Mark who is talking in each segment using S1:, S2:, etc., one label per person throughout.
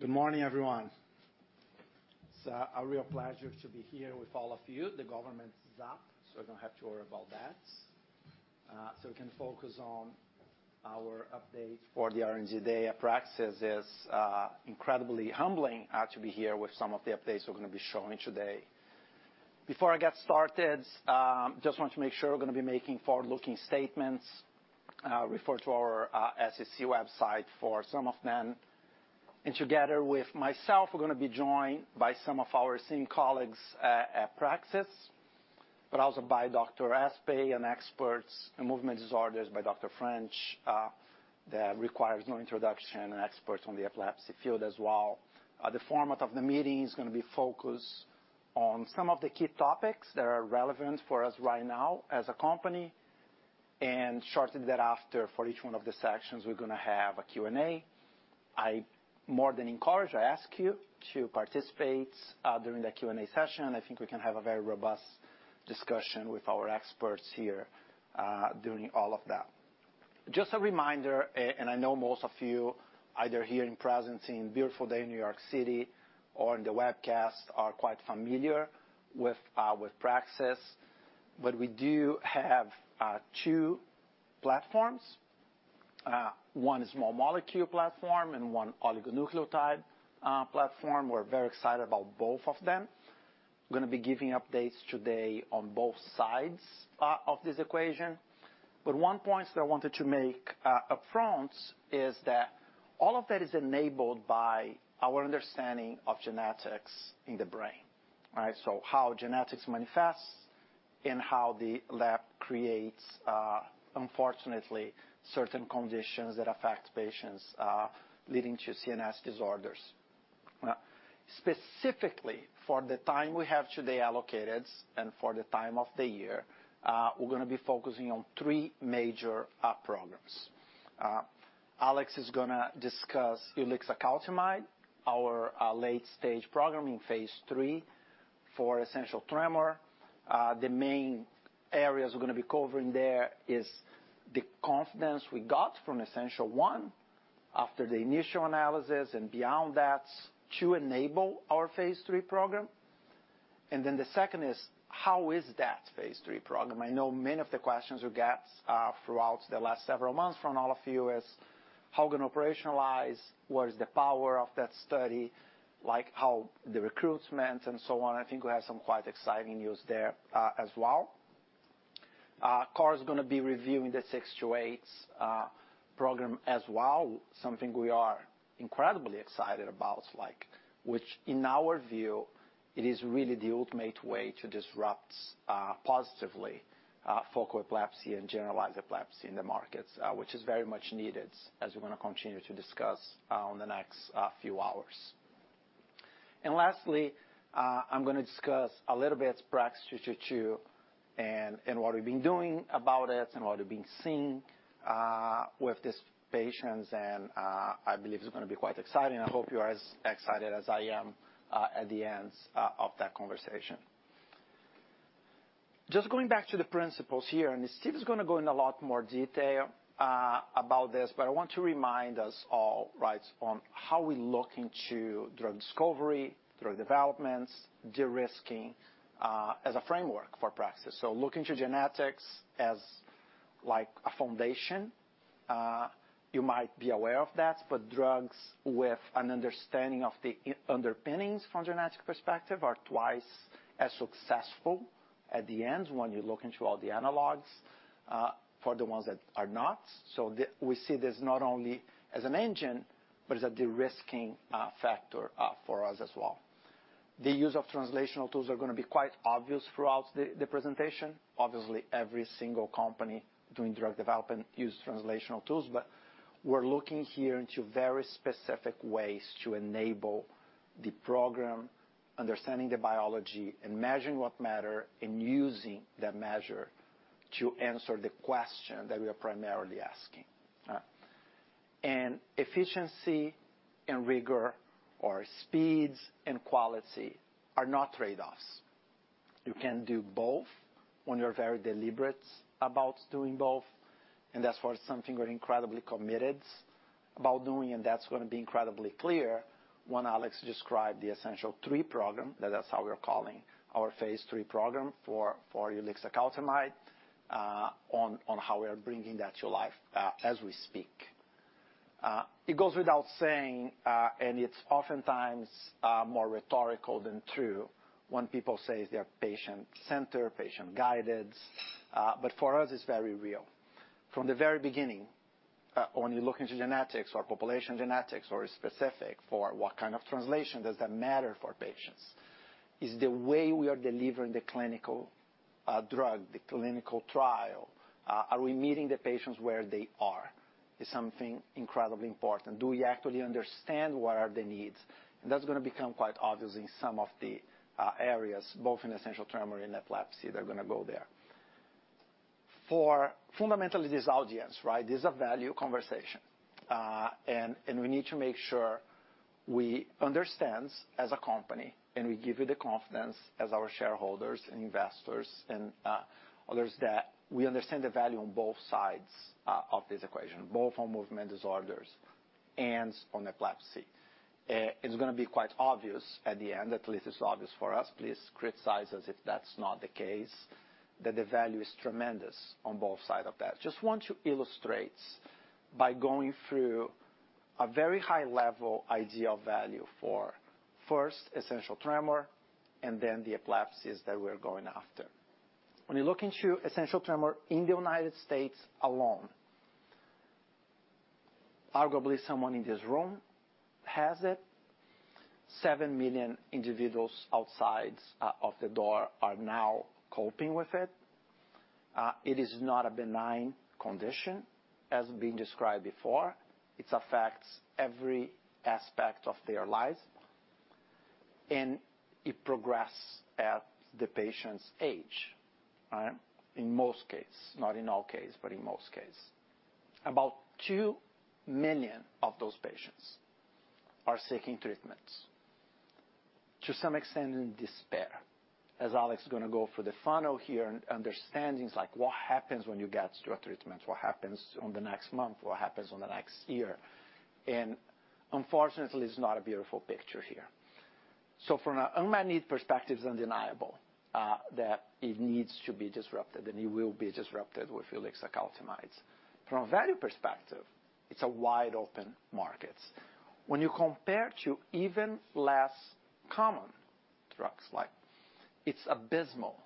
S1: Good morning, everyone. It's a real pleasure to be here with all of you. The government is up, so we don't have to worry about that. So we can focus on our update for the R&D day at Praxis. It's incredibly humbling to be here with some of the updates we're gonna be showing today. Before I get started, just want to make sure we're gonna be making forward-looking statements, refer to our SEC website for some of them. Together with myself, we're gonna be joined by some of our senior colleagues at Praxis, but also by Dr. Espay, an expert in movement disorders, by Dr. French, that requires no introduction, an expert on the epilepsy field as well. The format of the meeting is gonna be focused on some of the key topics that are relevant for us right now as a company, and shortly thereafter, for each one of the sections, we're gonna have a Q&A. I more than encourage, I ask you to participate during the Q&A session. I think we can have a very robust discussion with our experts here during all of that. Just a reminder, and I know most of you, either here in person on a beautiful day in New York City or in the webcast, are quite familiar with Praxis, but we do have two platforms. One is small molecule platform and one oligonucleotide platform. We're very excited about both of them. I'm gonna be giving updates today on both sides of this equation. But one point that I wanted to make, upfront is that all of that is enabled by our understanding of genetics in the brain, right? So how genetics manifests and how the lab creates, unfortunately, certain conditions that affect patients, leading to CNS disorders. Now, specifically, for the time we have today allocated, and for the time of the year, we're gonna be focusing on three major programs. Alex is gonna discuss ulixacaltamide, our late-stage program in phase III for essential tremor. The main areas we're gonna be covering there is the confidence we got from Essential1 after the initial analysis and beyond that, to enable our phase III program. And then the second is: how is that phase III program? I know many of the questions we got throughout the last several months from all of you is how we're gonna operationalize, what is the power of that study? Like, how the recruitment and so on. I think we have some quite exciting news there, as well. Karl is gonna be reviewing the 628 program as well, something we are incredibly excited about, like, which in our view, it is really the ultimate way to disrupt, positively, focal epilepsy and generalized epilepsy in the markets, which is very much needed as we're gonna continue to discuss, on the next, few hours. And lastly, I'm gonna discuss a little bit PRAX-222, and what we've been doing about it and what we've been seeing, with these patients. I believe it's gonna be quite exciting. I hope you are as excited as I am at the end of that conversation. Just going back to the principles here, and Steve is gonna go in a lot more detail about this, but I want to remind us all, right, on how we look into drug discovery, drug developments, de-risking as a framework for Praxis. So look into genetics as, like, a foundation. You might be aware of that, but drugs with an understanding of the underpinnings from genetic perspective are twice as successful at the end when you look into all the analogs for the ones that are not. So we see this not only as an engine, but as a de-risking factor for us as well. The use of translational tools are gonna be quite obvious throughout the presentation. Obviously, every single company doing drug development use translational tools, but we're looking here into very specific ways to enable the program, understanding the biology, and measuring what matter, and using that measure to answer the question that we are primarily asking. Efficiency and rigor or speeds and quality are not trade-offs. You can do both when you're very deliberate about doing both, and that's where something we're incredibly committed about doing, and that's gonna be incredibly clear when Alex described the Essential3 program, that is how we're calling our phase III program for ulixacaltamide, on how we are bringing that to life, as we speak. It goes without saying, and it's oftentimes more rhetorical than true when people say they are patient-centered, patient-guided, but for us, it's very real. From the very beginning, when you look into genetics or population genetics or specific, for what kind of translation does that matter for patients? Is the way we are delivering the clinical, drug, the clinical trial, are we meeting the patients where they are? Is something incredibly important. Do we actually understand what are the needs? And that's gonna become quite obvious in some of the areas, both in essential tremor and epilepsy. They're gonna go there. For fundamentally, this audience, right? This is a value conversation. And we need to make sure we understand as a company, and we give you the confidence as our shareholders and investors and others, that we understand the value on both sides of this equation, both on movement disorders and on epilepsy. It's gonna be quite obvious at the end, at least it's obvious for us, please criticize us if that's not the case, that the value is tremendous on both sides of that. Just want to illustrate by going through a very high-level idea of value for, first, essential tremor and then the epilepsies that we're going after. When you look into essential tremor in the United States alone, arguably someone in this room has it. 7 million individuals outside of the door are now coping with it. It is not a benign condition, as being described before. It affects every aspect of their lives, and it progresses at the patient's age, right? In most cases, not in all cases, but in most cases. About 2 million of those patients are seeking treatments, to some extent in despair, as Alex is gonna go through the funnel here and understandings like what happens when you get through a treatment, what happens on the next month, what happens on the next year. And unfortunately, it's not a beautiful picture here. So from an unmet need perspective, it's undeniable that it needs to be disrupted, and it will be disrupted with ulixacaltamide. From a value perspective, it's a wide-open market. When you compare to even less common drugs, like, it's abysmal,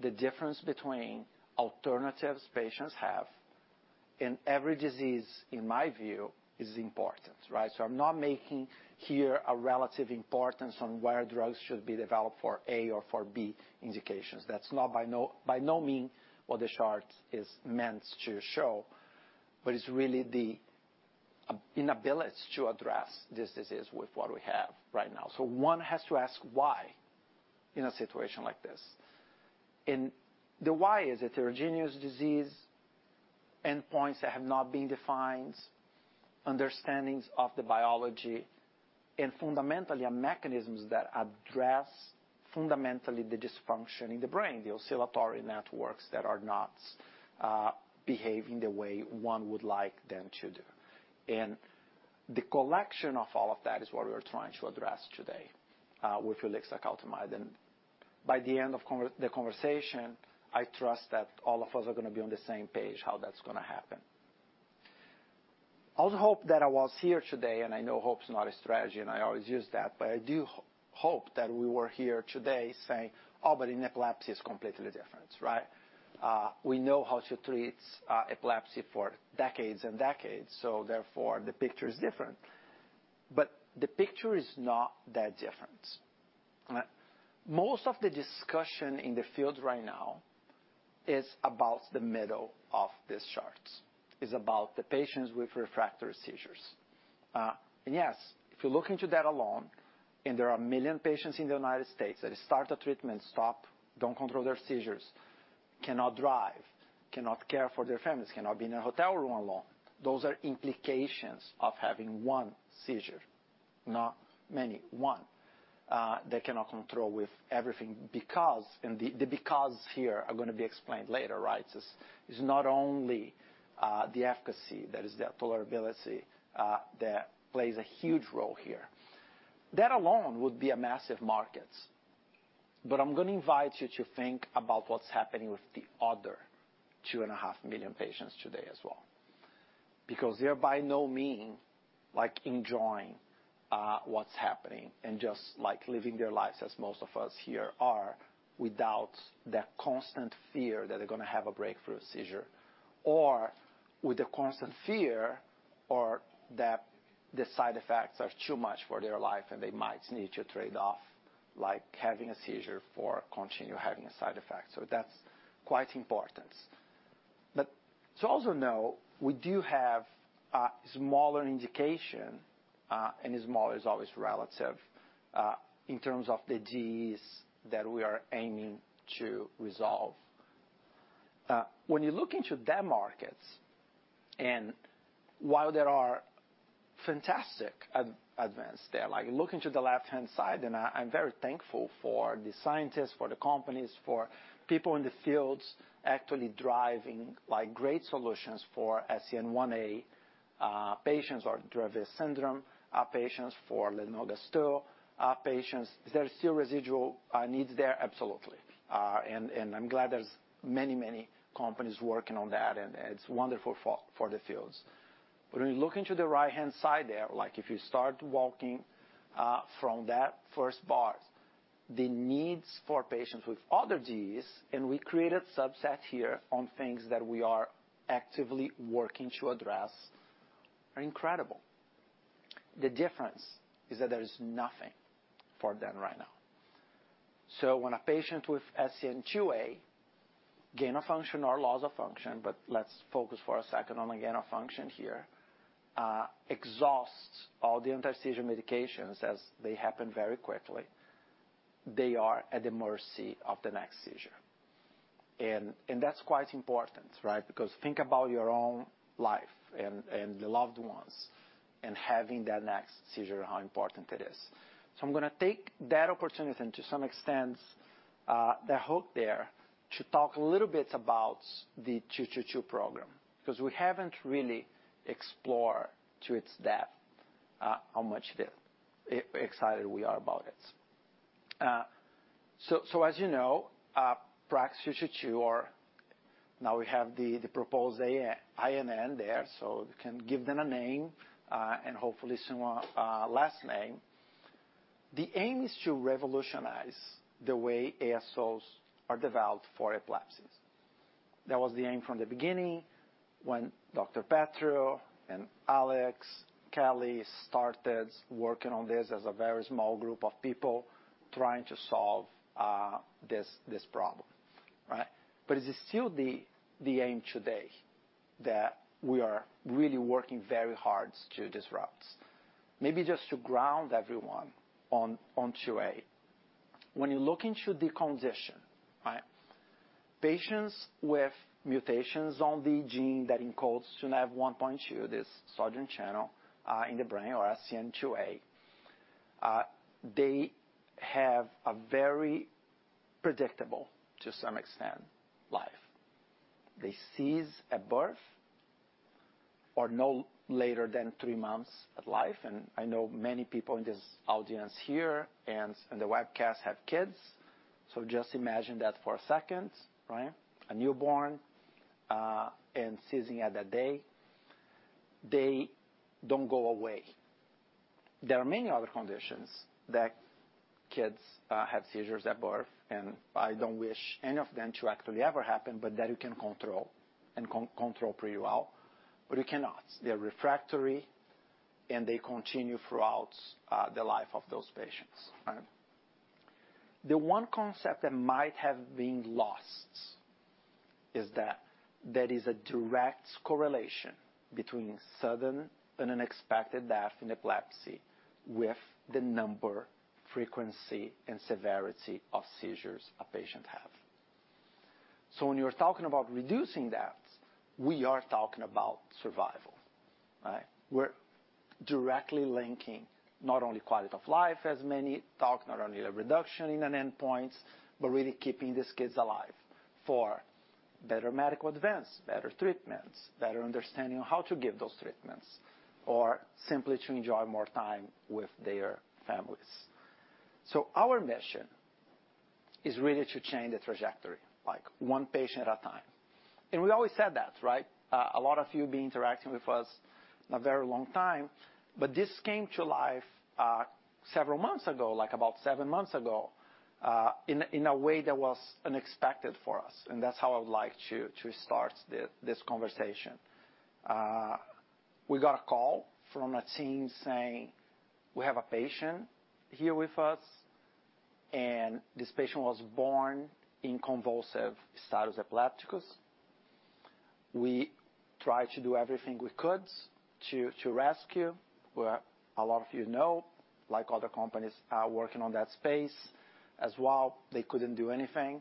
S1: the difference between alternatives patients have, and every disease, in my view, is important, right? So I'm not making here a relative importance on where drugs should be developed for A or for B indications. That's not by no-- by no means what the chart is meant to show, but it's really the inability to address this disease with what we have right now. So one has to ask why in a situation like this. And the why is a heterogeneous disease, endpoints that have not been defined, understandings of the biology and fundamentally a mechanism that address fundamentally the dysfunction in the brain, the oscillatory networks that are not behaving the way one would like them to do. And the collection of all of that is what we are trying to address today with ulixacaltamide. And by the end of the conversation, I trust that all of us are gonna be on the same page, how that's gonna happen. I also hope that I was here today, and I know hope is not a strategy, and I always use that, but I do hope that we were here today saying, "Oh, but in epilepsy is completely different, right? We know how to treat epilepsy for decades and decades, so therefore, the picture is different." But the picture is not that different. Most of the discussion in the field right now is about the middle of this chart. It's about the patients with refractory seizures. And yes, if you look into that alone, and there are 1 million patients in the United States that start a treatment, stop, don't control their seizures, cannot drive, cannot care for their families, cannot be in a hotel room alone. Those are implications of having one seizure, not many, one, they cannot control with everything because the because here is gonna be explained later, right? It's not only the efficacy, that is the tolerability, that plays a huge role here. That alone would be a massive market. But I'm gonna invite you to think about what's happening with the other 2.5 million patients today as well. Because they're by no means, like, enjoying what's happening and just, like, living their lives as most of us here are, without the constant fear that they're gonna have a breakthrough seizure. Or with the constant fear or that the side effects are too much for their life, and they might need to trade off, like having a seizure for continue having a side effect. So that's quite important. But to also know, we do have a smaller indication, and smaller is always relative, in terms of the GEs that we are aiming to resolve. When you look into that market, and while there are fantastic advances there, like looking to the left-hand side, and I, I'm very thankful for the scientists, for the companies, for people in the fields actually driving, like, great solutions for SCN1A patients or Dravet syndrome patients for Lennox-Gastaut patients. Is there still residual needs there? Absolutely. And, and I'm glad there's many, many companies working on that, and it's wonderful for, for the fields. But when you look into the right-hand side there, like if you start walking from that first bar, the needs for patients with other GEs, and we created subset here on things that we are actively working to address, are incredible. The difference is that there is nothing for them right now. So when a patient with SCN2A, gain of function or loss of function, but let's focus for a second on the gain of function here, exhausts all the anti-seizure medications as they happen very quickly, they are at the mercy of the next seizure. And, and that's quite important, right? Because think about your own life and, and the loved ones, and having that next seizure, how important it is. So I'm gonna take that opportunity and to some extent, the hope there, to talk a little bit about the 222 program, because we haven't really explored to its depth, how excited we are about it. So as you know, PRAX-222, or now we have the proposed INN there, so we can give it a name, and hopefully soon a last name. The aim is to revolutionize the way ASOs are developed for epilepsies. That was the aim from the beginning, when Dr. Petrou and Alex, Kelly started working on this as a very small group of people trying to solve this problem, right? But it is still the aim today that we are really working very hard to disrupt. Maybe just to ground everyone on SCN2A. When you look into the condition, right, patients with mutations on the gene that encodes SCN2A, NaV1.2, this sodium channel, in the brain, or SCN2A, they have a very predictable, to some extent, life. They seize at birth or no later than three months of life. And I know many people in this audience here and the webcast have kids. So just imagine that for a second, right? A newborn, and seizing at that day, they don't go away. There are many other conditions that kids have seizures at birth, and I don't wish any of them to actually ever happen, but that you can control pretty well, but you cannot. They are refractory, and they continue throughout the life of those patients, right? The one concept that might have been lost is that there is a direct correlation between Sudden and Unexpected Death in Epilepsy with the number, frequency, and severity of seizures a patient have. So when you're talking about reducing that, we are talking about survival, right? We're directly linking not only quality of life, as many talk, not only the reduction in an endpoint, but really keeping these kids alive for better medical events, better treatments, better understanding of how to give those treatments, or simply to enjoy more time with their families. So our mission is really to change the trajectory, like, one patient at a time. We always said that, right? A lot of you been interacting with us a very long time, but this came to life, several months ago, like about seven months ago, in a way that was unexpected for us, and that's how I would like to start this conversation. We got a call from a team saying, "We have a patient here with us, and this patient was born in convulsive status epilepticus. We tried to do everything we could to rescue." Where a lot of you know, like other companies are working on that space as well, they couldn't do anything.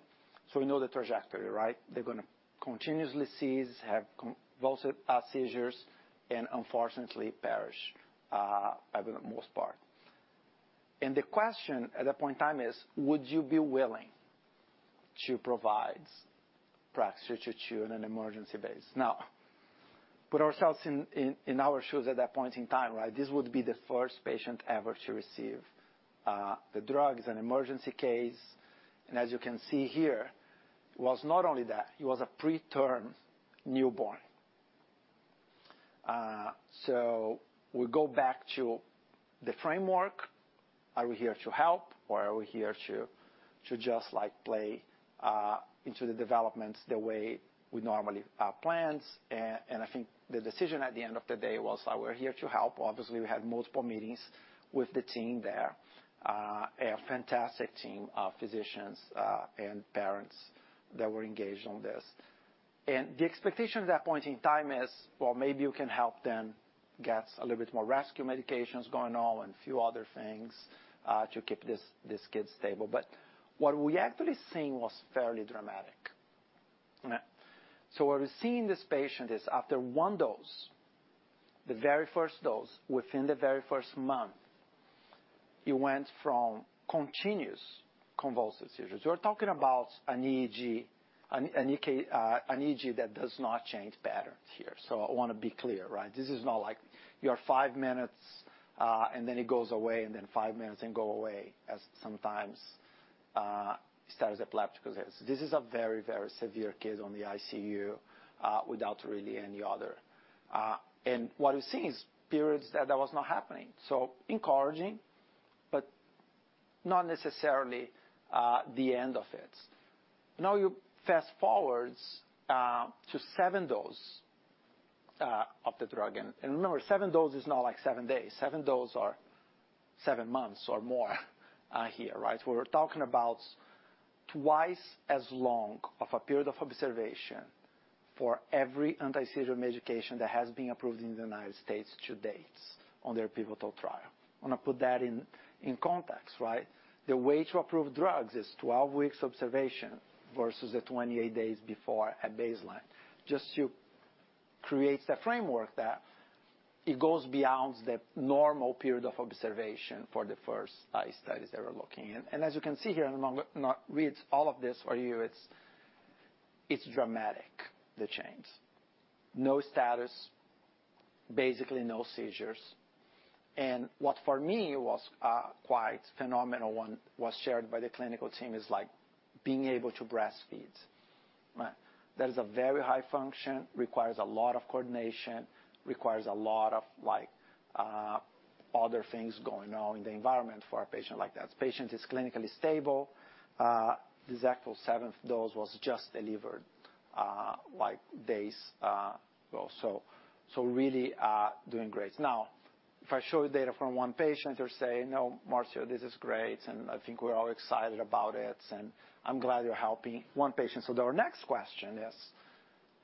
S1: So we know the trajectory, right? They're gonna continuously seize, have convulsive seizures, and unfortunately, perish at the most part. And the question at that point in time is: would you be willing to provide PRAX-222 on an emergency basis? Now, put ourselves in our shoes at that point in time, right? This would be the first patient ever to receive the drug. It's an emergency case, and as you can see here, it was not only that, he was a preterm newborn. So we go back to the framework. Are we here to help, or are we here to just, like, play into the developments the way we normally planned? And I think the decision at the end of the day was that we're here to help. Obviously, we had multiple meetings with the team there, a fantastic team of physicians, and parents that were engaged on this. The expectation at that point in time is, well, maybe you can help them get a little bit more rescue medications going on and a few other things, to keep this kid stable. But what we actually seen was fairly dramatic. So what we're seeing in this patient is after one dose, the very first dose, within the very first month, he went from continuous convulsive seizures. We're talking about an EEG that does not change patterns here. So I wanna be clear, right? This is not like you are five minutes, and then it goes away, and then five minutes and go away, as sometimes status epilepticus is. This is a very, very severe case on the ICU, without really any other. And what you're seeing is periods that was not happening. So encouraging, but not necessarily the end of it. Now, you fast-forward to seven dose of the drug. And remember, seven dose is not like seven days. Seven dose are seven months or more here, right? We're talking about twice as long of a period of observation for every anti-seizure medication that has been approved in the United States to date on their pivotal trial. I wanna put that in context, right? The way to approve drugs is 12 weeks observation versus the 28 days before at baseline. Just to create the framework that it goes beyond the normal period of observation for the first studies they were looking in. And as you can see here, and I'm not read all of this for you, it's dramatic, the change. No status, basically no seizures. And what for me was quite phenomenal was shared by the clinical team, is like, being able to breastfeed, right? That is a very high function, requires a lot of coordination, requires a lot of, like, other things going on in the environment for a patient like that. The patient is clinically stable. The actual seventh dose was just delivered, like, days ago. So really doing great. Now, if I show you data from one patient, you'll say: "No, Marcio, this is great, and I think we're all excited about it, and I'm glad you're helping one patient." So our next question is,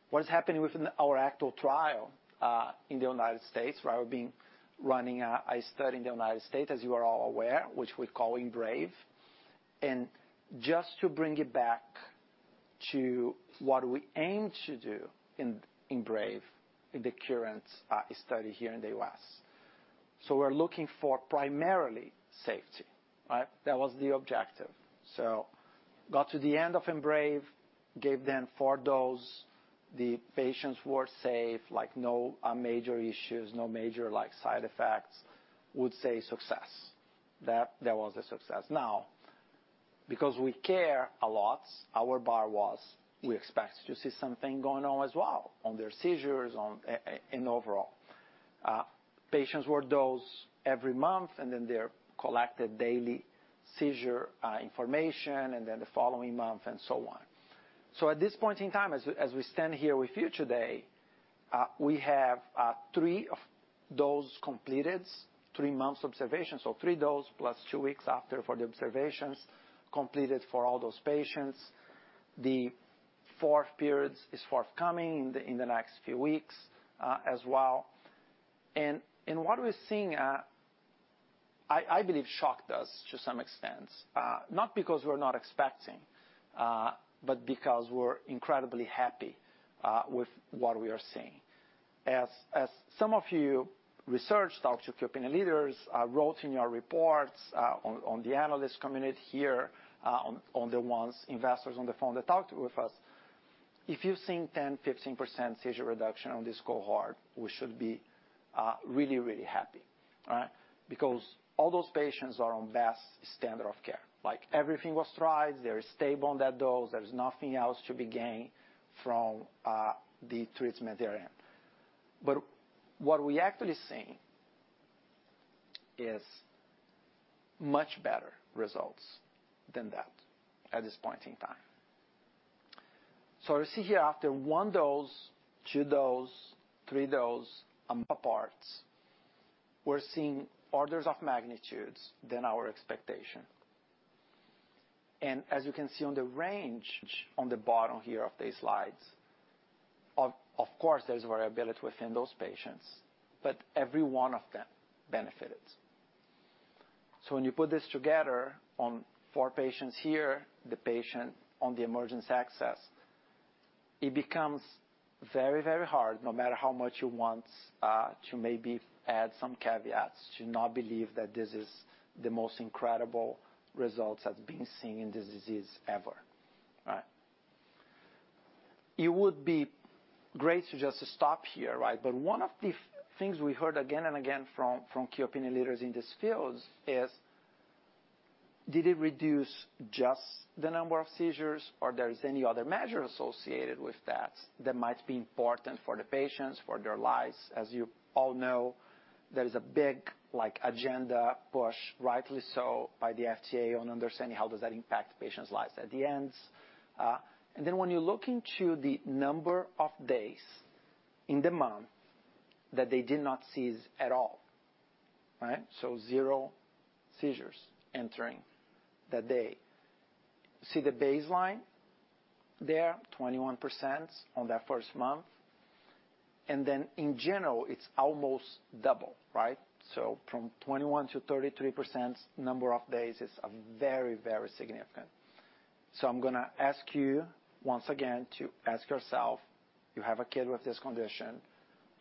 S1: what is happening within our actual trial in the United States, where we've been running a study in the United States, as you are all aware, which we're calling EMBRAVE? Just to bring it back to what we aim to do in EMBRAVE, in the current study here in the U.S. So we're looking for primarily safety, right? That was the objective. So got to the end of EMBRAVE, gave them four dose, the patients were safe, like, no major issues, no major, like, side effects, would say success. That, that was a success. Now, because we care a lot, our bar was, we expect to see something going on as well, on their seizures, on in overall. Patients were dosed every month, and then they collected daily seizure information, and then the following month, and so on. So at this point in time, as we stand here with you today, we have three of those completed, three months observation. So three dose, plus two weeks after for the observations completed for all those patients. The fourth period is forthcoming in the next few weeks, as well. And what we're seeing, I believe, shocked us to some extent. Not because we're not expecting, but because we're incredibly happy with what we are seeing. As some of you research, talk to opinion leaders, wrote in your reports on the analyst community here, on the ones, investors on the phone that talked with us. If you've seen 10%-15% seizure reduction on this cohort, we should be really, really happy, right? Because all those patients are on best standard of care. Like, everything was tried, they're stable on that dose, there's nothing else to be gained from the treatment they're in. But what we actually seeing is much better results than that, at this point in time. So you see here, after one dose, two dose, three dose, apart, we're seeing orders of magnitudes than our expectation. And as you can see on the range, on the bottom here of the slides, of course, there's variability within those patients, but every one of them benefited. So when you put this together on four patients here, the patient on the emergence access, it becomes very, very hard, no matter how much you want, to maybe add some caveats, to not believe that this is the most incredible results that's been seen in this disease ever, right? It would be great to just stop here, right? But one of the things we heard again and again from key opinion leaders in this field is, did it reduce just the number of seizures, or there is any other measure associated with that, that might be important for the patients, for their lives? As you all know, there is a big, like, agenda push, rightly so, by the FDA on understanding how does that impact patients' lives at the end. And then when you look into the number of days in the month that they did not seize at all, right? So zero seizures entering that day. See the baseline there, 21% on that first month, and then in general, it's almost double, right? So from 21% to 33% number of days is a very, very significant. So I'm gonna ask you, once again, to ask yourself, you have a kid with this condition,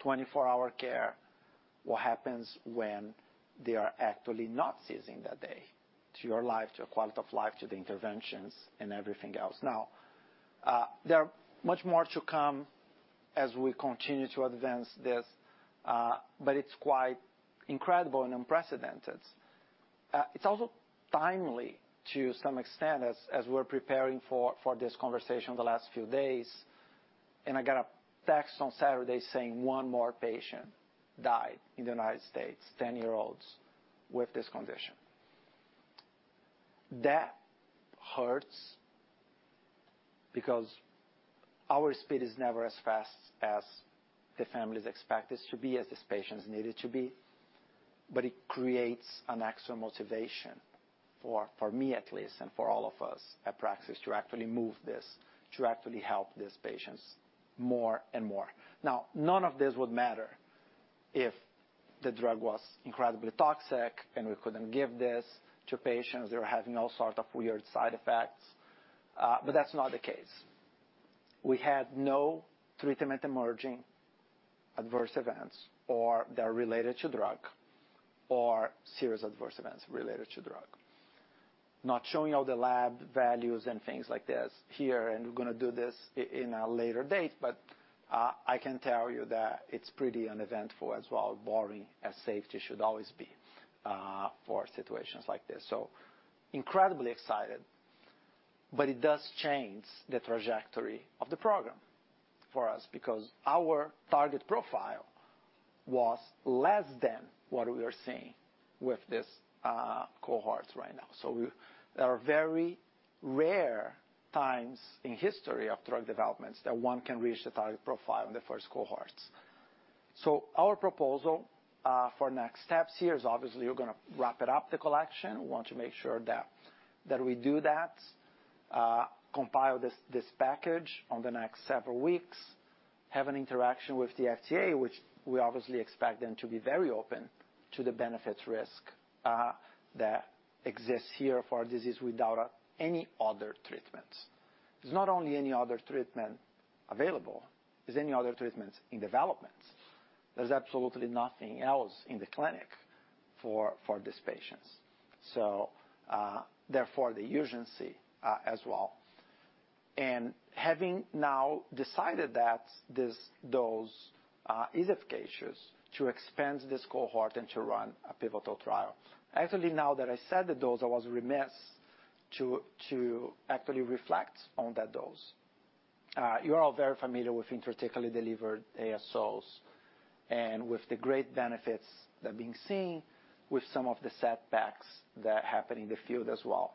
S1: 24-hour care, what happens when they are actually not seizing that day? To your life, to your quality of life, to the interventions, and everything else. Now, there are much more to come as we continue to advance this, but it's quite incredible and unprecedented. It's also timely to some extent, as we're preparing for this conversation the last few days, and I got a text on Saturday saying one more patient died in the United States, 10-year-olds with this condition. That hurts, because our speed is never as fast as the families expect us to be, as these patients need it to be, but it creates an extra motivation for me at least, and for all of us at Praxis, to actually move this, to actually help these patients more and more. Now, none of this would matter if the drug was incredibly toxic and we couldn't give this to patients, or have all sort of weird side effects, but that's not the case. We had no treatment-emergent adverse events or they are related to drug or serious adverse events related to drug. Not showing all the lab values and things like this here, and we're gonna do this in a later date, but I can tell you that it's pretty uneventful as well, boring, as safety should always be, for situations like this. So incredibly excited, but it does change the trajectory of the program for us because our target profile was less than what we are seeing with this cohorts right now. So there are very rare times in history of drug developments that one can reach the target profile in the first cohorts. So our proposal for next steps here is, obviously, we're gonna wrap it up, the collection. We want to make sure that we do that, compile this package on the next several weeks. Have an interaction with the FDA, which we obviously expect them to be very open to the benefit-risk that exists here for a disease without any other treatments. There's not only any other treatment available, there's any other treatments in development. There's absolutely nothing else in the clinic for these patients, so therefore, the urgency, as well. Having now decided that this dose is efficacious to expand this cohort and to run a pivotal trial. Actually, now that I said the dose, I was remiss to actually reflect on that dose. You're all very familiar with intrathecally delivered ASOs, and with the great benefits that are being seen, with some of the setbacks that happen in the field as well.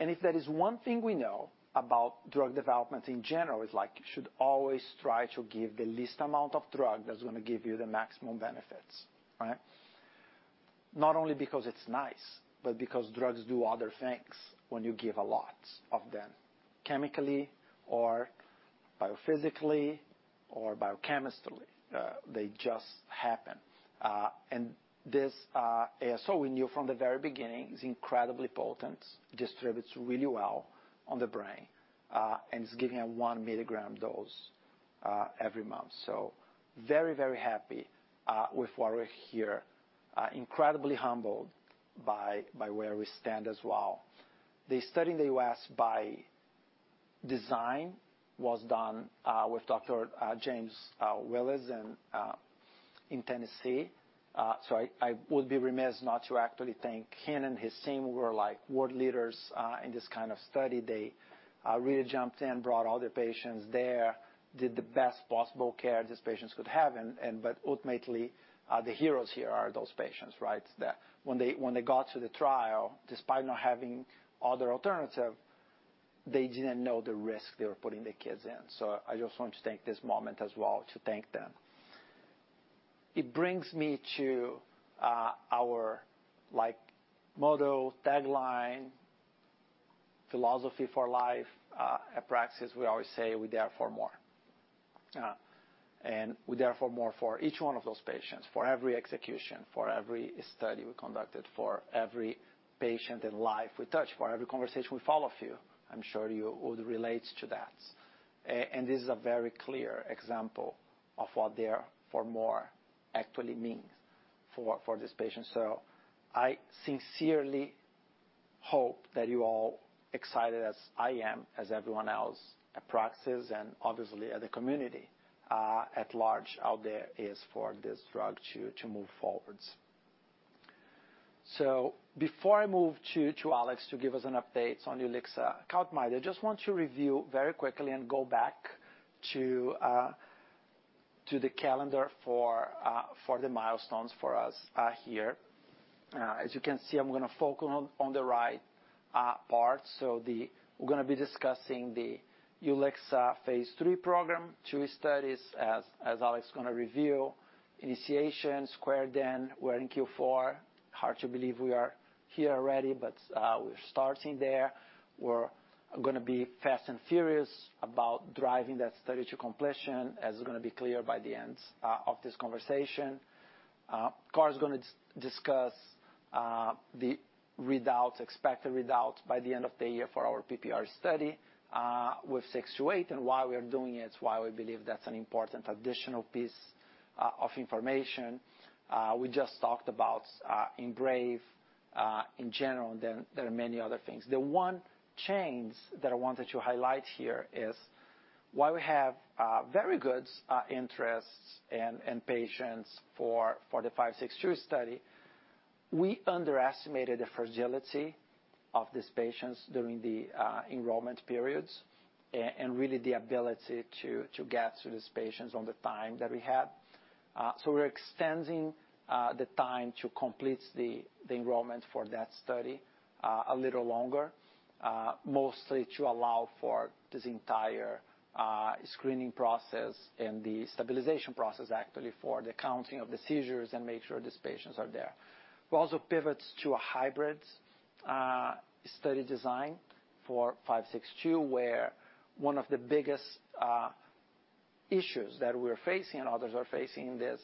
S1: And if there is one thing we know about drug development in general, is like you should always try to give the least amount of drug that's gonna give you the maximum benefits, right? Not only because it's nice, but because drugs do other things when you give a lot of them, chemically or biophysically or biochemically, they just happen. And this ASO we knew from the very beginning is incredibly potent, distributes really well on the brain, and it's giving a 1 mg dose every month. So very, very happy with where we're here. Incredibly humbled by where we stand as well. The study in the U.S. by design was done with Dr. James Wheless in Tennessee. So I would be remiss not to actually thank him and his team, who are like world leaders in this kind of study. They really jumped in, brought all the patients there, did the best possible care these patients could have. But ultimately, the heroes here are those patients, right? That when they got to the trial, despite not having other alternative, they didn't know the risk they were putting their kids in. So I just want to take this moment as well to thank them. It brings me to our, like, motto, tagline, philosophy for life at Praxis, we always say, "We're there for more." And we're there for more for each one of those patients, for every execution, for every study we conducted, for every patient and life we touch, for every conversation we follow through. I'm sure you all relates to that. And this is a very clear example of what there for more actually means for these patients. So I sincerely hope that you all excited as I am, as everyone else at Praxis and obviously, the community, at large out there is for this drug to move forward. So before I move to Alex to give us an update on ulixacaltamide, Karl might. I just want to review very quickly and go back to the calendar for the milestones for us here. As you can see, I'm gonna focus on the right part. So we're gonna be discussing the ulixacaltamide phase III program, two studies, as Alex is gonna review. Initiation Q4, then we're in Q4. Hard to believe we are here already, but we're starting there. We're gonna be fast and furious about driving that study to completion, as is gonna be clear by the end of this conversation. Karl is gonna discuss the readouts, expected readouts by the end of the year for our PPR study with 628, and why we are doing it, why we believe that's an important additional piece of information. We just talked about EMBRAVE in general, then there are many other things. The one change that I wanted to highlight here is, while we have very good interests and patients for the 562 study, we underestimated the fragility of these patients during the enrollment periods and really the ability to get to these patients on the time that we had. So we're extending the time to complete the enrollment for that study a little longer, mostly to allow for this entire screening process and the stabilization process, actually, for the counting of the seizures and make sure these patients are there. We also pivots to a hybrid study design for 562, where one of the biggest issues that we're facing and others are facing this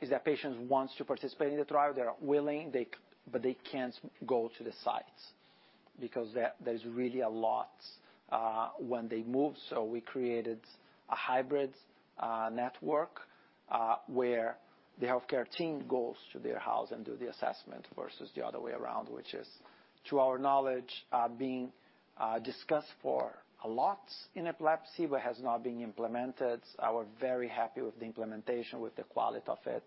S1: is that patients wants to participate in the trial. They are willing, they but they can't go to the sites because there, there's really a lot when they move. So we created a hybrid network where the healthcare team goes to their house and do the assessment versus the other way around, which is, to our knowledge, being discussed for a lot in epilepsy, but has not been implemented. We're very happy with the implementation, with the quality of it,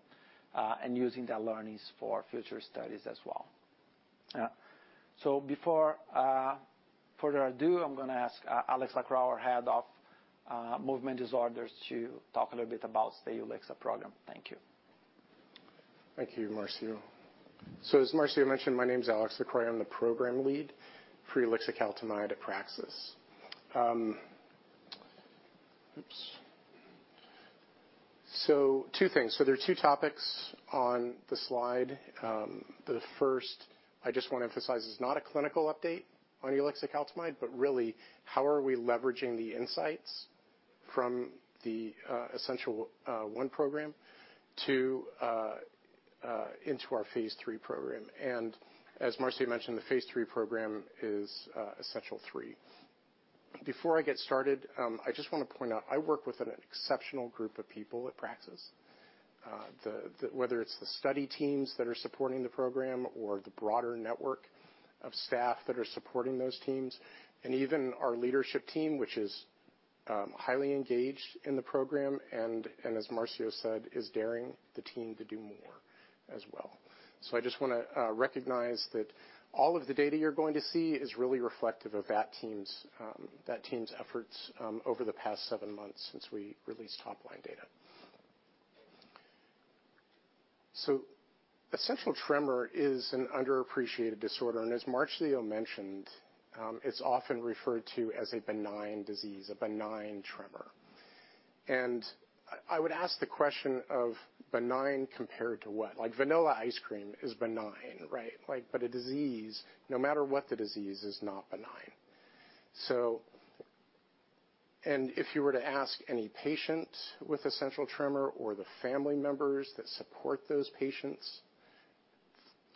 S1: and using the learnings for future studies as well. Before further ado, I'm gonna ask Alex Lacroix, our head of movement disorders, to talk a little bit about the essential program. Thank you.
S2: Thank you, Marcio. So as Marcio mentioned, my name is Alex Lacroix. I'm the program lead for ulixacaltamide at Praxis. So two things. So there are two topics on the slide. The first, I just want to emphasize, is not a clinical update on ulixacaltamide, but really, how are we leveraging the insights from the Essential1 program into our phase III program. And as Marcio mentioned, the phase III program is Essential3. Before I get started, I just want to point out, I work with an exceptional group of people at Praxis. Whether it's the study teams that are supporting the program or the broader network of staff that are supporting those teams, and even our leadership team, which is highly engaged in the program, and as Marcio said, is daring the team to do more as well. I just wanna recognize that all of the data you're going to see is really reflective of that team's efforts over the past seven months since we released top-line data. Essential tremor is an underappreciated disorder, and as Marcio mentioned, it's often referred to as a benign disease, a benign tremor. I would ask the question of benign compared to what? Like, vanilla ice cream is benign, right? Like, but a disease, no matter what the disease, is not benign. If you were to ask any patient with essential tremor or the family members that support those patients,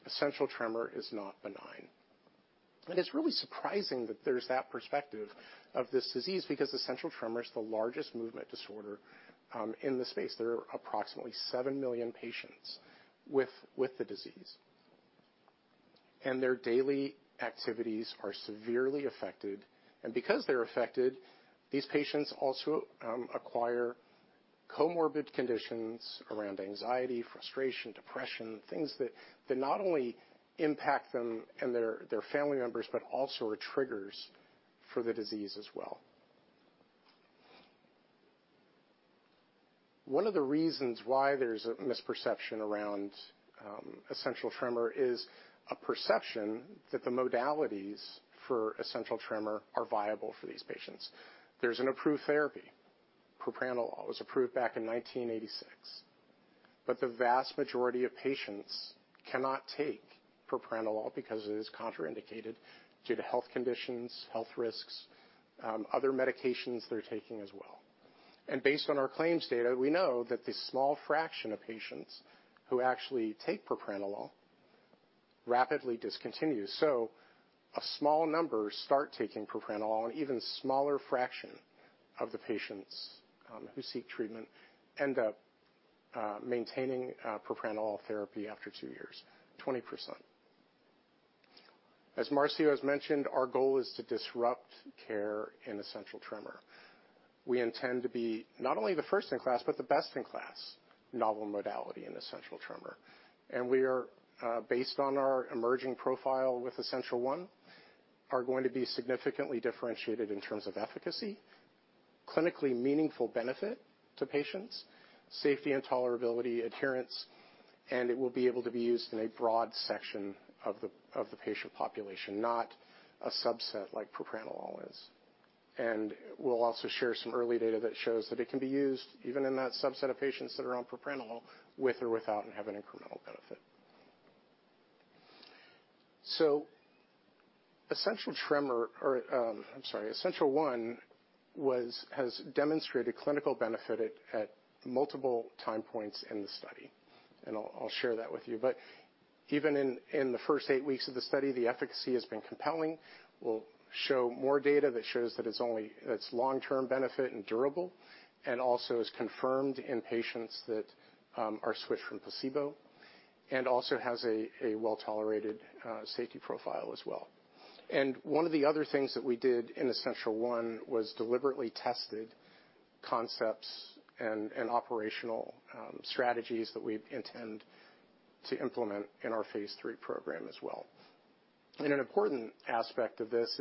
S2: essential tremor is not benign. And it's really surprising that there's that perspective of this disease, because essential tremor is the largest movement disorders in the space. There are approximately 7 million patients with the disease. And their daily activities are severely affected, and because they're affected, these patients also acquire comorbid conditions around anxiety, frustration, depression, things that not only impact them and their family members, but also are triggers for the disease as well. One of the reasons why there's a misperception around essential tremor is a perception that the modalities for essential tremor are viable for these patients. There's an approved therapy. Propranolol was approved back in 1986, but the vast majority of patients cannot take propranolol because it is contraindicated due to health conditions, health risks, other medications they're taking as well. Based on our claims data, we know that the small fraction of patients who actually take propranolol rapidly discontinue. A small number start taking propranolol, an even smaller fraction of the patients who seek treatment end up maintaining propranolol therapy after two years, 20%. As Marcio has mentioned, our goal is to disrupt care in essential tremor. We intend to be not only the first in class, but the best in class, novel modality in essential tremor. We are, based on our emerging profile with Essential1, going to be significantly differentiated in terms of efficacy, clinically meaningful benefit to patients, safety and tolerability, adherence, and it will be able to be used in a broad section of the patient population, not a subset like propranolol is. We'll also share some early data that shows that it can be used even in that subset of patients that are on propranolol, with or without having incremental benefit. Essential tremor, or, I'm sorry, Essential1 has demonstrated clinical benefit at multiple time points in the study, and I'll share that with you. But even in the first eight weeks of the study, the efficacy has been compelling. We'll show more data that shows that it's only its long-term benefit and durable, and also is confirmed in patients that are switched from placebo, and also has a well-tolerated safety profile as well. One of the other things that we did in Essential1 was deliberately tested concepts and operational strategies that we intend to implement in our phase III program as well. An important aspect of this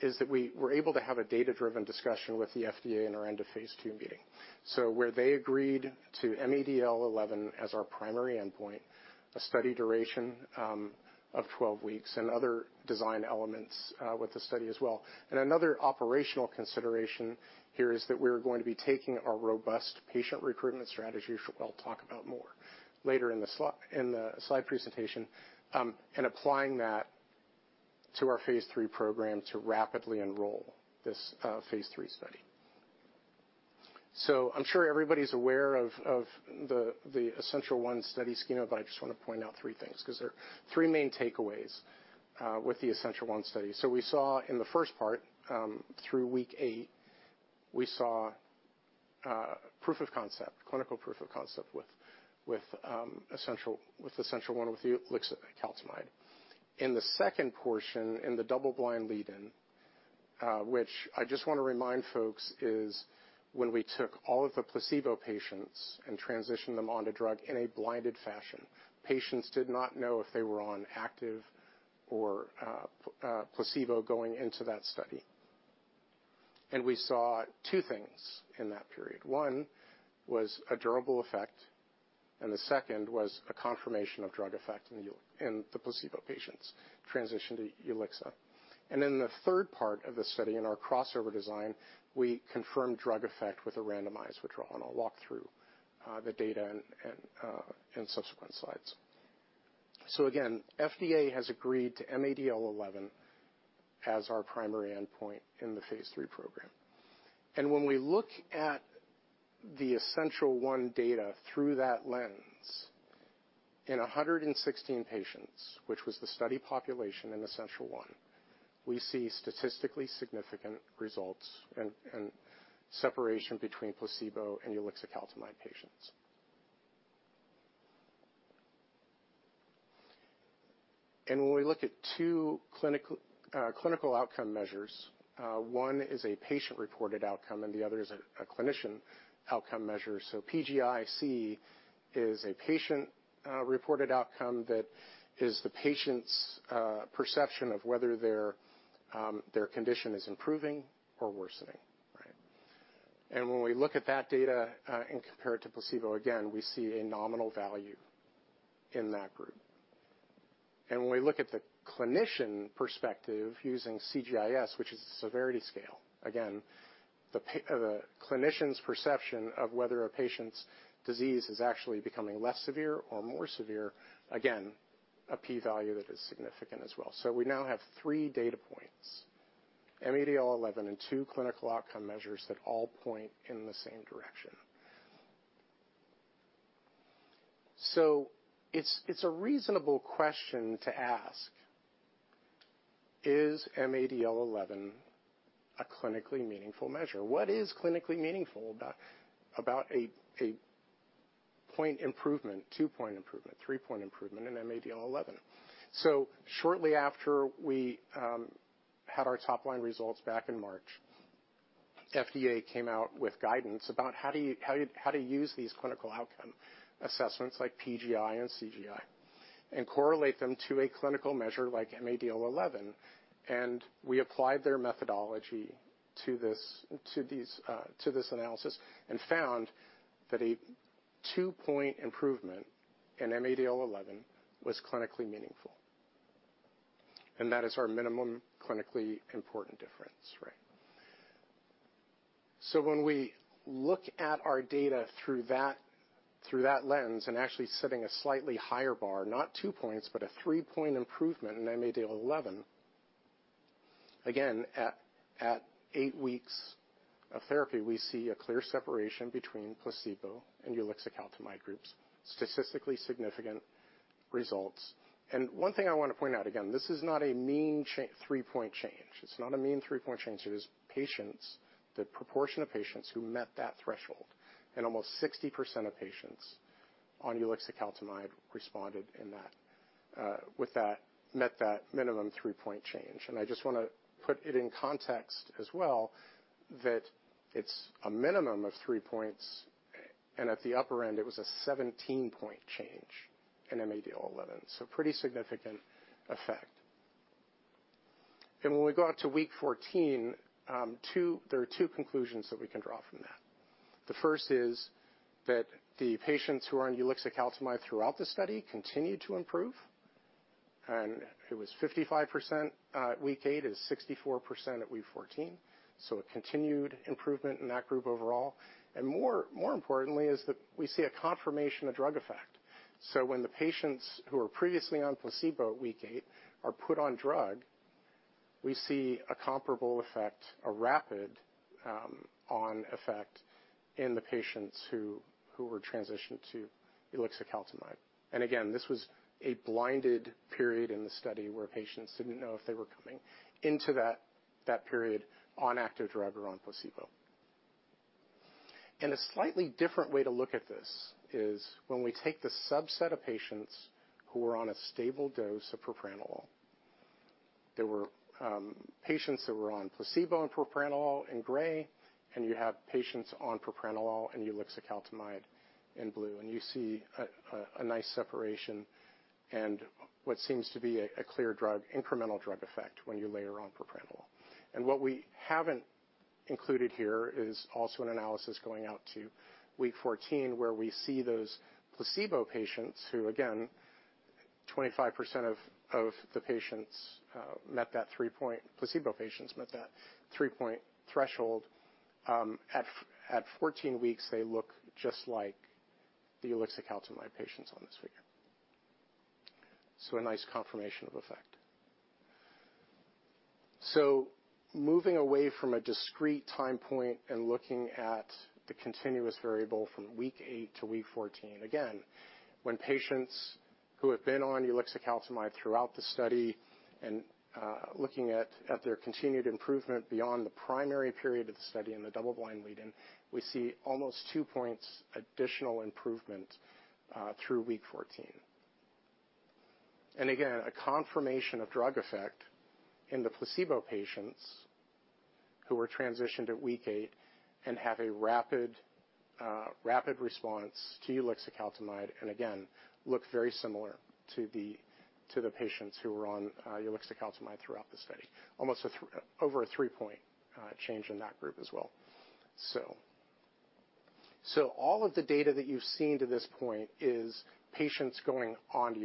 S2: is that we were able to have a data-driven discussion with the FDA in our end-of-phase II meeting. So where they agreed to mADL11 as our primary endpoint, a study duration of 12 weeks and other design elements with the study as well. Another operational consideration here is that we're going to be taking our robust patient recruitment strategy, which I'll talk about more later in the slide presentation, and applying that to our phase III program to rapidly enroll this phase III study. So I'm sure everybody's aware of the Essential1 study schema, but I just want to point out three things, 'cause there are 3 main takeaways with the Essential1 study. So we saw in the first part, through week eight, we saw proof of concept, clinical proof of concept with Essential1, with the ulixacaltamide. In the second portion, in the double-blind lead-in, which I just want to remind folks, is when we took all of the placebo patients and transitioned them on to drug in a blinded fashion, patients did not know if they were on active or placebo going into that study. We saw two things in that period. One was a durable effect, and the second was a confirmation of drug effect in the placebo patients transition to ulixa. Then the third part of the study, in our crossover design, we confirmed drug effect with a randomized withdrawal. I'll walk through the data and in subsequent slides. So again, FDA has agreed to mADL11 as our primary endpoint in the phase III program. When we look at the Essential1 data through that lens, in 116 patients, which was the study population in Essential1, we see statistically significant results and separation between placebo and ulixacaltamide patients. When we look at two clinical outcome measures, one is a patient-reported outcome, and the other is a clinician outcome measure. PGIC is a patient-reported outcome, that is the patient's perception of whether their condition is improving or worsening, right? When we look at that data and compare it to placebo, again, we see a nominal value in that group. When we look at the clinician perspective using CGI-S, which is a severity scale, again, the clinician's perception of whether a patient's disease is actually becoming less severe or more severe. Again, a p-value that is significant as well. So we now have 3 data points, mADL11 and two clinical outcome measures that all point in the same direction. So it's a reasonable question to ask, is mADL11 a clinically meaningful measure? What is clinically meaningful about a point improvement, 2-point improvement, 3-point improvement in mADL11? So shortly after we had our top-line results back in March, FDA came out with guidance about how to use these clinical outcome assessments, like PGI and CGI, and correlate them to a clinical measure like mADL11. And we applied their methodology to this analysis, and found that a 2-point improvement in mADL11 was clinically meaningful, and that is our minimum clinically important difference, right? So when we look at our data through that, through that lens and actually setting a slightly higher bar, not 2 points, but a 3-point improvement in mADL11. Again, at eight weeks of therapy, we see a clear separation between placebo and ulixacaltamide groups, statistically significant results. And one thing I want to point out, again, this is not a mean three-point change. It's not a mean 3-point change. It is patients, the proportion of patients who met that threshold, and almost 60% of patients on ulixacaltamide responded in that, with that, met that minimum 3-point change. And I just wanna put it in context as well, that it's a minimum of 3 points, and at the upper end, it was a 17-point change in mADL11. So pretty significant effect. And when we go out to week 14, two. There are two conclusions that we can draw from that. The first is that the patients who are on ulixacaltamide throughout the study continued to improve, and it was 55%, at week eight, and 64% at week 14. So a continued improvement in that group overall, and more importantly, is that we see a confirmation of drug effect. So when the patients who were previously on placebo at week eight are put on drug, we see a comparable effect, a rapid on effect in the patients who were transitioned to ulixacaltamide. And again, this was a blinded period in the study where patients didn't know if they were coming into that period on active drug or on placebo. And a slightly different way to look at this is when we take the subset of patients who were on a stable dose of propranolol. There were patients that were on placebo and propranolol in gray, and you have patients on propranolol and ulixacaltamide in blue, and you see a nice separation and what seems to be a clear drug, incremental drug effect when you layer on propranolol. What we haven't included here is also an analysis going out to week 14, where we see those placebo patients who, again, 25% of the patients, met that 3-point threshold. Placebo patients, met that 3-point threshold. At 14 weeks, they look just like the ulixacaltamide patients on this figure. So a nice confirmation of effect. So moving away from a discrete time point and looking at the continuous variable from week eight to week 14, again, when patients who have been on ulixacaltamide throughout the study and looking at their continued improvement beyond the primary period of the study in the double-blind lead-in, we see almost 2 points additional improvement through week 14. And again, a confirmation of drug effect in the placebo patients who were transitioned at week eight and have a rapid response to ulixacaltamide, and again, look very similar to the patients who were on ulixacaltamide throughout the study. Almost over a 3-point change in that group as well. So all of the data that you've seen to this point is patients going on to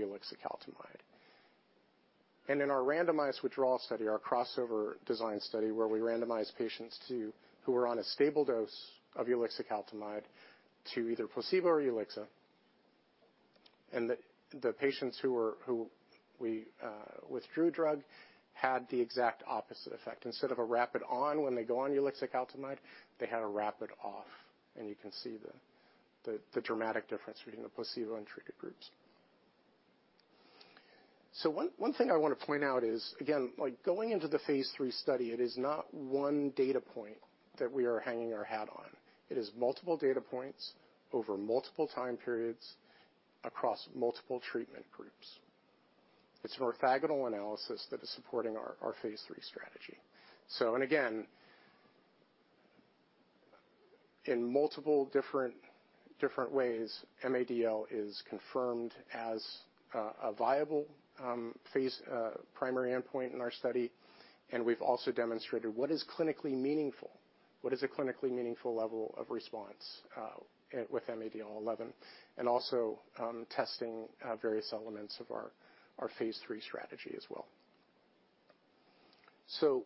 S2: ulixacaltamide. In our randomized withdrawal study, our crossover design study, where we randomized patients to—who were on a stable dose of ulixacaltamide—to either placebo or ulixa. And the patients who we withdrew drug had the exact opposite effect. Instead of a rapid on, when they go on ulixacaltamide, they had a rapid off, and you can see the dramatic difference between the placebo and treated groups. So one thing I want to point out is, again, like, going into the phase III study, it is not one data point that we are hanging our hat on. It is multiple data points over multiple time periods across multiple treatment groups. It's an orthogonal analysis that is supporting our phase III strategy. So and again, in multiple different ways, mADL is confirmed as a viable phase primary endpoint in our study, and we've also demonstrated what is clinically meaningful, what is a clinically meaningful level of response with mADL11, and also testing various elements of our phase III strategy as well. So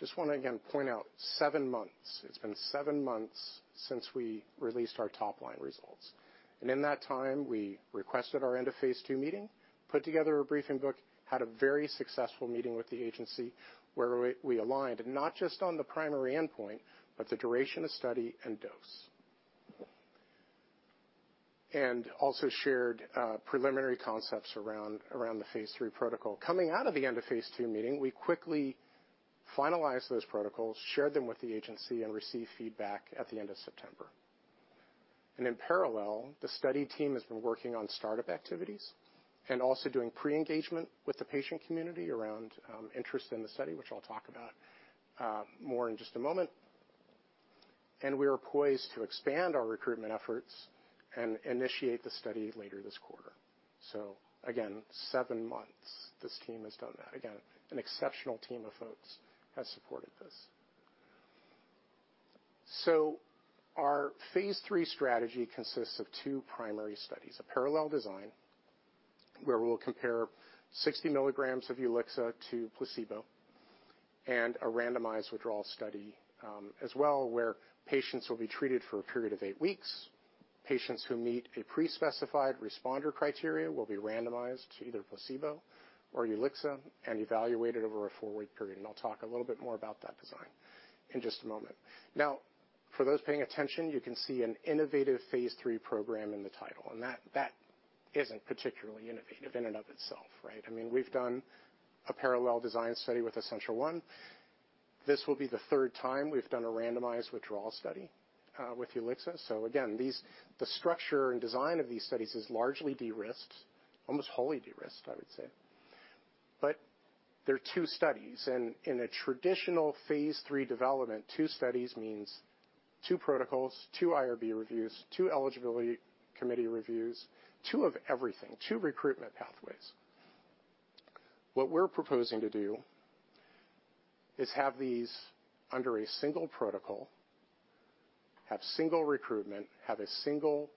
S2: just wanna again point out seven months. It's been seven months since we released our top-line results. And in that time, we requested our end-of-phase II meeting, put together a briefing book, had a very successful meeting with the agency, where we aligned, and not just on the primary endpoint, but the duration of study and dose. And also shared preliminary concepts around the phase III protocol. Coming out of the end of phase II meeting, we quickly finalized those protocols, shared them with the agency, and received feedback at the end of September. In parallel, the study team has been working on start-up activities and also doing pre-engagement with the patient community around interest in the study, which I'll talk about more in just a moment. We are poised to expand our recruitment efforts and initiate the study later this quarter. Again, seven months, this team has done that. Again, an exceptional team of folks has supported this. Our phase III strategy consists of two primary studies, a parallel design, where we'll compare 60 mg of ulixacaltamide to placebo, and a randomized withdrawal study, as well, where patients will be treated for a period of eight weeks. Patients who meet a pre-specified responder criteria will be randomized to either placebo or ulixa and evaluated over a four-week period. I'll talk a little bit more about that design in just a moment. Now, for those paying attention, you can see an innovative phase III program in the title, and that, that isn't particularly innovative in and of itself, right? I mean, we've done a parallel design study with Essential1. This will be the third time we've done a randomized withdrawal study with ulixa. So again, these, the structure and design of these studies is largely de-risked, almost wholly de-risked, I would say. But there are two studies, and in a traditional phase III development, two studies means two protocols, two IRB reviews, two eligibility committee reviews, two of everything, two recruitment pathways. What we're proposing to do is have these under a single protocol, have single recruitment, have a single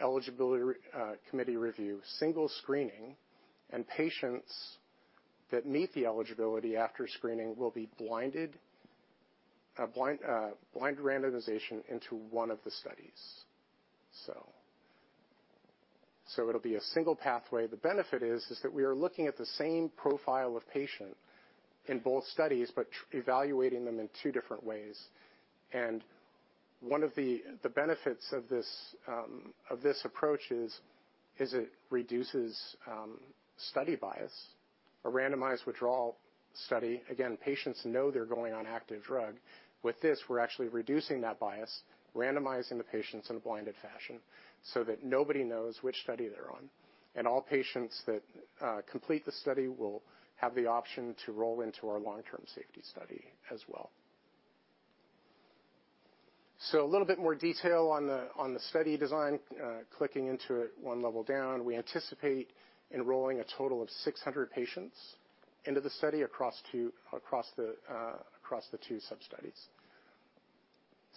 S2: eligibility committee review, single screening, and patients that meet the eligibility after screening will be blind randomization into one of the studies. So it'll be a single pathway. The benefit is that we are looking at the same profile of patient in both studies, but evaluating them in two different ways. And one of the benefits of this approach is it reduces study bias. A randomized withdrawal study, again, patients know they're going on active drug. With this, we're actually reducing that bias, randomizing the patients in a blinded fashion so that nobody knows which study they're on. All patients that complete the study will have the option to roll into our long-term safety study as well. So a little bit more detail on the study design, clicking into it one level down. We anticipate enrolling a total of 600 patients into the study across the two sub-studies.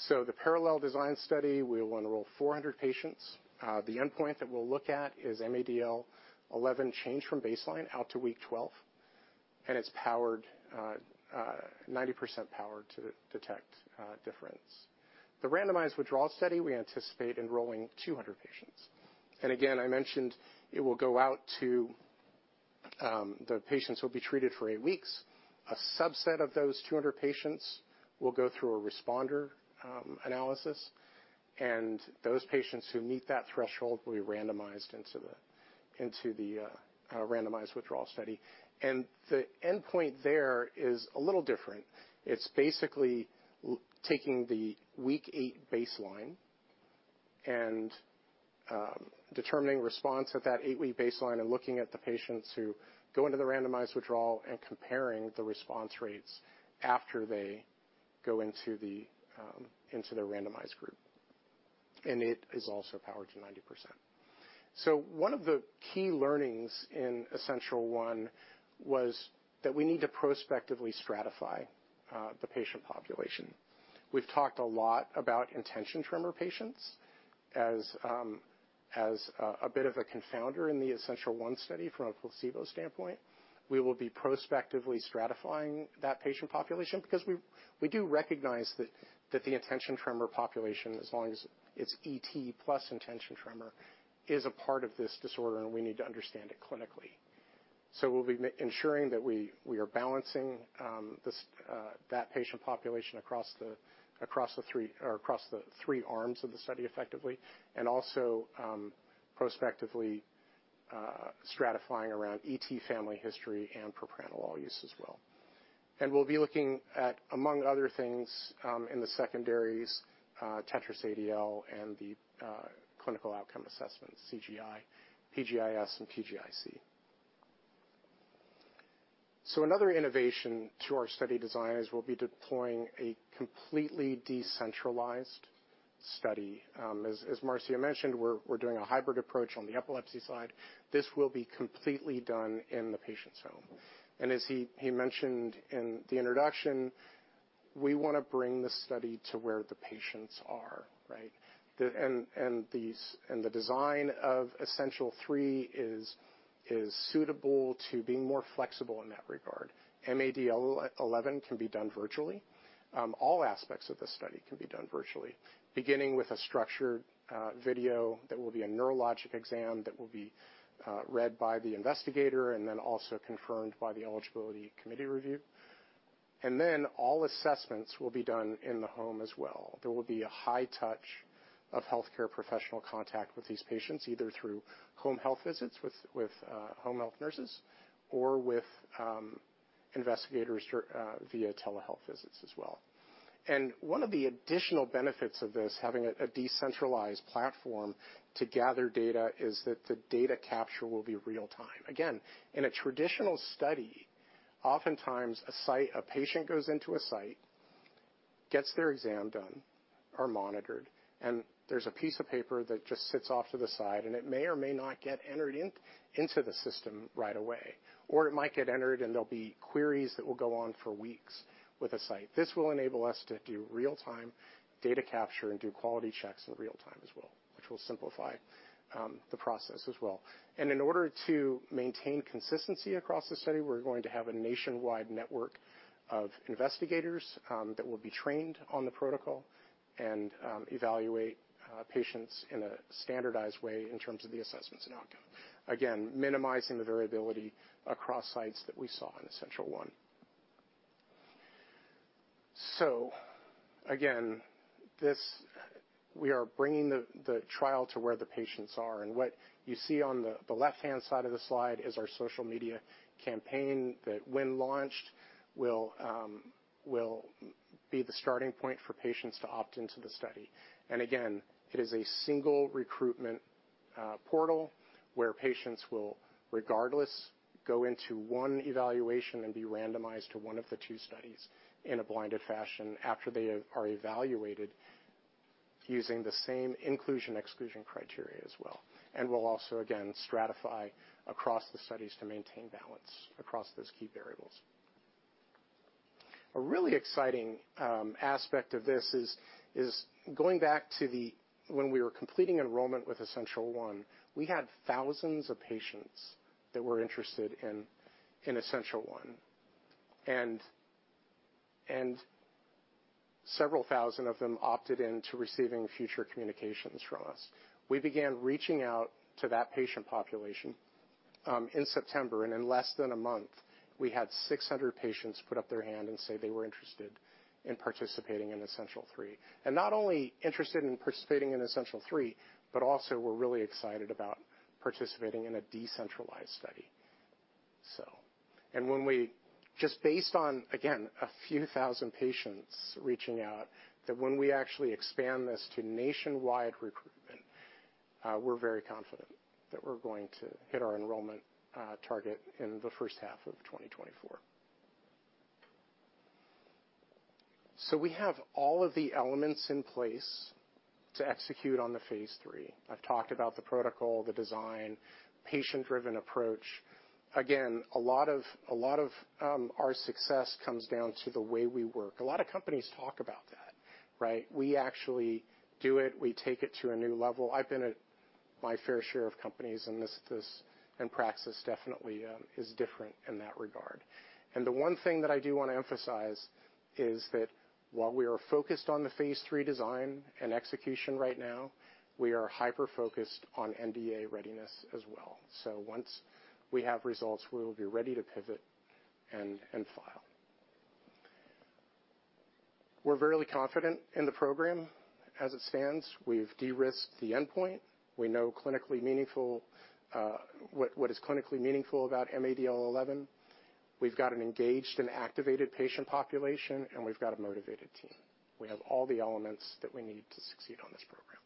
S2: So the parallel design study, we'll enroll 400 patients. The endpoint that we'll look at is mADL11 change from baseline out to week 12, and it's powered, 90% powered to detect difference. The randomized withdrawal study, we anticipate enrolling 200 patients. And again, I mentioned it will go out to, the patients will be treated for eight weeks. A subset of those 200 patients will go through a responder analysis, and those patients who meet that threshold will be randomized into the randomized withdrawal study. The endpoint there is a little different. It's basically taking the week eight baseline and determining response at that eight-week baseline and looking at the patients who go into the randomized withdrawal and comparing the response rates after they go into the randomized group. It is also powered to 90%. So one of the key learnings in Essential1 was that we need to prospectively stratify the patient population. We've talked a lot about intention tremor patients as a bit of a confounder in the Essential1 study from a placebo standpoint. We will be prospectively stratifying that patient population because we do recognize that the intention tremor population, as long as it's ET plus intention tremor, is a part of this disorder, and we need to understand it clinically. So we'll be ensuring that we are balancing that patient population across the three arms of the study effectively, and also prospectively stratifying around ET family history and propranolol use as well. And we'll be looking at, among other things, in the secondaries, TETRAS ADL and the clinical outcome assessments, CGI, PGI-S, and PGIC. So another innovation to our study design is we'll be deploying a completely decentralized study. As Marcio mentioned, we're doing a hybrid approach on the epilepsy side. This will be completely done in the patient's home. As he mentioned in the introduction, we want to bring the study to where the patients are, right? And the design of Essential3 is suitable to being more flexible in that regard. mADL11 can be done virtually. All aspects of this study can be done virtually, beginning with a structured video that will be a neurologic exam that will be read by the investigator and then also confirmed by the eligibility committee review. And then all assessments will be done in the home as well. There will be a high touch of healthcare professional contact with these patients, either through home health visits with home health nurses or with investigators via telehealth visits as well. One of the additional benefits of this, having a decentralized platform to gather data, is that the data capture will be real-time. Again, in a traditional study, oftentimes a site, a patient goes into a site, gets their exam done or monitored, and there's a piece of paper that just sits off to the side, and it may or may not get entered in, into the system right away, or it might get entered, and there'll be queries that will go on for weeks with a site. This will enable us to do real-time data capture and do quality checks in real-time as well, which will simplify the process as well. In order to maintain consistency across the study, we're going to have a nationwide network of investigators that will be trained on the protocol and evaluate patients in a standardized way in terms of the assessments and outcomes. Again, minimizing the variability across sites that we saw in Essential1. So again, we are bringing the trial to where the patients are, and what you see on the left-hand side of the slide is our social media campaign that, when launched, will be the starting point for patients to opt into the study. And again, it is a single recruitment portal where patients will regardless go into one evaluation and be randomized to one of the two studies in a blinded fashion after they are evaluated using the same inclusion/exclusion criteria as well. We'll also, again, stratify across the studies to maintain balance across those key variables. A really exciting aspect of this is going back to the when we were completing enrollment with Essential1, we had thousands of patients that were interested in Essential1, and several thousand of them opted in to receiving future communications from us. We began reaching out to that patient population in September, and in less than a month, we had 600 patients put up their hand and say they were interested in participating in Essential3. And not only interested in participating in Essential3, but also were really excited about participating in a decentralized study. Just based on, again, a few thousand patients reaching out, that when we actually expand this to nationwide recruitment, we're very confident that we're going to hit our enrollment target in the H1 of 2024. So we have all of the elements in place to execute on the phase III. I've talked about the protocol, the design, patient-driven approach. Again, a lot of our success comes down to the way we work. A lot of companies talk about that, right? We actually do it. We take it to a new level. I've been at my fair share of companies, and this, and Praxis definitely is different in that regard. The one thing that I do want to emphasize is that while we are focused on the phase III design and execution right now, we are hyper-focused on NDA readiness as well. So once we have results, we will be ready to pivot and file. We're very confident in the program. As it stands, we've de-risked the endpoint. We know clinically meaningful what is clinically meaningful about mADL11. We've got an engaged and activated patient population, and we've got a motivated team. We have all the elements that we need to succeed on this program.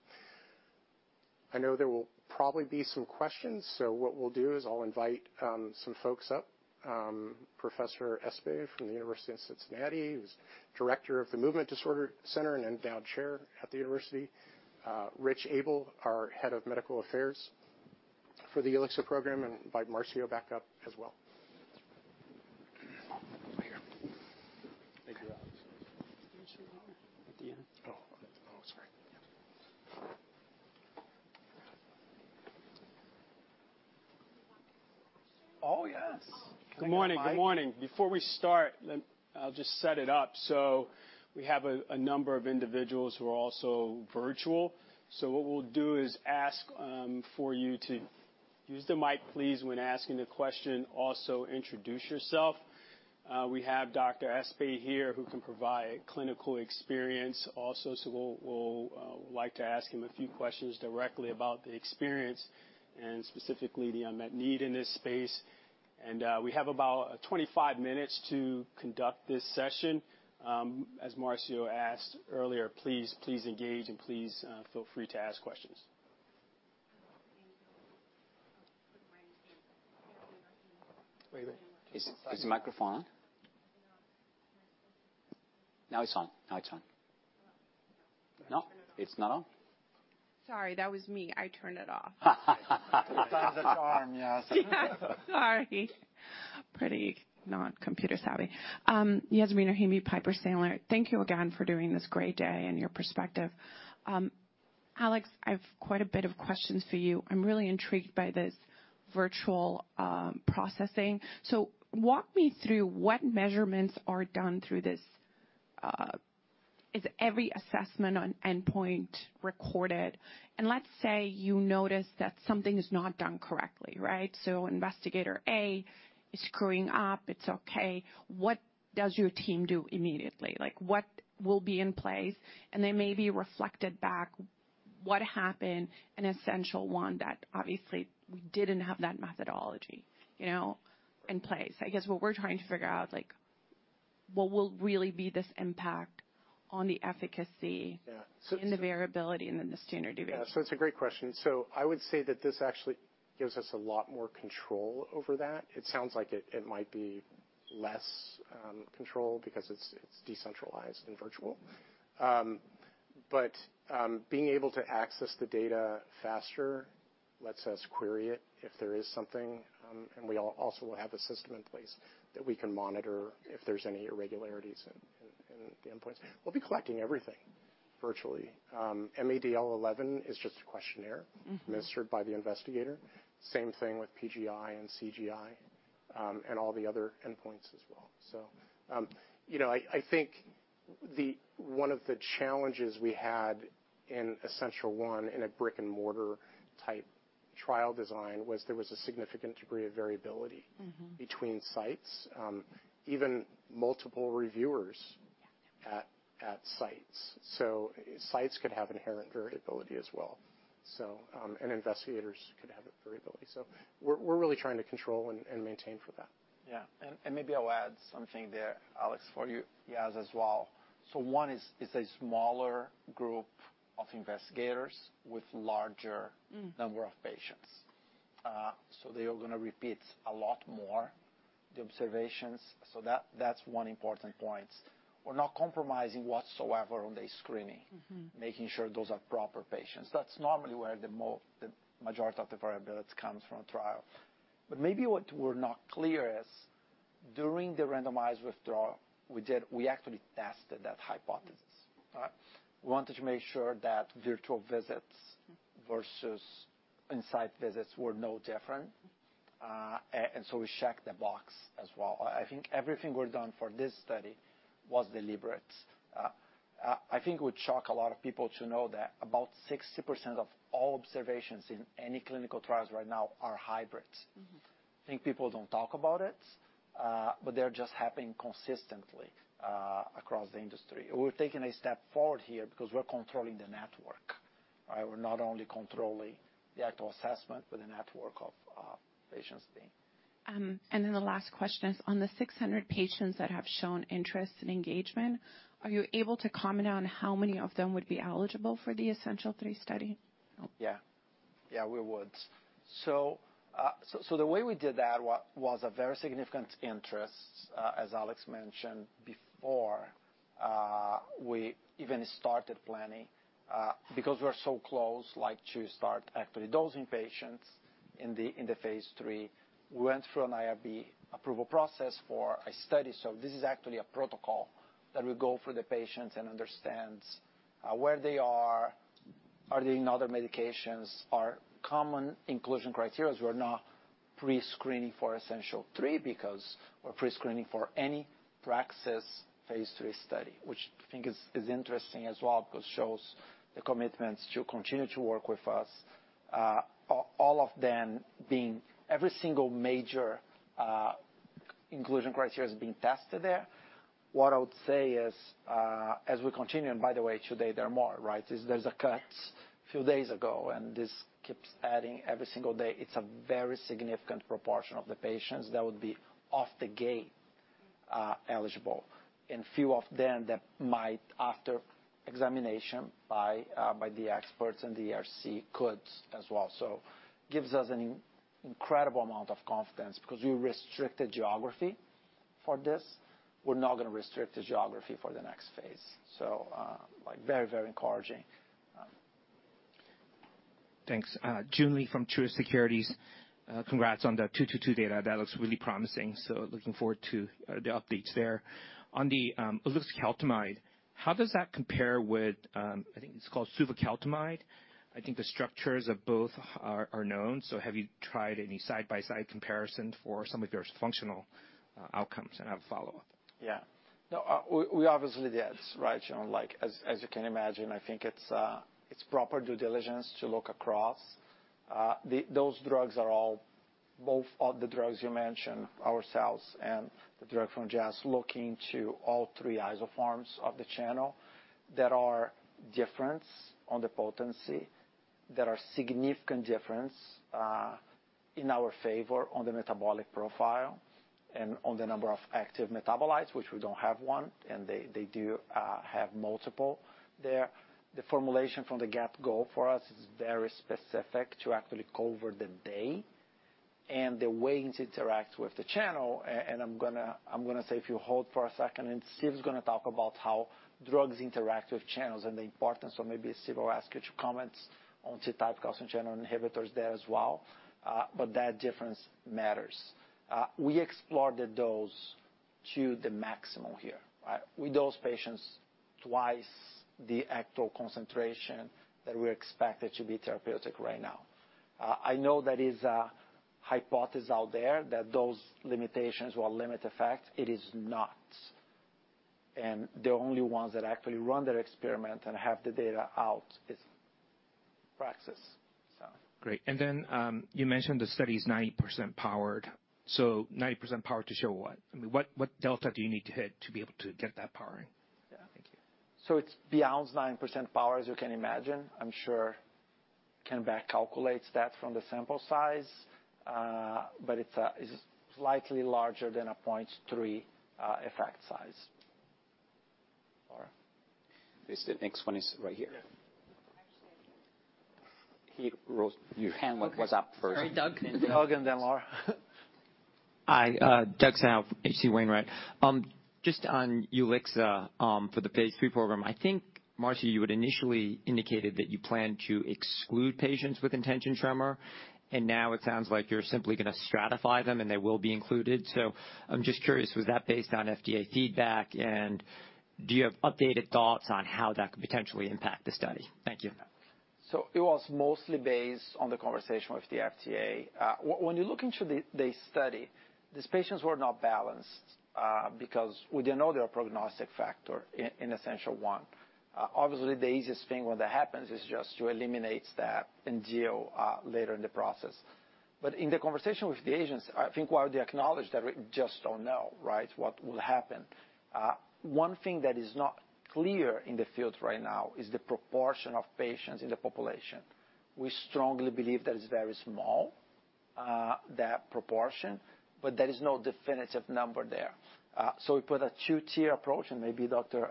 S2: I know there will probably be some questions, so what we'll do is I'll invite some folks up. Professor Espay from the University of Cincinnati, who's Director of the Movement Disorders Center, and Endowed Chair at the University. Rich Abel, our head of Medical Affairs for the ulixa program, and invite Marcio back up as well.
S3: Over here. Thank you. At the end. Oh, oh, sorry. Oh, yes! Good morning, good morning. Before we start, I'll just set it up. So we have a number of individuals who are also virtual, so what we'll do is ask for you to use the mic, please, when asking a question. Also, introduce yourself. We have Dr. Espay here, who can provide clinical experience also, so we'll like to ask him a few questions directly about the experience and specifically the unmet need in this space. And we have about 25 minutes to conduct this session. As Marcio asked earlier, please, please engage, and please feel free to ask questions. Wait, wait.
S1: Is the microphone on? Now it's on. Now it's on. No, it's not on.
S4: Sorry, that was me. I turned it off.
S3: Third time's a charm, yes.
S4: Sorry. Pretty not computer savvy. Yasmeen Rahimi, Piper Sandler. Thank you again for doing this great day and your perspective. Alex, I've quite a bit of questions for you. I'm really intrigued by this virtual processing. So walk me through what measurements are done through this. Is every assessment on endpoint recorded? And let's say you notice that something is not done correctly, right? So Investigator A is screwing up, it's okay. What does your team do immediately? Like, what will be in place? And then maybe reflected back, what happened in Essential1 that obviously we didn't have that methodology, you know, in place. I guess what we're trying to figure out is, like, what will really be this impact on the efficacy.
S2: Yeah.
S4: In the variability and then the standard deviation?
S2: Yeah, so it's a great question. So I would say that this actually gives us a lot more control over that. It sounds like it might be less control because it's decentralized and virtual. But being able to access the data faster lets us query it if there is something, and we also will have a system in place that we can monitor if there's any irregularities in the endpoints. We'll be collecting everything virtually. mADL11 is just a questionnaire administered by the investigator. Same thing with PGI and CGI, and all the other endpoints as well. So, you know, I think the one of the challenges we had in Essential1, in a brick-and-mortar type trial design, was there was a significant degree of variability between sites, even multiple reviewers at sites. So sites could have inherent variability as well. So, and investigators could have a variability. So we're really trying to control and maintain for that.
S1: Yeah. And, and maybe I'll add something there, Alex, for you, Yas, as well. So one is, it's a smaller group of investigators with larger number of patients. So they are gonna repeat a lot more, the observations, so that, that's one important point. We're not compromising whatsoever on the screening making sure those are proper patients. That's normally where the majority of the variability comes from trial. But maybe what we're not clear is, during the randomized withdrawal, we did, we actually tested that hypothesis. We wanted to make sure that virtual visits versus inside visits were no different. And so we checked the box as well. I think everything we're done for this study was deliberate. I think it would shock a lot of people to know that about 60% of all observations in any clinical trials right now are hybrid. I think people don't talk about it, but they're just happening consistently across the industry. We're taking a step forward here because we're controlling the network. We're not only controlling the actual assessment, but the network of patients being.
S4: And then the last question is, on the 600 patients that have shown interest and engagement, are you able to comment on how many of them would be eligible for the Essential3 study?
S1: Yeah. Yeah, we would. So, the way we did that was a very significant interest, as Alex mentioned before, we even started planning, because we're so close, like, to start actually dosing patients in the phase III. We went through an IRB approval process for a study. So this is actually a protocol that will go for the patients and understands where they are, are they in other medications, are common inclusion criteria. We're not pre-screening for Essential3 because we're pre-screening for any Praxis phase III study, which I think is interesting as well, because it shows the commitments to continue to work with us. All of them being every single major inclusion criteria is being tested there. What I would say is, as we continue, and by the way, today, there are more, right? There's a cut few days ago, and this keeps adding every single day. It's a very significant proportion of the patients that would be off the gate, eligible, and few of them that might, after examination by, by the experts and the RC, could as well. So gives us an incredible amount of confidence because we restricted geography for this. We're not gonna restrict the geography for the next phase. So, like, very, very encouraging.
S5: Thanks. Joon Lee from Truist Securities. Congrats on the two two two data. That looks really promising, so looking forward to the updates there. On the ulixacaltamide, how does that compare with, I think it's called, suvecaltamide? I think the structures of both are known, so have you tried any side-by-side comparison for some of their functional outcomes? And I have a follow-up.
S1: Yeah. No, we obviously did, right? You know, like, as you can imagine, I think it's proper due diligence to look across. Those drugs are all. Both of the drugs you mentioned, ourselves and the drug from Jazz, looking to all three isoforms of the channel. There are difference on the potency. There are significant difference in our favor on the metabolic profile and on the number of active metabolites, which we don't have one, and they do have multiple there. The formulation from the get-go for us is very specific to actually cover the day and the way it interacts with the channel, and I'm gonna say, if you hold for a second, and Steve's gonna talk about how drugs interact with channels and the importance. So maybe, Steve, I'll ask you to comment on T-type calcium channel inhibitors there as well. But that difference matters. We explored the dose to the maximum here, right? We dosed patients twice the actual concentration that we expected to be therapeutic right now. I know there is a hypothesis out there that those limitations will limit effect. It is not. And the only ones that actually run the experiment and have the data out is Praxis, so.
S5: Great. And then, you mentioned the study is 90% powered. So 90% powered to show what? I mean, what, what delta do you need to hit to be able to get that powering? Yeah, thank you.
S1: So it's beyond 9% power, as you can imagine. I'm sure can back calculate that from the sample size, but it's slightly larger than a 0.3 effect size. Laura?
S6: Yes, the next one is right here.
S1: Yeah.
S3: Actually, I think.
S1: He rose. Your hand was up first.
S2: Okay. All right, Doug.
S1: Doug, and then Laura.
S7: Hi, Doug Tsao, H.C. Wainwright. Just on ulixacaltamide, for the phase III program, I think, Marcio, you had initially indicated that you plan to exclude patients with intention tremor, and now it sounds like you're simply gonna stratify them, and they will be included. So I'm just curious, was that based on FDA feedback? And do you have updated thoughts on how that could potentially impact the study? Thank you.
S1: So it was mostly based on the conversation with the FDA. When you look into the study, these patients were not balanced because we didn't know their prognostic factor in Essential1. Obviously, the easiest thing when that happens is just to eliminate that and deal later in the process. But in the conversation with the agents, I think while they acknowledge that we just don't know, right, what will happen, one thing that is not clear in the field right now is the proportion of patients in the population. We strongly believe that it's very small, that proportion, but there is no definitive number there. So we put a two-tier approach, and maybe Dr.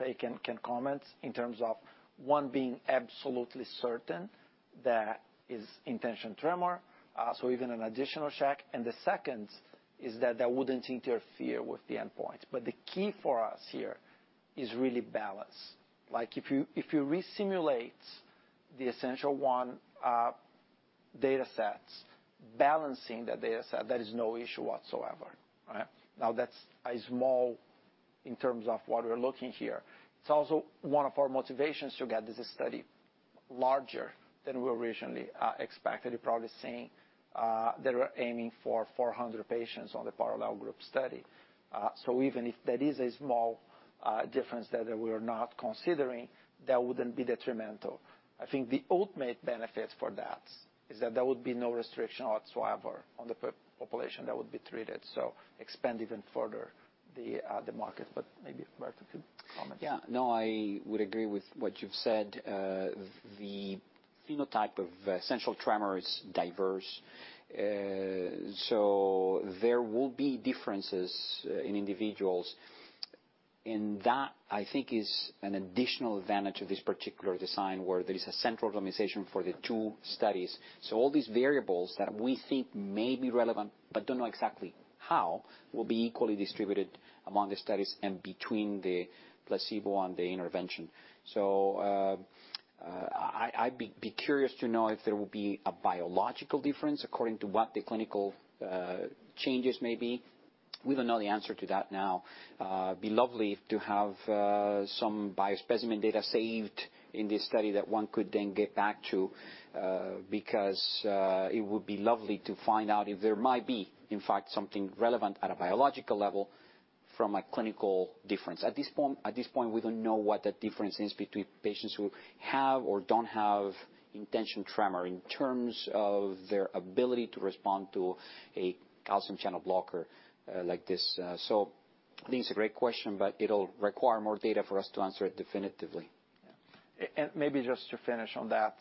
S1: Espay can comment in terms of one being absolutely certain that is intention tremor, so even an additional check, and the second is that that wouldn't interfere with the endpoint. But the key for us here is really balance. Like, if you resimulate the Essential1 datasets, balancing the dataset, there is no issue whatsoever, right? Now, that's small in terms of what we're looking here. It's also one of our motivations to get this study larger than we originally expected. You're probably seeing that we're aiming for 400 patients on the parallel group study. So even if there is a small difference that we are not considering, that wouldn't be detrimental. I think the ultimate benefit for that is that there would be no restriction whatsoever on the population that would be treated, so expand even further the market. But maybe, Marta, could comment?
S6: Yeah. No, I would agree with what you've said. The phenotype of central tremor is diverse, so there will be differences in individuals. And that, I think, is an additional advantage of this particular design, where there is a central randomization for the two studies. So all these variables that we think may be relevant but don't know exactly how, will be equally distributed among the studies and between the placebo and the intervention. So, I'd be curious to know if there will be a biological difference according to what the clinical changes may be. We don't know the answer to that now. It'd be lovely to have some biospecimen data saved in this study that one could then get back to, because it would be lovely to find out if there might be, in fact, something relevant at a biological level from a clinical difference. At this point, we don't know what the difference is between patients who have or don't have intention tremor in terms of their ability to respond to a calcium channel blocker like this. So I think it's a great question, but it'll require more data for us to answer it definitively.
S1: Maybe just to finish on that,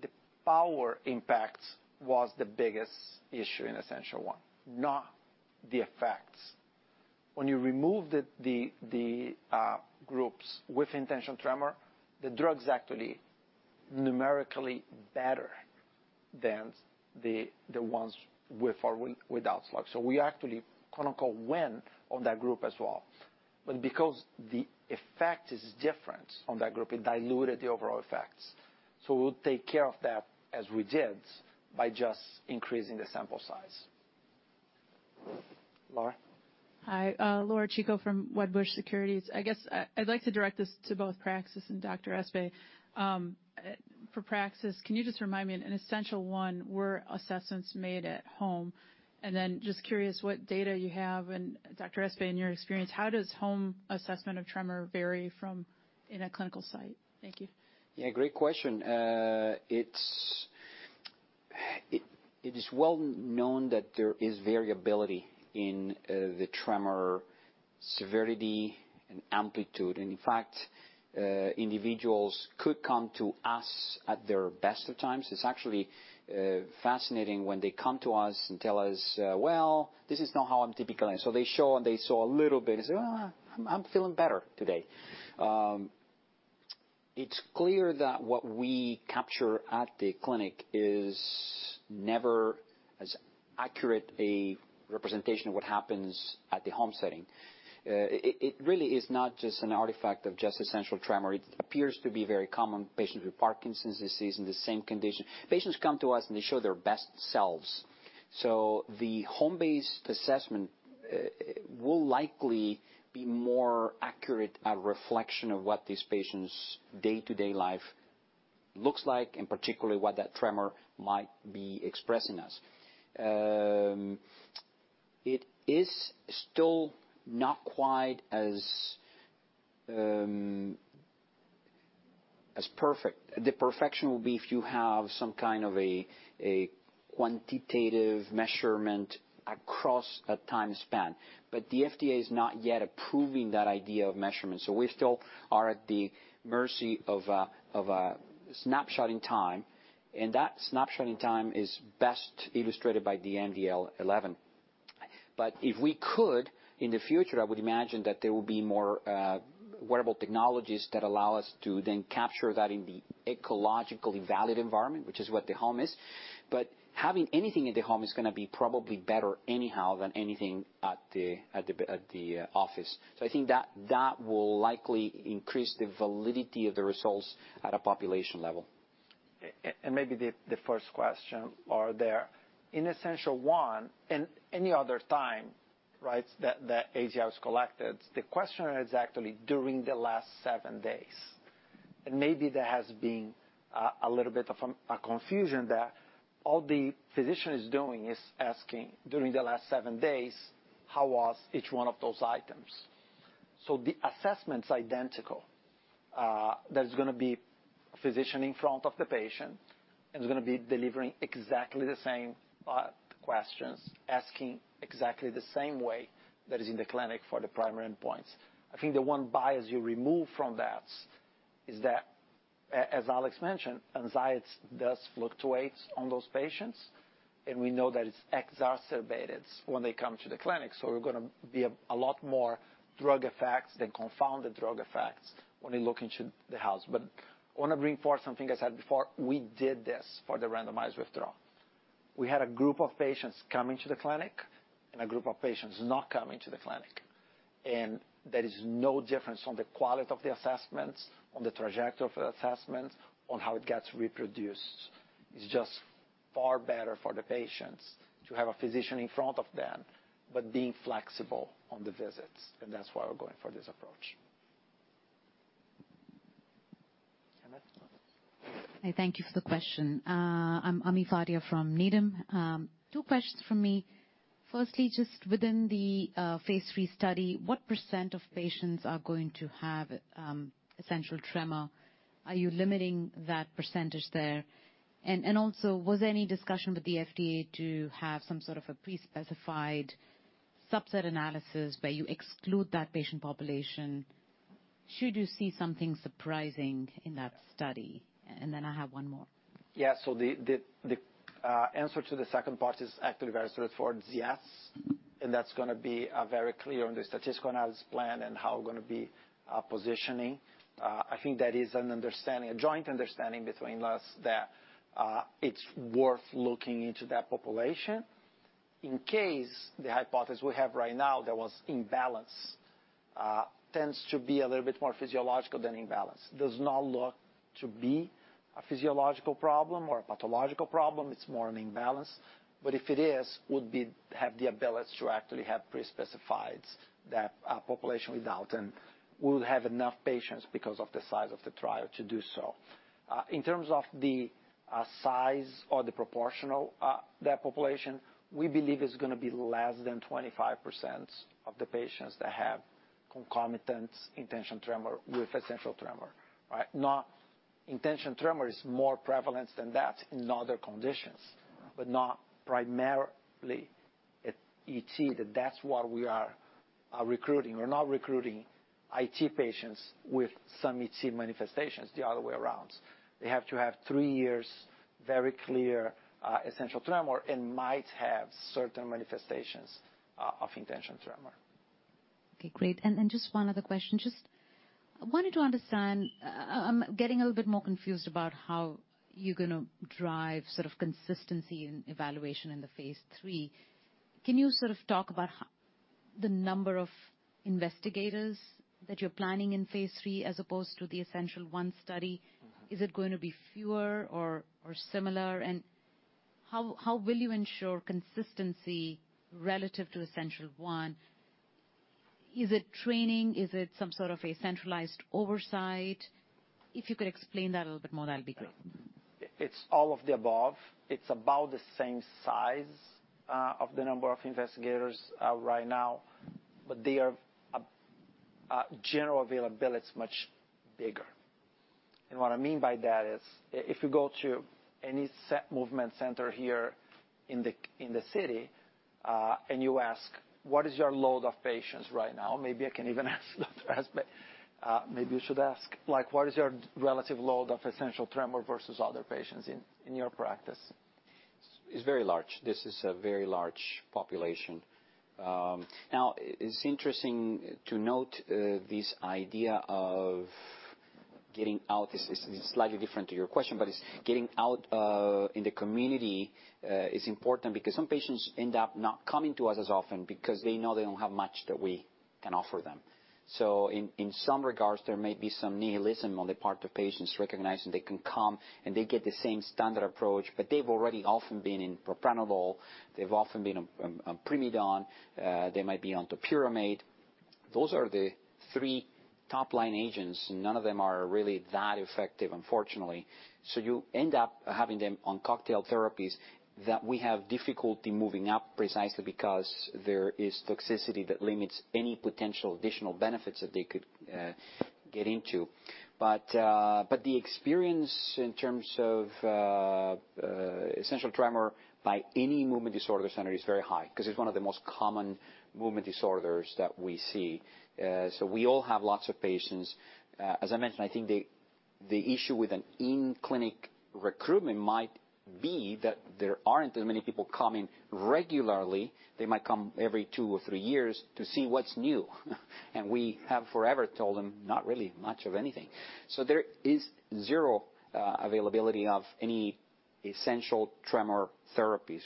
S1: the power impact was the biggest issue in Essential1, not the effects. When you remove the groups with intention tremor, the drug's actually numerically better than the ones with or without slug. So we actually clinical win on that group as well. But because the effect is different on that group, it diluted the overall effects. So we'll take care of that, as we did, by just increasing the sample size.
S6: Laura?
S8: Hi, Laura Chico from Wedbush Securities. I guess, I'd like to direct this to both Praxis and Dr. Espay. For Praxis, can you just remind me, in Essential1, were assessments made at home? And then just curious what data you have, and Dr. Espay, in your experience, how does home assessment of tremor vary from in a clinical site? Thank you.
S6: Yeah, great question. It's well known that there is variability in the tremor severity and amplitude. And in fact, individuals could come to us at their best of times. It's actually fascinating when they come to us and tell us, "Well, this is not how I'm typically " So they show, and they saw a little bit and say, "Oh, I'm feeling better today." It's clear that what we capture at the clinic is never as accurate a representation of what happens at the home setting. It really is not just an artifact of just essential tremor. It appears to be very common, patients with Parkinson's disease in the same condition. Patients come to us, and they show their best selves. So the home-based assessment will likely be more accurate a reflection of what these patients' day-to-day life looks like, and particularly, what that tremor might be expressing as. It is still not quite as perfect. The perfection will be if you have some kind of a quantitative measurement across a time span. But the FDA is not yet approving that idea of measurement, so we still are at the mercy of a snapshot in time, and that snapshot in time is best illustrated by the mADL11. But if we could, in the future, I would imagine that there will be more wearable technologies that allow us to then capture that in the ecologically valid environment, which is what the home is. But having anything in the home is gonna be probably better anyhow than anything at the office. So I think that will likely increase the validity of the results at a population level.
S1: Maybe the first question are there. In Essential1, and any other time, right, that CGI was collected, the question is actually during the last seven days. And maybe there has been a little bit of a confusion there. All the physician is doing is asking, during the last seven days, how was each one of those items? So the assessment's identical. There's gonna be physician in front of the patient, and he's gonna be delivering exactly the same questions, asking exactly the same way that is in the clinic for the primary endpoints. I think the one bias you remove from that is that, as Alex mentioned, anxiety does fluctuates on those patients, and we know that it's exacerbated when they come to the clinic. So we're gonna be a lot more drug effects than confounded drug effects when you look into the house. But I wanna reinforce something I said before, we did this for the randomized withdrawal. We had a group of patients coming to the clinic and a group of patients not coming to the clinic. And there is no difference on the quality of the assessments, on the trajectory of the assessments, on how it gets reproduced. It's just far better for the patients to have a physician in front of them, but being flexible on the visits, and that's why we're going for this approach. Annette?
S9: Hi, thank you for the question. I'm Ami Fadia from Needham. Two questions from me. Firstly, just within the phase III study, what percentage of patients are going to have essential tremor? Are you limiting that percentage there? And also, was there any discussion with the FDA to have some sort of a pre-specified subset analysis where you exclude that patient population, should you see something surprising in that study? And then I have one more.
S1: Yeah. So the answer to the second part is actually very straightforward, yes. And that's gonna be very clear on the statistical analysis plan and how we're gonna be positioning. I think that is an understanding, a joint understanding between us that it's worth looking into that population. In case the hypothesis we have right now, there was imbalance tends to be a little bit more physiological than imbalance. Does not look to be a physiological problem or a pathological problem, it's more an imbalance. But if it is, would be have the ability to actually have pre-specified that population without, and we'll have enough patients because of the size of the trial to do so. In terms of the size or the proportional that population, we believe is gonna be less than 25% of the patients that have concomitant intention tremor with essential tremor, right? Not- intention tremor is more prevalent than that in other conditions, but not primarily ET that that's what we are recruiting. We're not recruiting IT patients with some ET manifestations, the other way around. They have to have three years, very clear, essential tremor, and might have certain manifestations of intention tremor.
S9: Okay, great. And then just one other question. Just wanted to understand, getting a little bit more confused about how you're gonna drive sort of consistency in evaluation in the phase III. Can you sort of talk about how, the number of investigators that you're planning in phase III, as opposed to the Essential1 study? Is it going to be fewer or, or similar? And how, how will you ensure consistency relative to Essential1? Is it training? Is it some sort of a centralized oversight? If you could explain that a little bit more, that'd be great.
S1: It's all of the above. It's about the same size of the number of investigators right now, but their general availability is much bigger. What I mean by that is, if you go to any set movement center here in the city and you ask: What is your load of patients right now? Maybe I can even ask Dr. Espay. Maybe you should ask, like, what is your relative load of essential tremor versus other patients in your practice?
S6: It's very large. This is a very large population. Now, it's interesting to note this idea of getting out. This is slightly different to your question, but it's getting out in the community is important because some patients end up not coming to us as often because they know they don't have much that we can offer them. So in some regards, there may be some nihilism on the part of patients recognizing they can come, and they get the same standard approach, but they've already often been on propranolol, they've often been on primidone, they might be on topiramate. Those are the three top-line agents, and none of them are really that effective, unfortunately. So you end up having them on cocktail therapies that we have difficulty moving up, precisely because there is toxicity that limits any potential additional benefits that they could get into. But the experience in terms of essential tremor by any movement disorders center is very high, because it's one of the most common movement disorders that we see. So we all have lots of patients. As I mentioned, I think the issue with an in-clinic recruitment might be that there aren't as many people coming regularly. They might come every two or three years to see what's new, and we have forever told them, not really much of anything. So there is zero availability of any essential tremor therapies.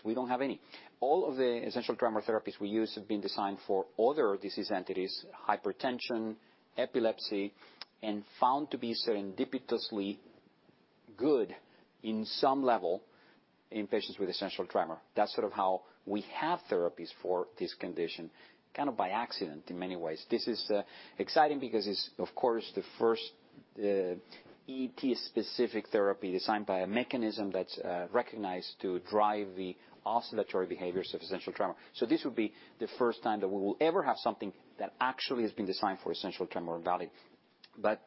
S6: We don't have any. All of the essential tremor therapies we use have been designed for other disease entities, hypertension, epilepsy, and found to be serendipitously good in some level in patients with essential tremor. That's sort of how we have therapies for this condition, kind of by accident in many ways. This is exciting because it's, of course, the first ET-specific therapy designed by a mechanism that's recognized to drive the oscillatory behaviors of essential tremor. So this would be the first time that we will ever have something that actually has been designed for essential tremor value. But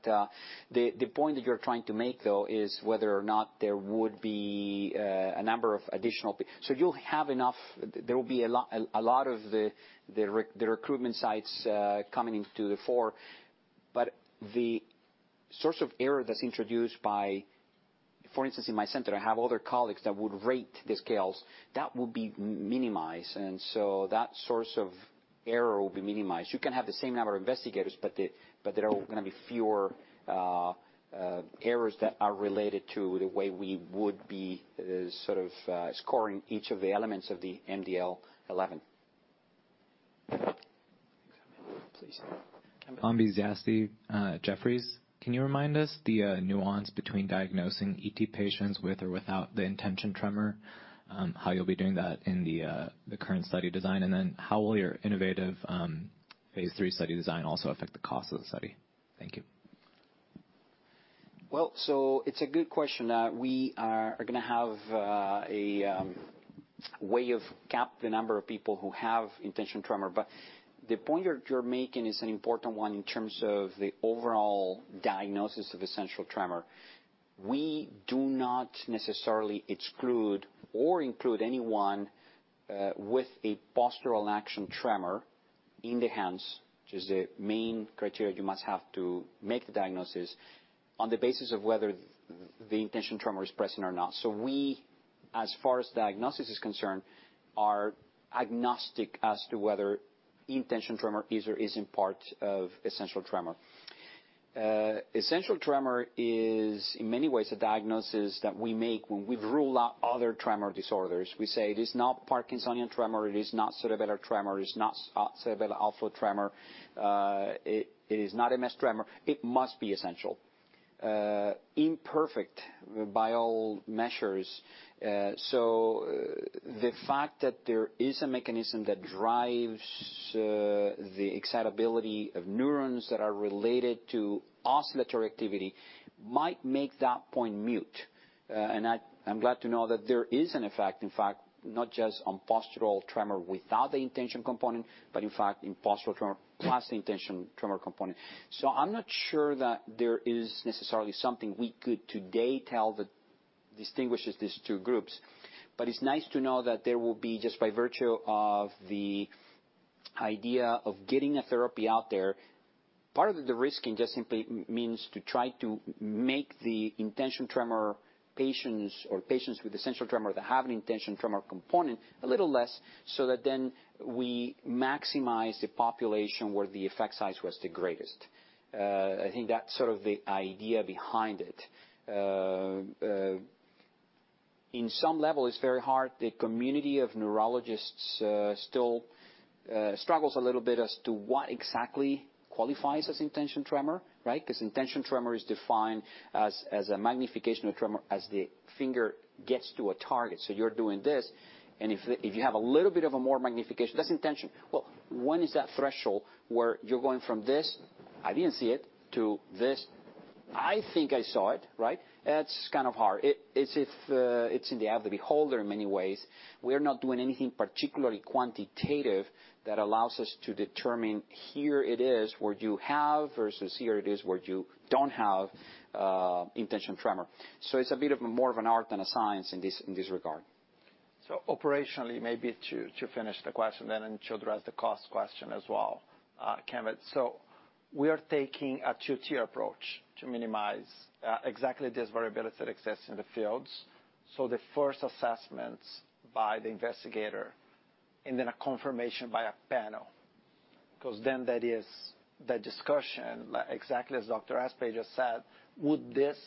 S6: the point that you're trying to make, though, is whether or not there would be a number of additional- so you'll have enough. There will be a lot, a lot of the recruitment sites coming into the forefront, but the source of error that's introduced by, for instance, in my center, I have other colleagues that would rate the scales, that would be minimized, and so that source of error will be minimized. You can have the same number of investigators, but there are gonna be fewer errors that are related to the way we would be, sort of, scoring each of the elements of the mADL11. Please.
S10: Kambiz Yazdi, Jefferies. Can you remind us the nuance between diagnosing ET patients with or without the intention tremor, how you'll be doing that in the current study design? And then how will your innovative phase III study design also affect the cost of the study? Thank you.
S6: Well, so it's a good question. We are gonna have a way of cap the number of people who have intention tremor, but the point you're making is an important one in terms of the overall diagnosis of essential tremor. We do not necessarily exclude or include anyone with a postural action tremor in the hands, which is the main criteria you must have to make the diagnosis, on the basis of whether the intention tremor is present or not. So we, as far as diagnosis is concerned, are agnostic as to whether intention tremor is or isn't part of essential tremor. Essential tremor is, in many ways, a diagnosis that we make when we've ruled out other tremor disorders. We say it is not Parkinsonian tremor, it is not cerebellar tremor, it is not cerebellar outflow tremor, it is not MS tremor, it must be essential. Imperfect by all measures, so the fact that there is a mechanism that drives the excitability of neurons that are related to oscillatory activity might make that point moot. And I, I'm glad to know that there is an effect, in fact, not just on postural tremor without the intention component, but in fact, in postural tremor plus the intention tremor component. So I'm not sure that there is necessarily something we could today tell the- distinguishes these two groups. It's nice to know that there will be, just by virtue of the idea of getting a therapy out there, part of the de-risking just simply means to try to make the intention tremor patients or patients with essential tremor that have an intention tremor component, a little less, so that then we maximize the population where the effect size was the greatest. I think that's sort of the idea behind it. In some level, it's very hard. The community of neurologists still struggles a little bit as to what exactly qualifies as intention tremor, right? Because intention tremor is defined as a magnification of tremor as the finger gets to a target. So you're doing this, and if you have a little bit of a more magnification, that's intention. Well, when is that threshold where you're going from this, "I didn't see it," to this, "I think I saw it," right? That's kind of hard. It's in the eye of the beholder in many ways. We're not doing anything particularly quantitative that allows us to determine, here it is, where you have, versus here it is, where you don't have intention tremor. So it's a bit more of an art than a science in this regard.
S1: So operationally, maybe to finish the question then, and to address the cost question as well, Kevin. So we are taking a two-tier approach to minimize exactly this variability that exists in the fields. So the first assessments by the investigator, and then a confirmation by a panel, because then that is the discussion, exactly as Dr. Espay just said, would this,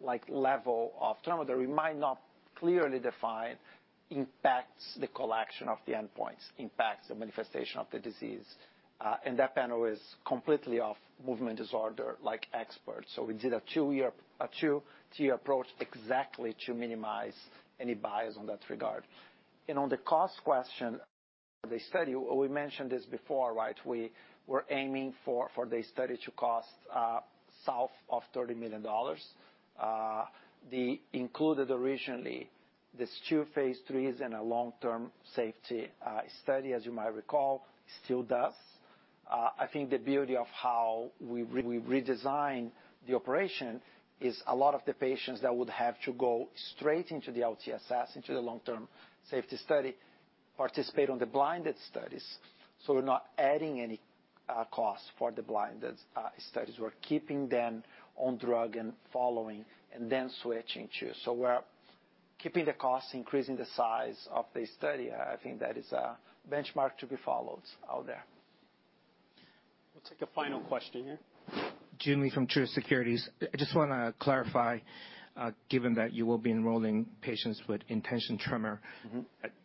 S1: like, level of tremor might not clearly define, impacts the collection of the endpoints, impacts the manifestation of the disease. And that panel is completely of movement disorder, like, experts. So we did a two-tier approach exactly to minimize any bias on that regard. And on the cost question, the study, we mentioned this before, right? We were aiming for the study to cost south of $30 million. The included originally this two phase IIIs and a long-term safety study, as you might recall, still does. I think the beauty of how we redesigned the operation is a lot of the patients that would have to go straight into the LTSS, into the long-term safety study, participate on the blinded studies. So we're not adding any costs for the blinded studies. We're keeping them on drug and following and then switching to. So we're keeping the costs, increasing the size of the study. I think that is a benchmark to be followed out there.
S3: We'll take a final question here.
S5: Joon Lee from Truist Securities. I just wanna clarify, given that you will be enrolling patients with intention tremor.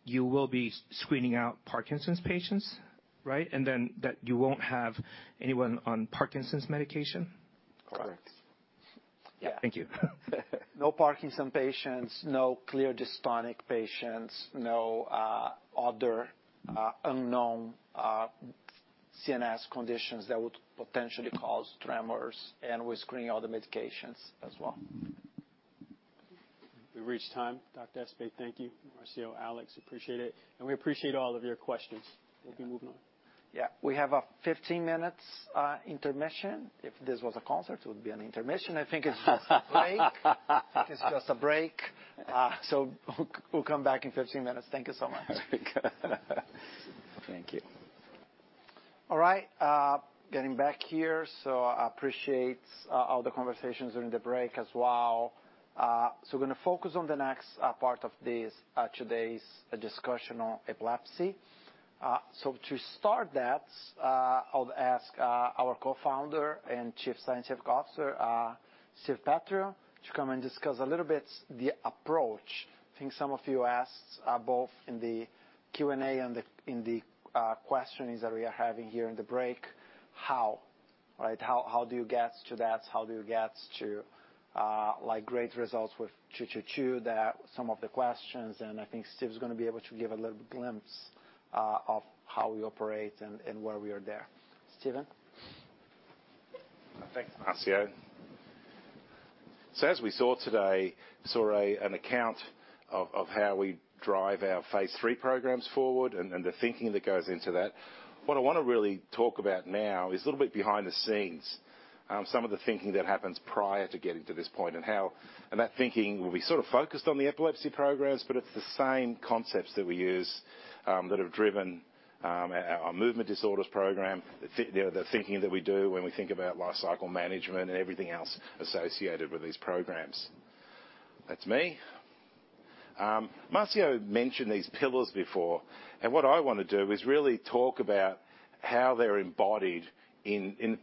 S5: You will be screening out Parkinson's patients, right? And then that you won't have anyone on Parkinson's medication?
S1: Correct.
S6: Yeah.
S5: Thank you.
S1: No Parkinson patients, no clear dystonic patients, no other unknown CNS conditions that would potentially cause tremors, and we're screening all the medications as well.
S3: We've reached time. Dr. Espay, thank you. Marcio, Alex, appreciate it. We appreciate all of your questions. We'll be moving on.
S1: Yeah, we have a 15 minutes intermission. If this was a concert, it would be an intermission. I think it's just a break. It's just a break. So we'll come back in 15 minutes. Thank you so much.
S6: Thank you.
S1: All right, getting back here, so I appreciate all the conversations during the break as well. So we're gonna focus on the next part of this today's discussion on epilepsy. So to start that, I'll ask our Co-founder and Chief Scientific Officer, Steven Petrou, to come and discuss a little bit the approach. I think some of you asked, both in the Q&A and in the questions that we are having here in the break, how, right? How, how do you get to that? How do you get to, like, great results with 222, that some of the questions, and I think Steve is gonna be able to give a little glimpse of how we operate and where we are there. Steven?
S11: Thanks, Marcio. So as we saw today, an account of how we drive our phase III programs forward and the thinking that goes into that, what I wanna really talk about now is a little bit behind the scenes. Some of the thinking that happens prior to getting to this point and how. And that thinking will be sort of focused on the epilepsy programs, but it's the same concepts that we use that have driven our movement disorders program, the thinking that we do when we think about lifecycle management and everything else associated with these programs. That's me. Marcio mentioned these pillars before, and what I want to do is really talk about how they're embodied in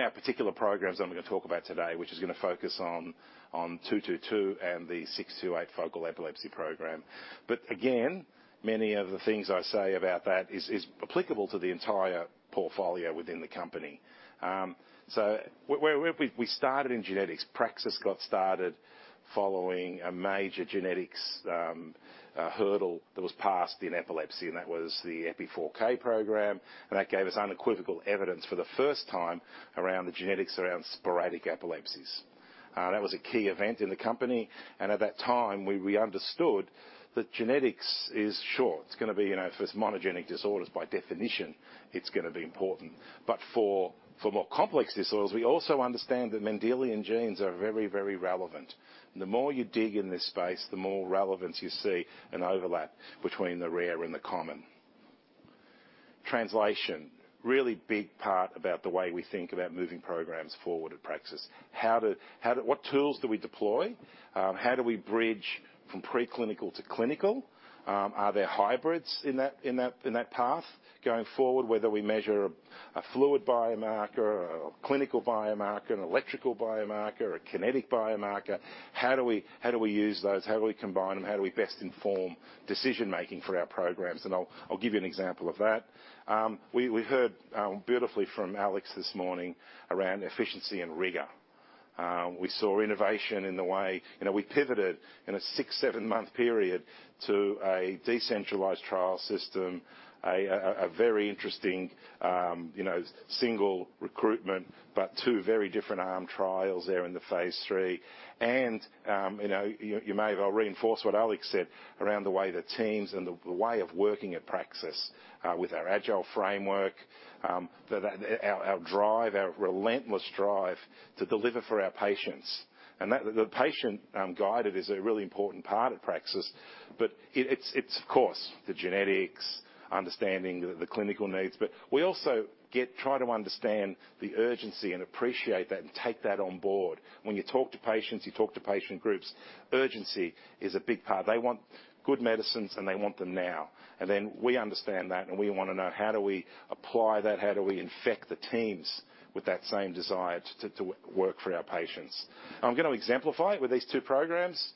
S11: our particular programs that I'm going to talk about today, which is going to focus on 222 and the 628 focal epilepsy program. But again, many of the things I say about that is applicable to the entire portfolio within the company. So where we started in genetics. Praxis got started following a major genetics hurdle that was passed in epilepsy, and that was the Epi4K program, and that gave us unequivocal evidence for the first time around the genetics around sporadic epilepsies. That was a key event in the company, and at that time, we understood that genetics is sure. It's gonna be, you know, if it's monogenic disorders, by definition, it's gonna be important. But for more complex disorders, we also understand that Mendelian genes are very, very relevant. The more you dig in this space, the more relevance you see and overlap between the rare and the common translation, really big part about the way we think about moving programs forward at Praxis. How to—What tools do we deploy? How do we bridge from preclinical to clinical? Are there hybrids in that path going forward, whether we measure a fluid biomarker or a clinical biomarker, an electrical biomarker, a kinetic biomarker? How do we use those? How do we combine them? How do we best inform decision-making for our programs? And I'll give you an example of that. We heard beautifully from Alex this morning around efficiency and rigor. We saw innovation in the way, you know, we pivoted in a six-seven-month period to a decentralized trial system, a very interesting, you know, single recruitment, but two very different arm trials there in the phase III. You know, you may well reinforce what Alex said around the way the teams and the way of working at Praxis, with our agile framework, our drive, our relentless drive to deliver for our patients. That the patient-guided is a really important part of Praxis, but it's, of course, the genetics, understanding the clinical needs. But we also get try to understand the urgency and appreciate that and take that on board. When you talk to patients, you talk to patient groups, urgency is a big part. They want good medicines, and they want them now. We understand that, and we wanna know, how do we apply that? How do we infect the teams with that same desire to work for our patients? I'm gonna exemplify it with these two programs,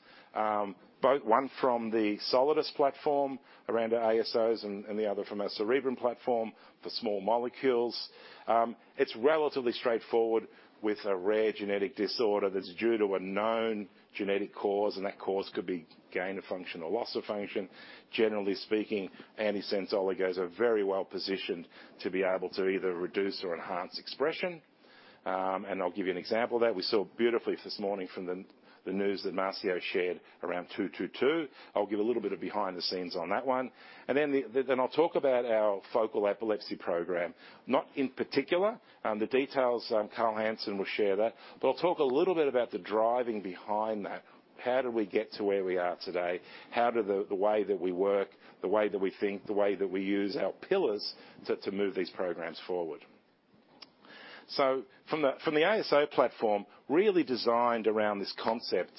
S11: both one from the Solidus platform around ASOs and the other from our Cerebrum platform for small molecules. It's relatively straightforward with a rare genetic disorder that's due to a known genetic cause, and that cause could be gain of function or loss of function. Generally speaking, antisense oligos are very well positioned to be able to either reduce or enhance expression. And I'll give you an example of that. We saw beautifully this morning from the news that Marcio shared around 222. I'll give a little bit of behind the scenes on that one, and then I'll talk about our focal epilepsy program. Not in particular the details, Karl Hansen will share that, but I'll talk a little bit about the driving behind that. How do we get to where we are today? How do the way that we work, the way that we think, the way that we use our pillars to move these programs forward? So from the ASO platform, really designed around this concept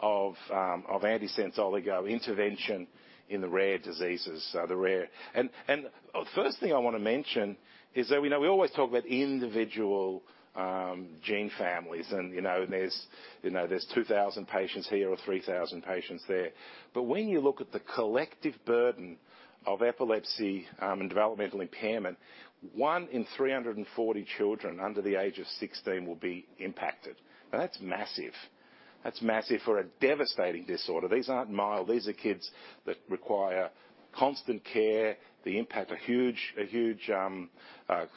S11: of antisense oligo intervention in the rare diseases. And first thing I want to mention is that we know, we always talk about individual gene families, and, you know, there's, you know, there's 2,000 patients here or 3,000 patients there. But when you look at the collective burden of epilepsy and developmental impairment, 1 in 340 children under the age of 16 will be impacted. And that's massive. That's massive for a devastating disorder. These aren't mild. These are kids that require constant care, they impact a huge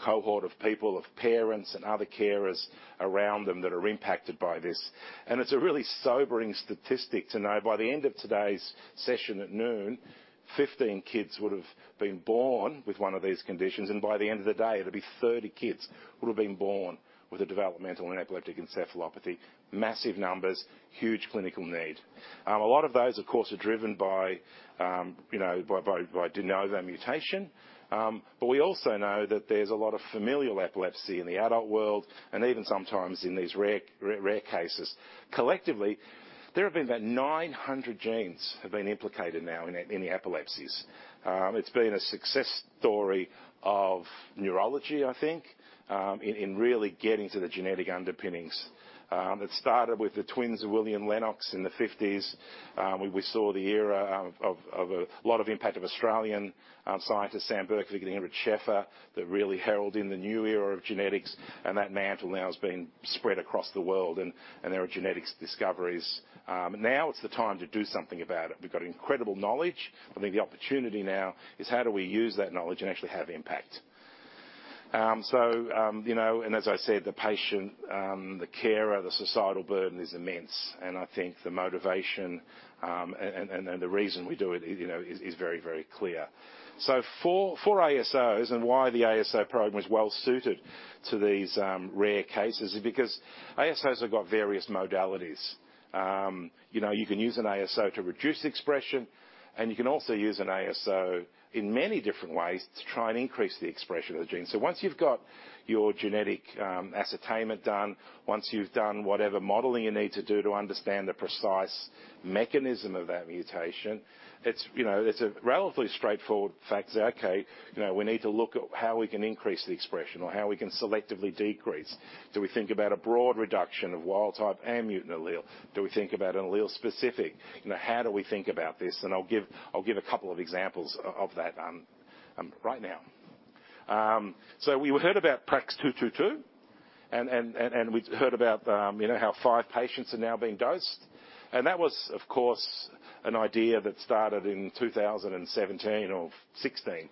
S11: cohort of people, of parents and other carers around them that are impacted by this. And it's a really sobering statistic to know by the end of today's session at noon, 15 kids would have been born with one of these conditions, and by the end of the day, it'll be 30 kids who have been born with a developmental and epileptic encephalopathy. Massive numbers, huge clinical need. A lot of those, of course, are driven by, you know, by de novo mutation. But we also know that there's a lot of familial epilepsy in the adult world and even sometimes in these rare cases. Collectively, there have been about 900 genes implicated now in the epilepsies. It's been a success story of neurology, I think, in really getting to the genetic underpinnings. It started with the twins, William Lennox, in the fifties. We saw the era of a lot of impact of Australian scientist Samuel Berkovic getting Ingrid Scheffer that really herald in the new era of genetics, and that mantle now has been spread across the world, and there are genetics discoveries. Now it's the time to do something about it. We've got incredible knowledge. I think the opportunity now is how do we use that knowledge and actually have impact? You know, as I said, the patient, the carer, the societal burden is immense, and I think the motivation, and the reason we do it, you know, is very, very clear. For ASOs and why the ASO program is well suited to these rare cases is because ASOs have got various modalities. You know, you can use an ASO to reduce expression, and you can also use an ASO in many different ways to try and increase the expression of the gene. Once you've got your genetic ascertainment done, once you've done whatever modeling you need to do to understand the precise mechanism of that mutation, it's a relatively straightforward fact. Okay, you know, we need to look at how we can increase the expression or how we can selectively decrease. Do we think about a broad reduction of wild type and mutant allele? Do we think about an allele-specific? You know, how do we think about this? And I'll give, I'll give a couple of examples of that, right now. So we heard about PRAX-222, and we heard about, you know, how five patients are now being dosed. And that was, of course, an idea that started in 2017 or 2016.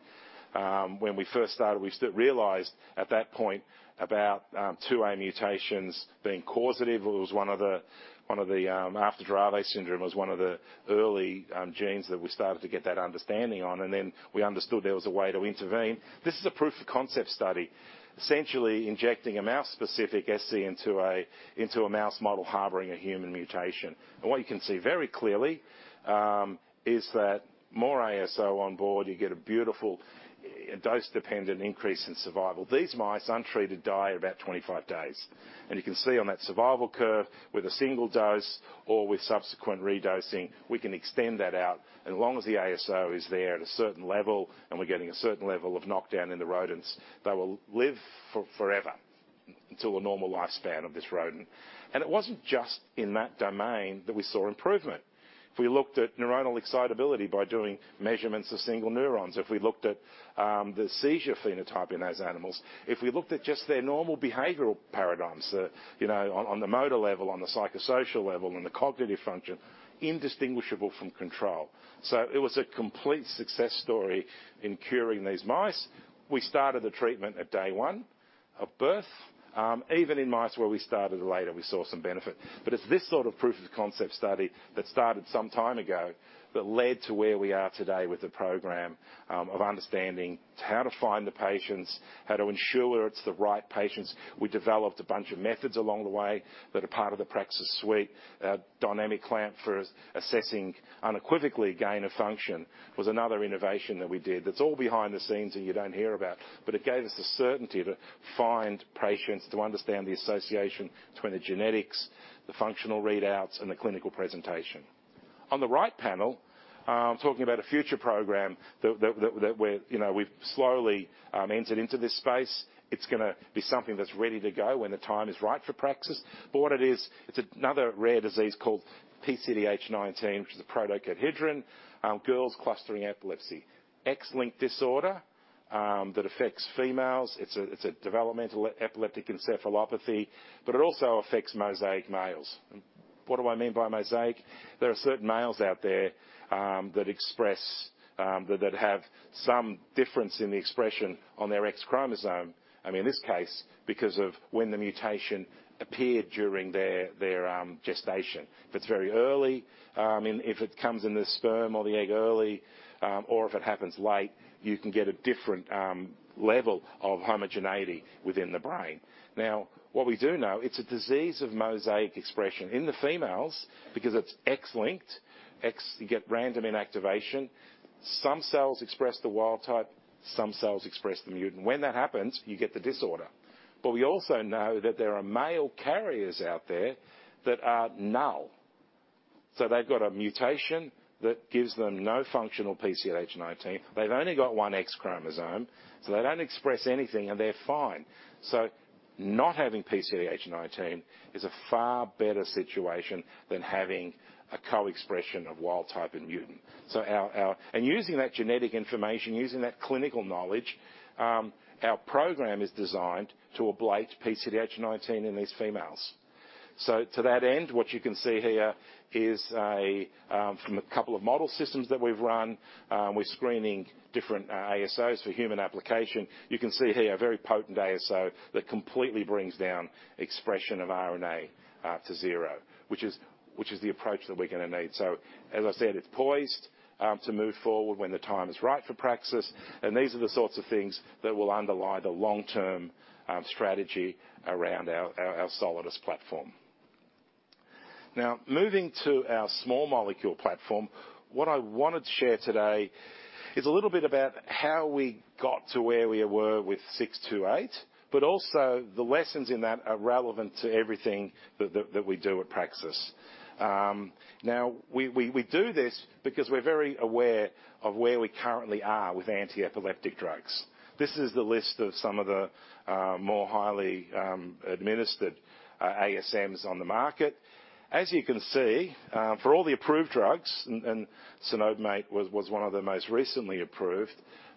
S11: When we first started, we still realized at that point about SCN2A mutations being causative. It was one of the, after Dravet syndrome, one of the early genes that we started to get that understanding on, and then we understood there was a way to intervene. This is a proof of concept study, essentially injecting a mouse-specific SCN2A, into a mouse model harboring a human mutation. And what you can see very clearly is that more ASO on board, you get a beautiful a dose-dependent increase in survival. These mice, untreated, die at about 25 days. And you can see on that survival curve, with a single dose or with subsequent redosing, we can extend that out, and as long as the ASO is there at a certain level, and we're getting a certain level of knockdown in the rodents, they will live for forever until the normal lifespan of this rodent. And it wasn't just in that domain that we saw improvement. If we looked at neuronal excitability by doing measurements of single neurons, if we looked at the seizure phenotype in those animals, if we looked at just their normal behavioral paradigms, you know, on, on the motor level, on the psychosocial level, and the cognitive function, indistinguishable from control. So it was a complete success story in curing these mice. We started the treatment at day 1 of birth. Even in mice where we started later, we saw some benefit. But it's this sort of proof of concept study that started some time ago, that led to where we are today with the program, of understanding how to find the patients, how to ensure it's the right patients. We developed a bunch of methods along the way that are part of the Praxis suite. Dynamic clamp for assessing unequivocally gain of function was another innovation that we did. That's all behind the scenes, and you don't hear about, but it gave us the certainty to find patients, to understand the association between the genetics, the functional readouts, and the clinical presentation. On the right panel, talking about a future program that we're, you know, we've slowly entered into this space. It's gonna be something that's ready to go when the time is right for Praxis. But what it is, it's another rare disease called PCDH19, which is a protocadherin, girls clustering epilepsy. X-linked disorder that affects females. It's a developmental epileptic encephalopathy, but it also affects mosaic males. What do I mean by mosaic? There are certain males out there that express that have some difference in the expression on their X chromosome. I mean, in this case, because of when the mutation appeared during their gestation. If it's very early, and if it comes in the sperm or the egg early, or if it happens late, you can get a different level of homogeneity within the brain. Now, what we do know, it's a disease of mosaic expression. In the females, because it's X-linked, X, you get random inactivation. Some cells express the wild type, some cells express the mutant. When that happens, you get the disorder. But we also know that there are male carriers out there that are null. So they've got a mutation that gives them no functional PCDH19. They've only got one X chromosome, so they don't express anything, and they're fine. Not having PCDH19 is a far better situation than having a co-expression of wild type and mutant. Our, our, using that genetic information, using that clinical knowledge, our program is designed to ablate PCDH19 in these females. To that end, what you can see here is, from a couple of model systems that we've run, we're screening different ASOs for human application. You can see here a very potent ASO that completely brings down expression of RNA to zero, which is the approach that we're gonna need. As I said, it's poised to move forward when the time is right for Praxis, and these are the sorts of things that will underlie the long-term strategy around our Solidus platform. Now, moving to our small molecule platform, what I wanted to share today is a little bit about how we got to where we were with 628, but also the lessons in that are relevant to everything that we do at Praxis. Now, we do this because we're very aware of where we currently are with antiepileptic drugs. This is the list of some of the more highly administered ASMs on the market. As you can see, for all the approved drugs, and cenobamate was one of the most recently approved,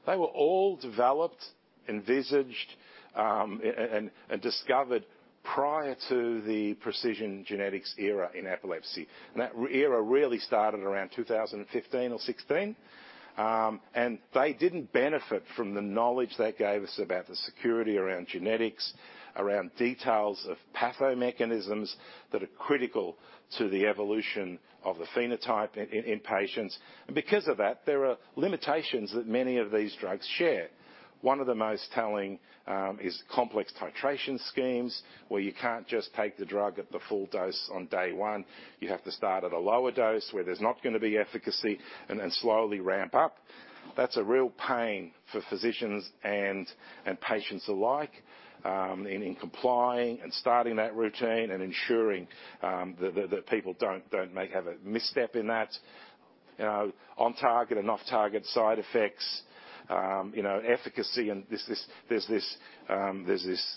S11: they were all developed, envisaged, and discovered prior to the precision genetics era in epilepsy. And that era really started around 2015 or 2016. And they didn't benefit from the knowledge that gave us about the security around genetics, around details of pathomechanisms that are critical to the evolution of the phenotype in patients. And because of that, there are limitations that many of these drugs share. One of the most telling is complex titration schemes, where you can't just take the drug at the full dose on day one. You have to start at a lower dose, where there's not gonna be efficacy, and then slowly ramp up. That's a real pain for physicians and patients alike, in complying and starting that routine and ensuring that people don't make a misstep in that. On target and off-target side effects, you know, efficacy, and there's this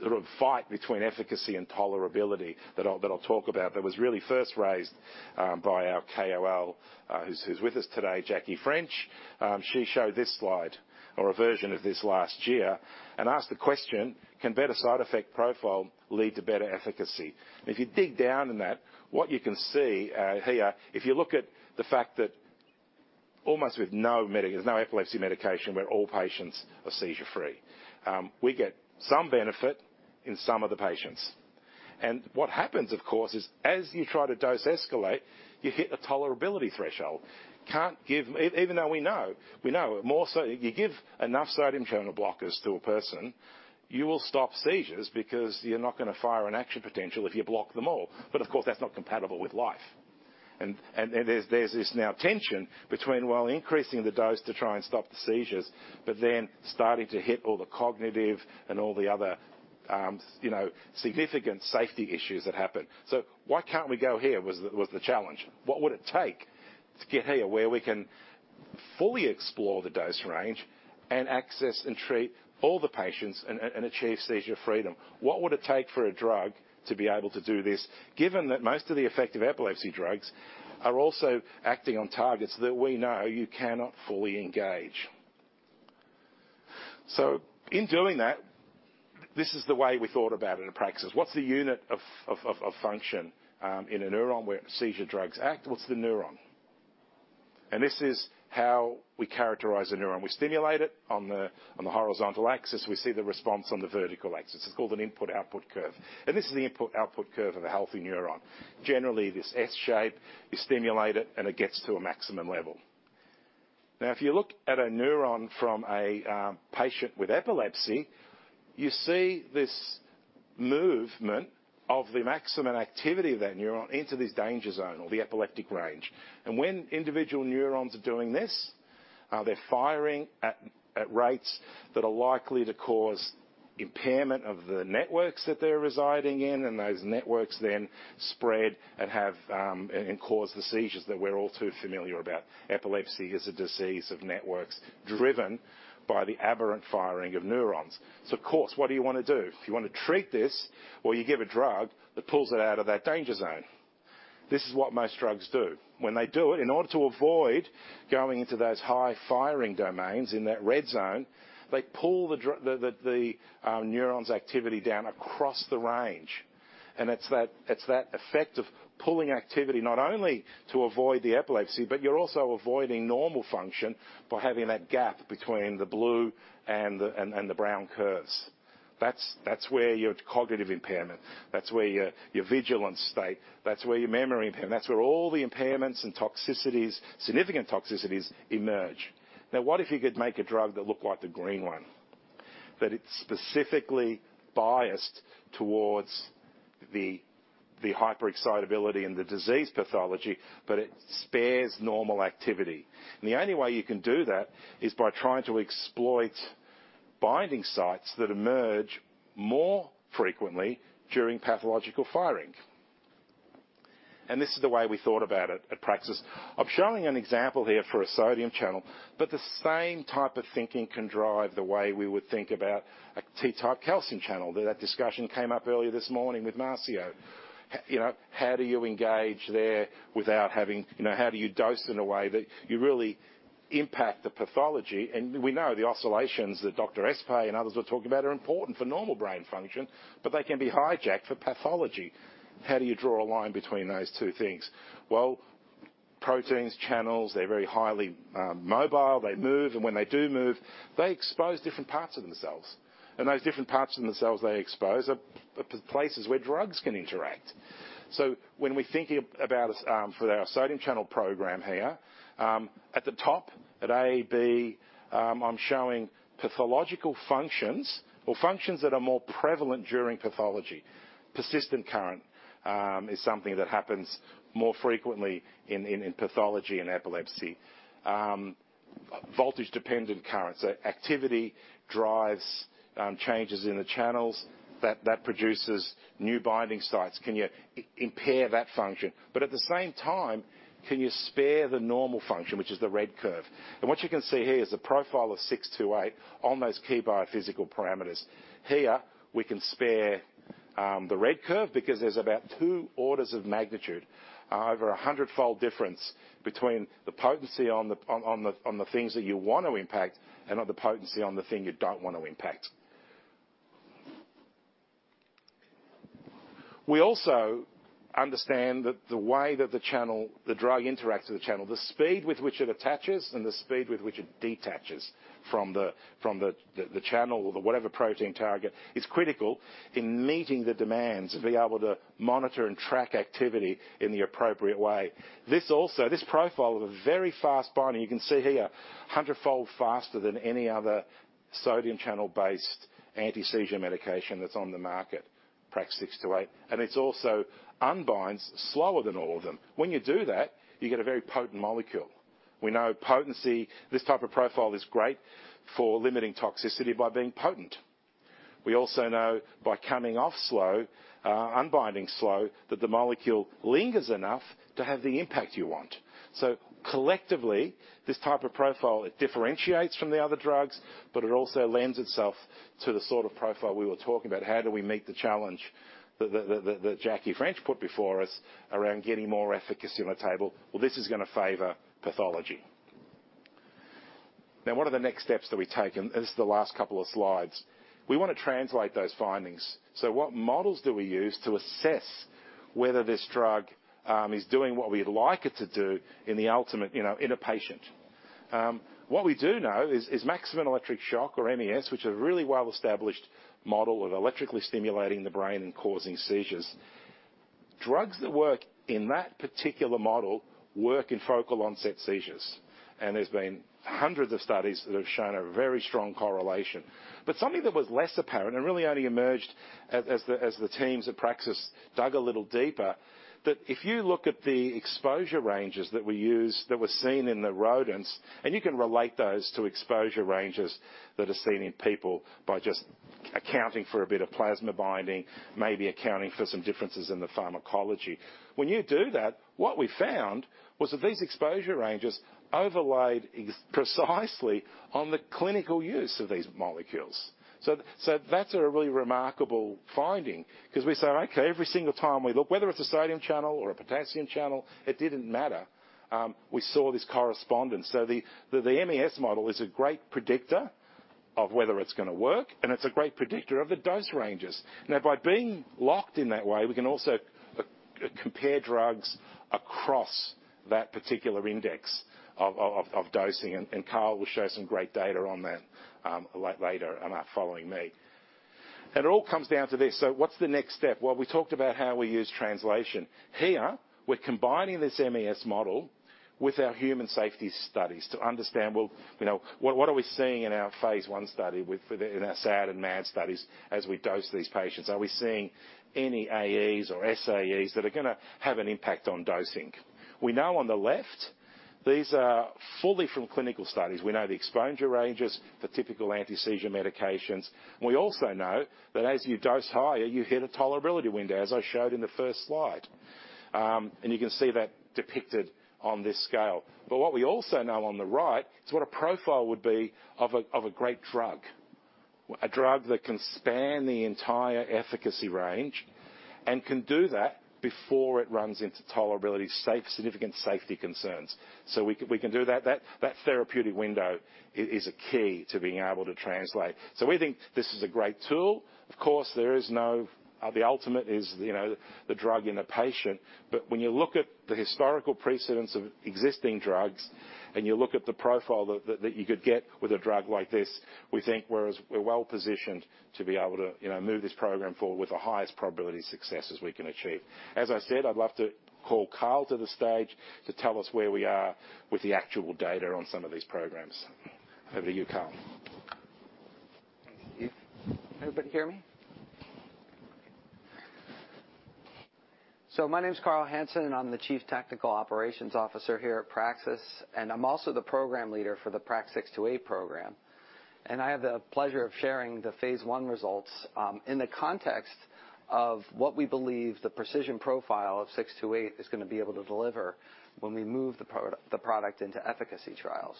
S11: sort of fight between efficacy and tolerability that I'll talk about. That was really first raised by our KOL, who's with us today, Jackie French. She showed this slide or a version of this last year and asked the question: Can better side effect profile lead to better efficacy? If you dig down in that, what you can see here, if you look at the fact that almost no epilepsy medication where all patients are seizure-free. We get some benefit in some of the patients. And what happens, of course, is as you try to dose escalate, you hit a tolerability threshold. Can't give, even though we know, we know more so, you give enough sodium channel blockers to a person, you will stop seizures because you're not gonna fire an action potential if you block them all. But of course, that's not compatible with life. And there's this now tension between while increasing the dose to try and stop the seizures, but then starting to hit all the cognitive and all the other, you know, significant safety issues that happen. "So why can't we go here?" was the challenge. What would it take to get here, where we can fully explore the dose range and access and treat all the patients and achieve seizure freedom? What would it take for a drug to be able to do this, given that most of the effective epilepsy drugs are also acting on targets that we know you cannot fully engage? So in doing that, this is the way we thought about it in Praxis. What's the unit of function in a neuron where seizure drugs act? What's the neuron? And this is how we characterize a neuron. We stimulate it on the horizontal axis, we see the response on the vertical axis. It's called an input-output curve, and this is the input-output curve of a healthy neuron. Generally, this S shape, you stimulate it, and it gets to a maximum level. Now, if you look at a neuron from a patient with epilepsy, you see this movement of the maximum activity of that neuron into this danger zone or the epileptic range. And when individual neurons are doing this, they're firing at rates that are likely to cause impairment of the networks that they're residing in, and those networks then spread and cause the seizures that we're all too familiar about. Epilepsy is a disease of networks, driven by the aberrant firing of neurons. So of course, what do you want to do? If you want to treat this, well, you give a drug that pulls it out of that danger zone. This is what most drugs do. When they do it, in order to avoid going into those high-firing domains in that red zone, they pull the neuron's activity down across the range, and it's that effect of pulling activity, not only to avoid the epilepsy, but you're also avoiding normal function by having that gap between the blue and the brown curves. That's where your cognitive impairment, that's where your vigilance state, that's where your memory impairment, that's where all the impairments and toxicities, significant toxicities emerge. Now, what if you could make a drug that looked like the green one? That it's specifically biased towards the hyperexcitability and the disease pathology, but it spares normal activity. And the only way you can do that is by trying to exploit binding sites that emerge more frequently during pathological firing. This is the way we thought about it at Praxis. I'm showing an example here for a sodium channel, but the same type of thinking can drive the way we would think about a T-type calcium channel. That discussion came up earlier this morning with Marcio. You know, how do you engage there without having. You know, how do you dose in a way that you really impact the pathology? We know the oscillations that Dr. Espay and others are talking about are important for normal brain function, but they can be hijacked for pathology. How do you draw a line between those two things? Well, proteins, channels, they're very highly mobile. They move, and when they do move, they expose different parts of themselves. Those different parts of themselves they expose are places where drugs can interact. So when we're thinking about, for our sodium channel program here, at the top, at AB, I'm showing pathological functions or functions that are more prevalent during pathology. Persistent current is something that happens more frequently in pathology and epilepsy. Voltage-dependent current, so activity drives changes in the channels that produces new binding sites. Can you impair that function? But at the same time, can you spare the normal function, which is the red curve? And what you can see here is the profile of 628 on those key biophysical parameters. Here, we can spare the red curve because there's about two orders of magnitude over a hundred-fold difference between the potency on the things that you want to impact and on the potency on the thing you don't want to impact. We also understand that the way that the channel, the drug interacts with the channel, the speed with which it attaches, and the speed with which it detaches from the channel or the whatever protein target, is critical in meeting the demands of being able to monitor and track activity in the appropriate way. This profile is a very fast binding. You can see here, a hundredfold faster than any other sodium channel-based anti-seizure medication that's on the market, PRAX-628, and it's also unbinds slower than all of them. When you do that, you get a very potent molecule. We know potency, this type of profile is great for limiting toxicity by being potent. We also know by coming off slow, unbinding slow, that the molecule lingers enough to have the impact you want. So collectively, this type of profile, it differentiates from the other drugs, but it also lends itself to the sort of profile we were talking about. How do we meet the challenge that Jackie French put before us around getting more efficacy on the table? Well, this is gonna favor pathology. Now, what are the next steps that we take? And this is the last couple of slides. We want to translate those findings. So what models do we use to assess whether this drug is doing what we'd like it to do in the ultimate, you know, in a patient? What we do know is maximum electric shock or MES, which are really well-established model of electrically stimulating the brain and causing seizures. Drugs that work in that particular model work in focal onset seizures. And there's been hundreds of studies that have shown a very strong correlation. But something that was less apparent, and really only emerged as the teams at Praxis dug a little deeper, that if you look at the exposure ranges that we use, that were seen in the rodents, and you can relate those to exposure ranges that are seen in people by just accounting for a bit of plasma binding, maybe accounting for some differences in the pharmacology. When you do that, what we found was that these exposure ranges overlaid precisely on the clinical use of these molecules. So, that's a really remarkable finding, 'cause we say, okay, every single time we look, whether it's a sodium channel or a potassium channel, it didn't matter, we saw this correspondence. The MES model is a great predictor of whether it's gonna work, and it's a great predictor of the dose ranges. Now, by being locked in that way, we can also compare drugs across that particular index of dosing, and Karl will show some great data on that, like, later on, following me. It all comes down to this, what's the next step? Well, we talked about how we use translation. Here, we're combining this MES model with our human safety studies to understand, well, you know, what, what are we seeing in our phase I study with the, in our SAD and MAD studies as we dose these patients? Are we seeing any AEs or SAEs that are gonna have an impact on dosing? We know on the left, these are fully from clinical studies. We know the exposure ranges, the typical anti-seizure medications, and we also know that as you dose higher, you hit a tolerability window, as I showed in the first slide. And you can see that depicted on this scale. But what we also know on the right is what a profile would be of a great drug. A drug that can span the entire efficacy range and can do that before it runs into tolerability, significant safety concerns. So we can, we can do that. That therapeutic window is a key to being able to translate. So we think this is a great tool. Of course, there is no, the ultimate is, you know, the drug in a patient. But when you look at the historical precedence of existing drugs, and you look at the profile that you could get with a drug like this, we think we're well positioned to be able to, you know, move this program forward with the highest probability of successes we can achieve. As I said, I'd love to call Karl to the stage to tell us where we are with the actual data on some of these programs. Over to you, Karl.
S12: Thank you. Everybody hear me? My name is Karl Hansen, and I'm the Chief Technical Operations Officer here at Praxis, and I'm also the program leader for the PRAX-628 program. I have the pleasure of sharing the phase I results in the context of what we believe the precision profile of 628 is gonna be able to deliver when we move the product into efficacy trials.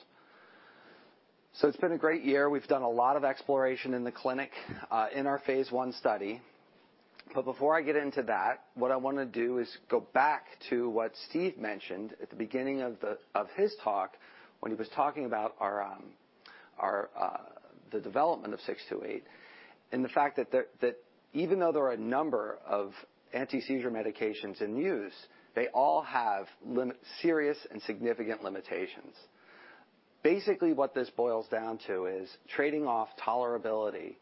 S12: It's been a great year. We've done a lot of exploration in the clinic in our phase I study. But before I get into that, what I wanna do is go back to what Steve mentioned at the beginning of his talk, when he was talking about our the development of 628, and the fact that even though there are a number of anti-seizure medications in use, they all have serious and significant limitations. Basically, what this boils down to is trading off tolerability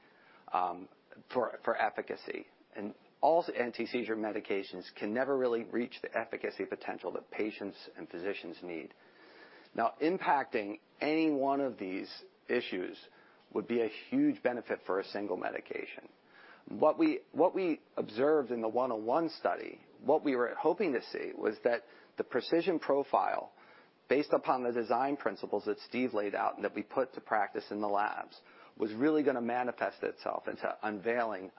S12: for efficacy, and all anti-seizure medications can never really reach the efficacy potential that patients and physicians need. Now, impacting any one of these issues would be a huge benefit for a single medication. What we observed in the 101 study, what we were hoping to see was that the precision profile, based upon the design principles that Steve laid out and that we put to practice in the labs, was really gonna manifest itself into unveiling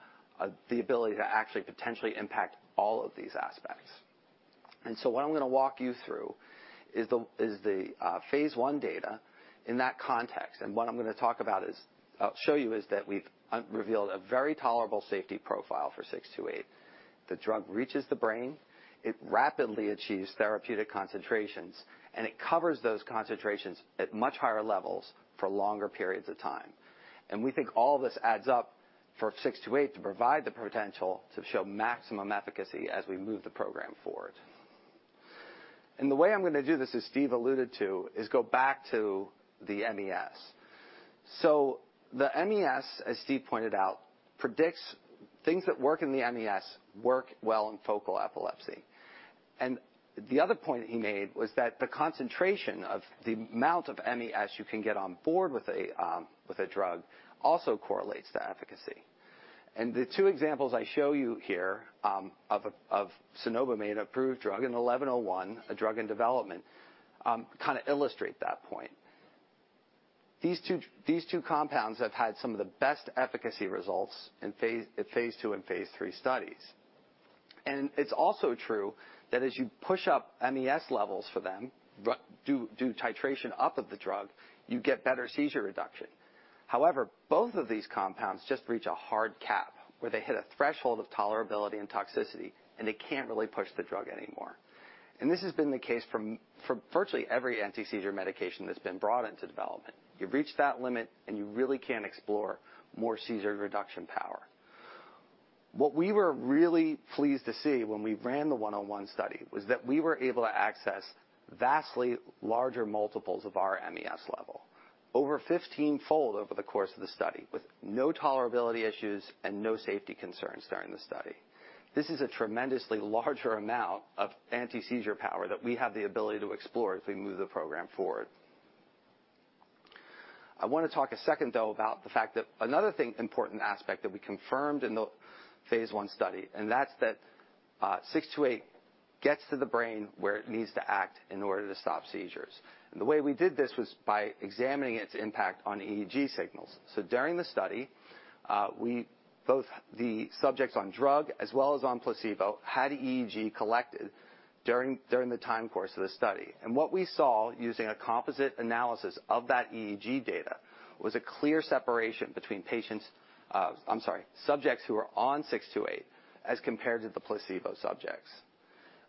S12: the ability to actually potentially impact all of these aspects. And so what I'm gonna walk you through is the phase I data in that context. And what I'm gonna talk about is. I'll show you, is that we've unveiled a very tolerable safety profile for 628. The drug reaches the brain, it rapidly achieves therapeutic concentrations, and it covers those concentrations at much higher levels for longer periods of time. And we think all this adds up for 628 to provide the potential to show maximum efficacy as we move the program forward. The way I'm gonna do this, as Steve alluded to, is go back to the MES. The MES, as Steve pointed out, predicts things that work in the MES work well in focal epilepsy. The other point he made was that the concentration of the amount of MES you can get on board with a, with a drug, also correlates to efficacy. The two examples I show you here, of a, of cenobamate, an approved drug, and 1101, a drug in development, kinda illustrate that point. These two, these two compounds have had some of the best efficacy results in phase, at phase II and phase III studies. It's also true that as you push up MES levels for them, but do titration up of the drug, you get better seizure reduction. However, both of these compounds just reach a hard cap, where they hit a threshold of tolerability and toxicity, and they can't really push the drug anymore. This has been the case from virtually every anti-seizure medication that's been brought into development. You've reached that limit, and you really can't explore more seizure reduction power. What we were really pleased to see when we ran the 101 study was that we were able to access vastly larger multiples of our MES level over 15-fold over the course of the study, with no tolerability issues and no safety concerns during the study. This is a tremendously larger amount of anti-seizure power that we have the ability to explore as we move the program forward. I want to talk a second, though, about the fact that another thing, important aspect that we confirmed in the phase I study, and that's that, 628 gets to the brain where it needs to act in order to stop seizures. And the way we did this was by examining its impact on EEG signals. So during the study, both the subjects on drug as well as on placebo had EEG collected during the time course of the study. And what we saw, using a composite analysis of that EEG data, was a clear separation between patients, subjects who were on 628 as compared to the placebo subjects.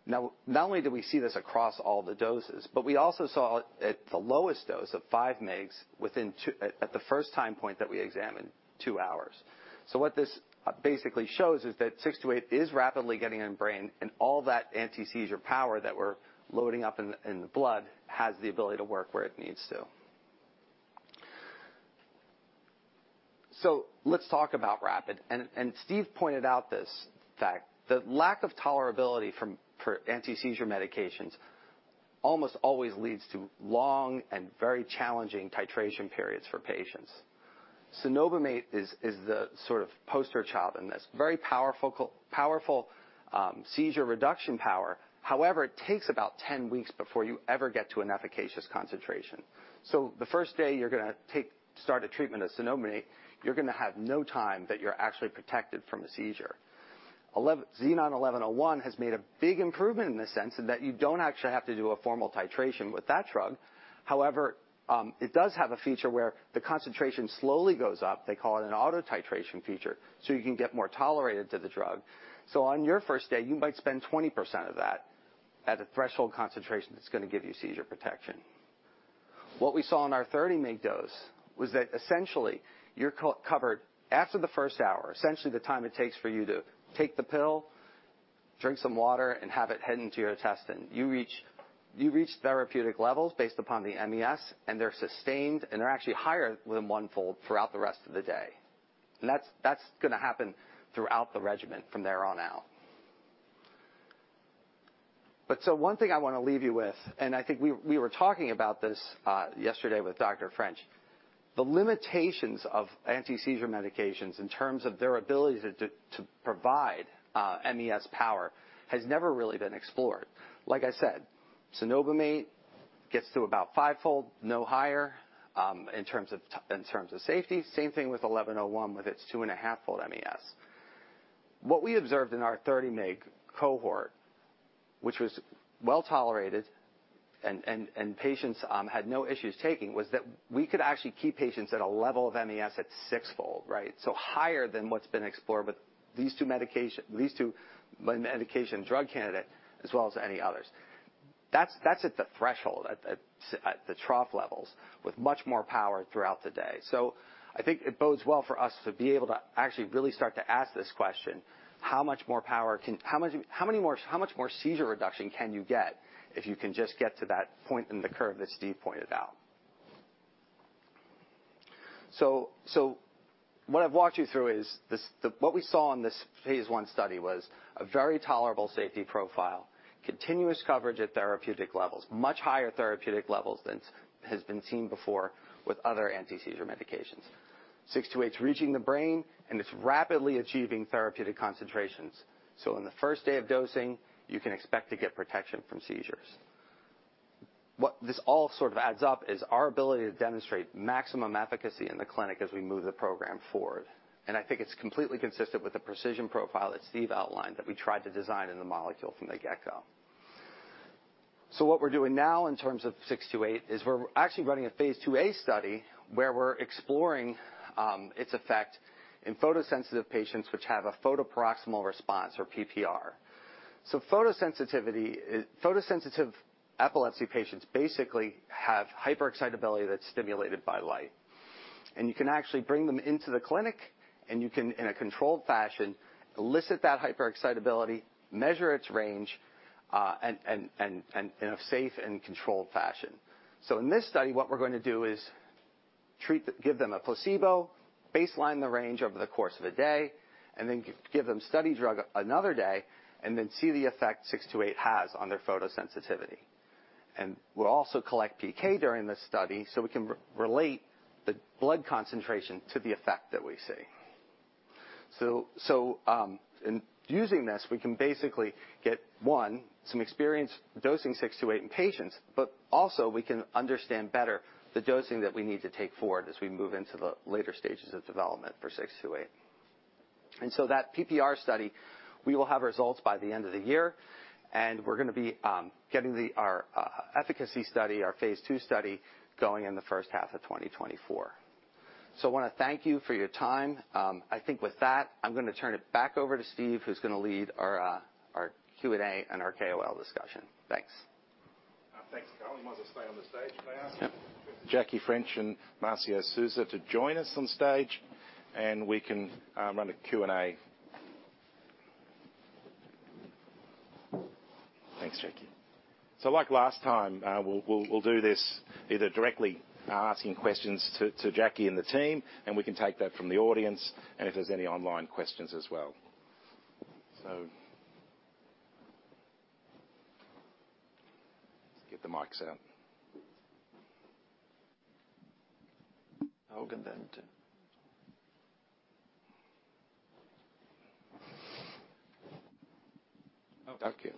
S12: Now, not only did we see this across all the doses, but we also saw it at the lowest dose of 5 mg within 2 hours, at the first time point that we examined: 2 hours. So what this basically shows is that 628 is rapidly getting into the brain, and all that anti-seizure power that we're loading up in the blood has the ability to work where it needs to. So let's talk about rapid. And Steve pointed out this fact, that lack of tolerability for anti-seizure medications almost always leads to long and very challenging titration periods for patients. Cenobamate is the sort of poster child in this, very powerful, powerful, seizure reduction power. However, it takes about 10 weeks before you ever get to an efficacious concentration. So the first day you're gonna take, start a treatment of cenobamate, you're gonna have no time that you're actually protected from a seizure. 11 – XEN1101 has made a big improvement in the sense that you don't actually have to do a formal titration with that drug. However, it does have a feature where the concentration slowly goes up. They call it an auto-titration feature, so you can get more tolerated to the drug. So on your first day, you might spend 20% of that at a threshold concentration that's gonna give you seizure protection. What we saw in our 30 mg dose was that essentially, you're covered after the first hour, essentially the time it takes for you to take the pill, drink some water, and have it head into your intestine. You reach, you reach therapeutic levels based upon the MES, and they're sustained, and they're actually higher than 1-fold throughout the rest of the day. And that's, that's gonna happen throughout the regimen from there on out. But so one thing I want to leave you with, and I think we, we were talking about this yesterday with Dr. French. The limitations of anti-seizure medications in terms of their ability to provide MES power has never really been explored. Like I said, cenobamate gets to about 5-fold, no higher, in terms of safety. Same thing with 1101, with its 2.5-fold MES. What we observed in our 30 mg cohort, which was well tolerated and patients had no issues taking, was that we could actually keep patients at a level of MES at six-fold, right? So higher than what's been explored with these two medication- these two medication drug candidate, as well as any others. That's at the threshold, at the trough levels, with much more power throughout the day. So I think it bodes well for us to be able to actually really start to ask this question: How much more power can. How much, how many more, how much more seizure reduction can you get if you can just get to that point in the curve that Steve pointed out? So what I've walked you through is this, the what we saw in this phase I study was a very tolerable safety profile, continuous coverage at therapeutic levels, much higher therapeutic levels than has been seen before with other anti-seizure medications. 628's reaching the brain, and it's rapidly achieving therapeutic concentrations. So in the first day of dosing, you can expect to get protection from seizures. What this all sort of adds up is our ability to demonstrate maximum efficacy in the clinic as we move the program forward. And I think it's completely consistent with the precision profile that Steve outlined, that we tried to design in the molecule from the get-go. So what we're doing now in terms of 628, is we're actually running a phase IIa study, where we're exploring its effect in photosensitive patients, which have a photoparoxysmal response or PPR. Photosensitivity, photosensitive epilepsy patients basically have hyperexcitability that's stimulated by light. You can actually bring them into the clinic, and you can, in a controlled fashion, elicit that hyperexcitability, measure its range, and in a safe and controlled fashion. In this study, what we're gonna do is treat—give them a placebo, baseline the range over the course of a day, and then give them study drug another day, and then see the effect 628 has on their photosensitivity. We'll also collect PK during this study, so we can relate the blood concentration to the effect that we see. In using this, we can basically get, one, some experience dosing 628 in patients, but also we can understand better the dosing that we need to take forward as we move into the later stages of development for 628. That PPR study, we will have results by the end of the year, and we're gonna be getting the, our, efficacy study, our phase II study, going in the H1 of 2024. I wanna thank you for your time. I think with that, I'm gonna turn it back over to Steve, who's gonna lead our Q&A and our KOL discussion. Thanks.
S11: Thanks, Karl. You want to stay on the stage?
S12: Yep.
S11: Jackie French and Marcio Souza to join us on stage, and we can run a Q&A. Thanks, Jackie. So like last time, we'll do this either directly asking questions to Jackie and the team, and we can take that from the audience, and if there's any online questions as well. So let's get the mics out. I'll get that. Thank you.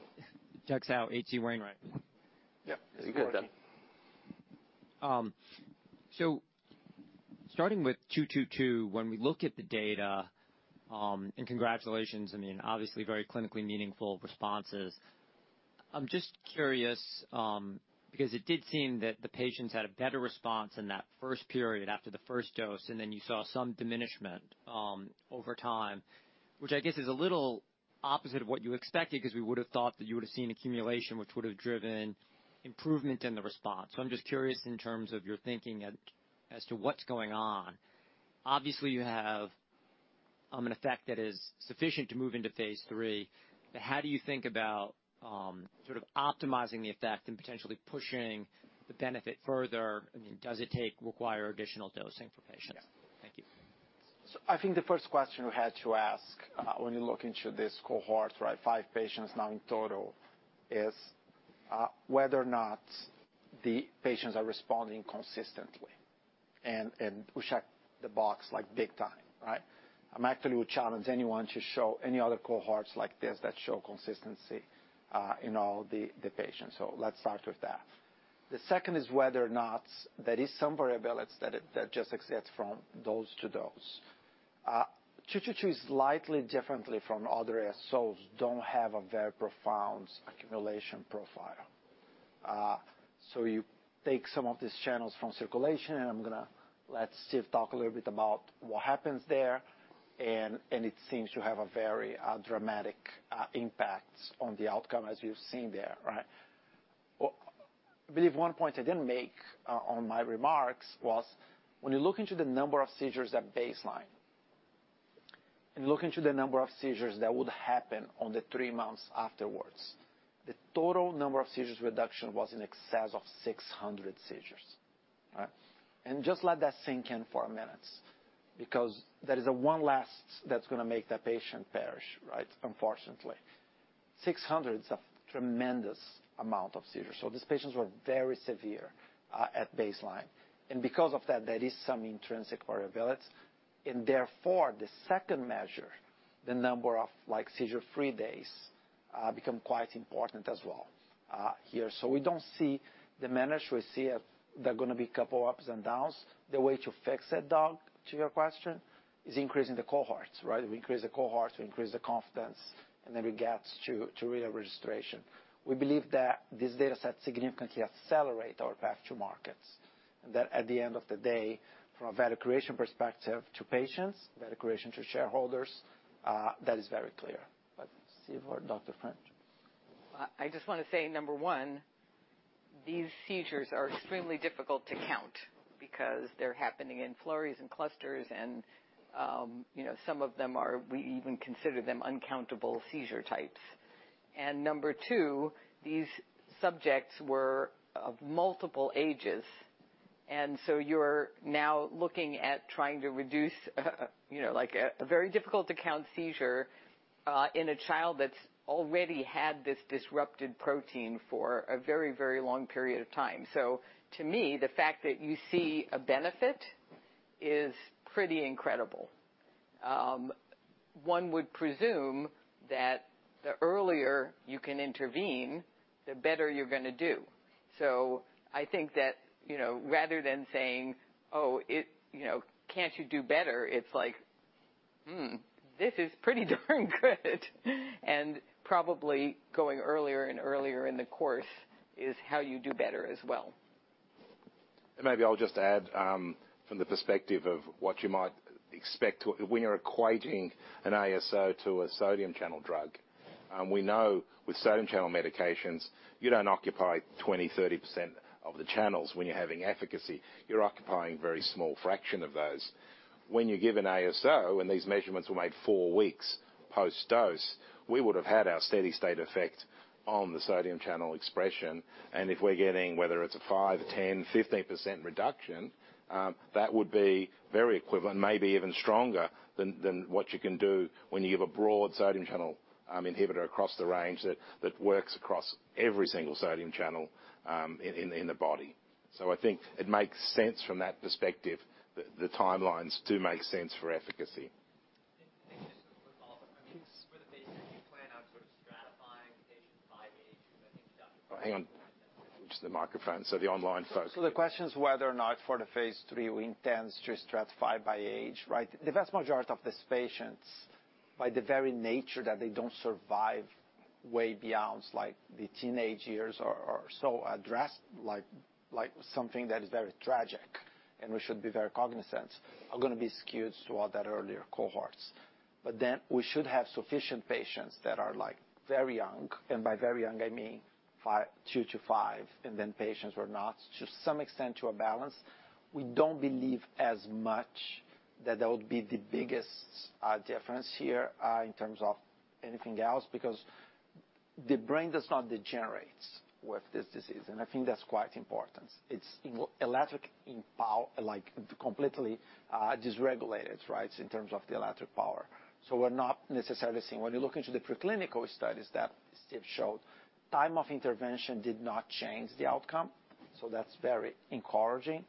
S7: Doug Tsao, H.C. Wainwright.
S11: Yep. Good.
S7: So starting with 222, when we look at the data, and congratulations, I mean, obviously, very clinically meaningful responses. I'm just curious, because it did seem that the patients had a better response in that first period after the first dose, and then you saw some diminishment, over time. Which I guess is a little opposite of what you expected, 'cause we would have thought that you would have seen accumulation, which would have driven improvement in the response. So I'm just curious in terms of your thinking as to what's going on. Obviously, you have an effect that is sufficient to move into phase III, but how do you think about sort of optimizing the effect and potentially pushing the benefit further? I mean, does it require additional dosing for patients?
S11: Yeah.
S7: Thank you.
S1: So I think the first question you had to ask, when you look into this cohort, right, 5 patients now in total, is, whether or not the patients are responding consistently, and we check the box, like, big time, right? I'm actually would challenge anyone to show any other cohorts like this that show consistency, in all the patients. So let's start with that. The second is whether or not there is some variability that just accepts from dose to dose. 222 is slightly differently from other ASOs, don't have a very profound accumulation profile. So you take some of these channels from circulation, and I'm gonna let Steve talk a little bit about what happens there, and it seems to have a very, dramatic, impact on the outcome, as you've seen there, right? Well, I believe one point I didn't make on my remarks was when you look into the number of seizures at baseline, and look into the number of seizures that would happen on the three months afterwards, the total number of seizures reduction was in excess of 600 seizures, right? And just let that sink in for a minute, because there is a one last that's gonna make that patient perish, right? Unfortunately. 600's a tremendous amount of seizures. So these patients were very severe at baseline. And because of that, there is some intrinsic variability, and therefore, the second measure, the number of, like, seizure-free days, become quite important as well here. So we don't see the mean, we see a, there are gonna be a couple ups and downs. The way to fix that, Doug, to your question, is increasing the cohorts, right? We increase the cohorts, we increase the confidence, and then we get to real registration. We believe that this data set significantly accelerate our path to markets, and that at the end of the day, from a value creation perspective to patients, value creation to shareholders, that is very clear. But Steve or Dr. French.
S13: I just wanna say, number one, these seizures are extremely difficult to count because they're happening in flurries and clusters and, you know, some of them are. We even consider them uncountable seizure types. And number two, these subjects were of multiple ages, and so you're now looking at trying to reduce, you know, like, a very difficult-to-count seizure, in a child that's already had this disrupted protein for a very, very long period of time. So to me, the fact that you see a benefit is pretty incredible. One would presume that the earlier you can intervene, the better you're gonna do. So I think that, you know, rather than saying: Oh, it, you know, can't you do better? It's like: Hmm, this is pretty darn good. And probably going earlier and earlier in the course is how you do better as well.
S11: And maybe I'll just add, from the perspective of what you might expect when you're equating an ASO to a sodium channel drug. We know with sodium channel medications, you don't occupy 20, 30% of the channels when you're having efficacy. You're occupying a very small fraction of those. When you give an ASO, when these measurements were made four weeks post-dose, we would have had our steady state effect on the sodium channel expression, and if we're getting, whether it's a 5, 10, 15% reduction, that would be very equivalent, maybe even stronger than what you can do when you give a broad sodium channel inhibitor across the range that works across every single sodium channel in the body. So I think it makes sense from that perspective, the timelines do make sense for efficacy.
S7: I think just a quick follow-up. I mean, for the phase III, you plan on sort of stratifying patients by age, I think, Dr. French.
S11: Oh, hang on. Just the microphone, so the online folks.
S1: So the question is whether or not for the phase III, we intends to stratify by age, right? The vast majority of these patients, by the very nature that they don't survive way beyond, like, the teenage years or so address, like, something that is very tragic and we should be very cognizant, are gonna be skewed toward that earlier cohorts. But then we should have sufficient patients that are, like, very young, and by very young, I mean two-five, and then patients who are not, to some extent, to a balance. We don't believe as much that that would be the biggest difference here in terms of anything else, because the brain does not degenerate with this disease, and I think that's quite important. It's electric in power, like, completely dysregulated, right, in terms of the electric power. So we're not necessarily seeing. When you look into the preclinical studies that Steve showed, time of intervention did not change the outcome, so that's very encouraging.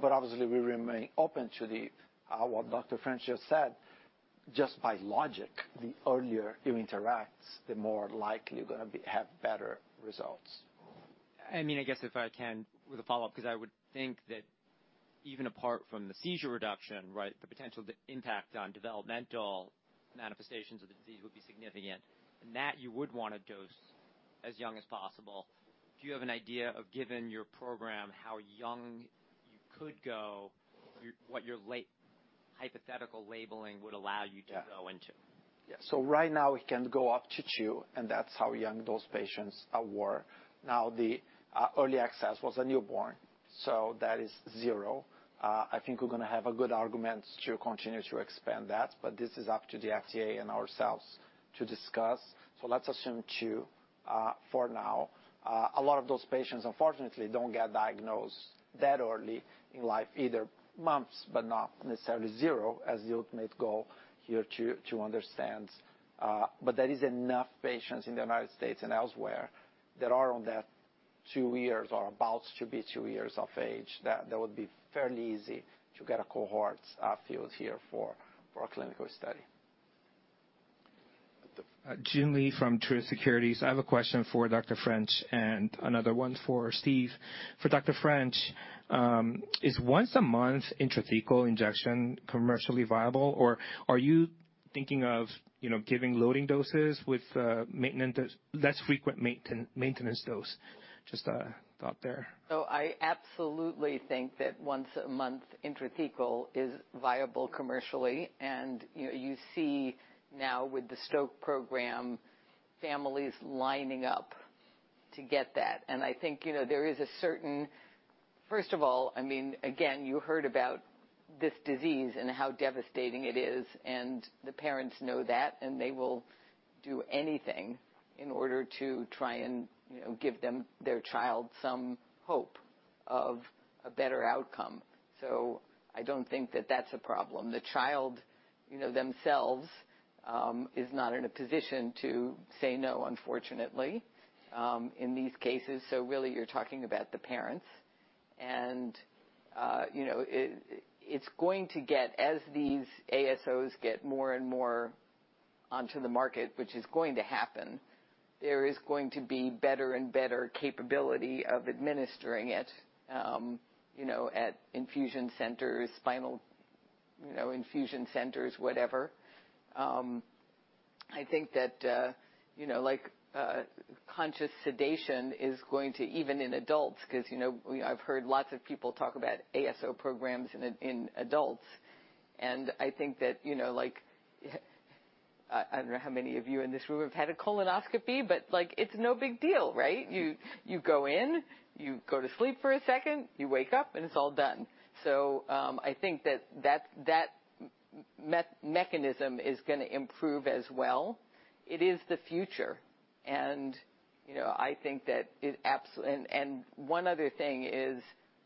S1: But obviously, we remain open to the, what Dr. French just said, just by logic, the earlier you interact, the more likely you're gonna have better results.
S7: I mean, I guess if I can, with a follow-up, 'cause I would think that even apart from the seizure reduction, right, the potential impact on developmental manifestations of the disease would be significant, and that you would want to dose as young as possible. Do you have an idea of, given your program, how young you could go, what your hypothetical labeling would allow you to go into?
S1: Yeah. So right now, we can go up to two, and that's how young those patients were. Now, the early access was a newborn, so that is zero. I think we're gonna have a good argument to continue to expand that, but this is up to the FDA and ourselves to discuss. So let's assume two for now. A lot of those patients, unfortunately, don't get diagnosed that early in life, either months, but not necessarily zero, as the ultimate goal here to understand. But there is enough patients in the United States and elsewhere that are on that two years or about to be two years of age, that that would be fairly easy to get a cohort filled here for a clinical study.
S5: Joon Lee from Truist Securities. I have a question for Dr. French and another one for Steve. For Dr. French, is once a month intrathecal injection commercially viable, or are you thinking of, you know, giving loading doses with maintenance, less frequent maintenance dose? Just a thought there.
S13: So I absolutely think that once a month intrathecal is viable commercially, and you know, you see now with the Stoke program, families lining up to get that. And I think, you know, there is a certain. First of all, I mean, again, you heard about this disease and how devastating it is, and the parents know that, and they will do anything in order to try and, you know, give them, their child, some hope of a better outcome. So I don't think that that's a problem. The child, you know, themselves, is not in a position to say no, unfortunately, in these cases. So really, you're talking about the parents. And, you know, it's going to get, as these ASOs get more and more onto the market, which is going to happen, there is going to be better and better capability of administering it, you know, at infusion centers, spinal, you know, infusion centers, whatever. I think that, you know, like, conscious sedation is going to, even in adults, 'cause, you know, I've heard lots of people talk about ASO programs in adults. And I think that, you know, like, I don't know how many of you in this room have had a colonoscopy, but, like, it's no big deal, right? You go in, you go to sleep for a second, you wake up, and it's all done. So, I think that mechanism is gonna improve as well. It is the future. You know, I think that it and one other thing is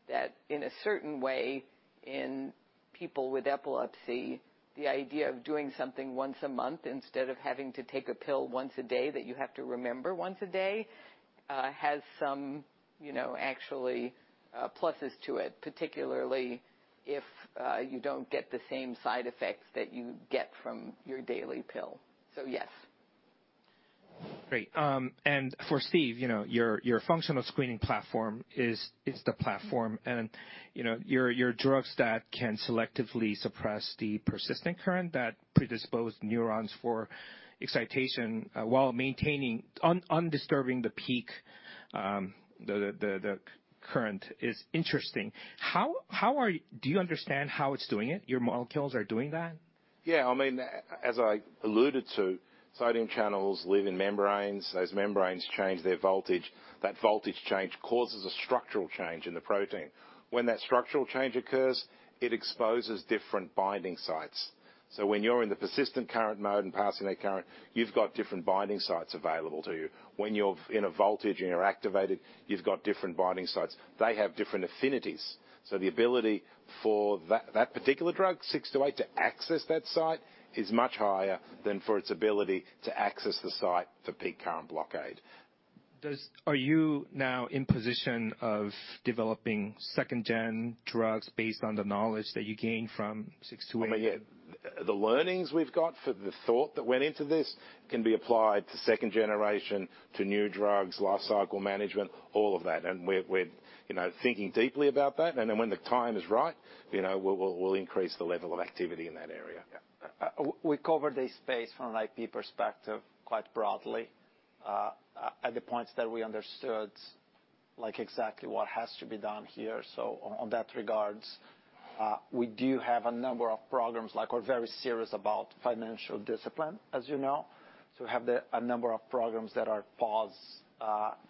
S13: that in a certain way, in people with epilepsy, the idea of doing something once a month instead of having to take a pill once a day, that you have to remember once a day, has some, you know, actually, pluses to it, particularly if you don't get the same side effects that you get from your daily pill. So, yes.
S5: Great, and for Steve, you know, your functional screening platform is, it's the platform and, you know, your drugs that can selectively suppress the persistent current that predispose neurons for excitation while maintaining, undisturbing the peak, the current is interesting. How do you understand how it's doing it, your molecules are doing that?
S11: Yeah, I mean, as I alluded to, sodium channels live in membranes. Those membranes change their voltage. That voltage change causes a structural change in the protein. When that structural change occurs, it exposes different binding sites. So when you're in the persistent current mode and passing that current, you've got different binding sites available to you. When you're inactivated and you're activated, you've got different binding sites. They have different affinities. So the ability for that, that particular drug, 628, to access that site is much higher than for its ability to access the site for peak current blockade.
S5: Are you now in position of developing second-gen drugs based on the knowledge that you gained from 628?
S11: I mean, yeah, the learnings we've got for the thought that went into this can be applied to second-generation, to new drugs, life-cycle management, all of that. And we're, you know, thinking deeply about that, and then when the time is right, you know, we'll increase the level of activity in that area.
S1: Yeah. We covered this space from an IP perspective quite broadly at the points that we understood like exactly what has to be done here. So on that regards, we do have a number of programs, like we're very serious about financial discipline, as you know. So we have a number of programs that are paused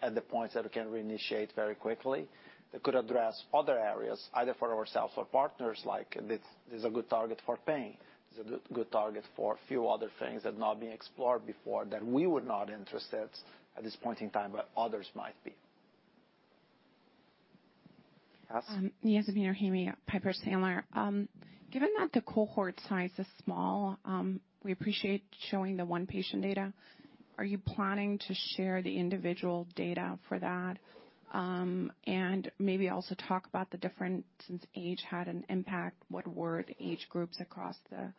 S1: at the point that we can reinitiate very quickly, that could address other areas, either for ourselves or partners, like this is a good target for pain. This is a good target for a few other things that have not been explored before, that we were not interested at this point in time, but others might be. Yes?
S4: Yes, Yasmeen Rahimi, Piper Sandler. Given that the cohort size is small, we appreciate showing the 1 patient data. Are you planning to share the individual data for that? And maybe also talk about the difference, since age had an impact, what were the age groups across the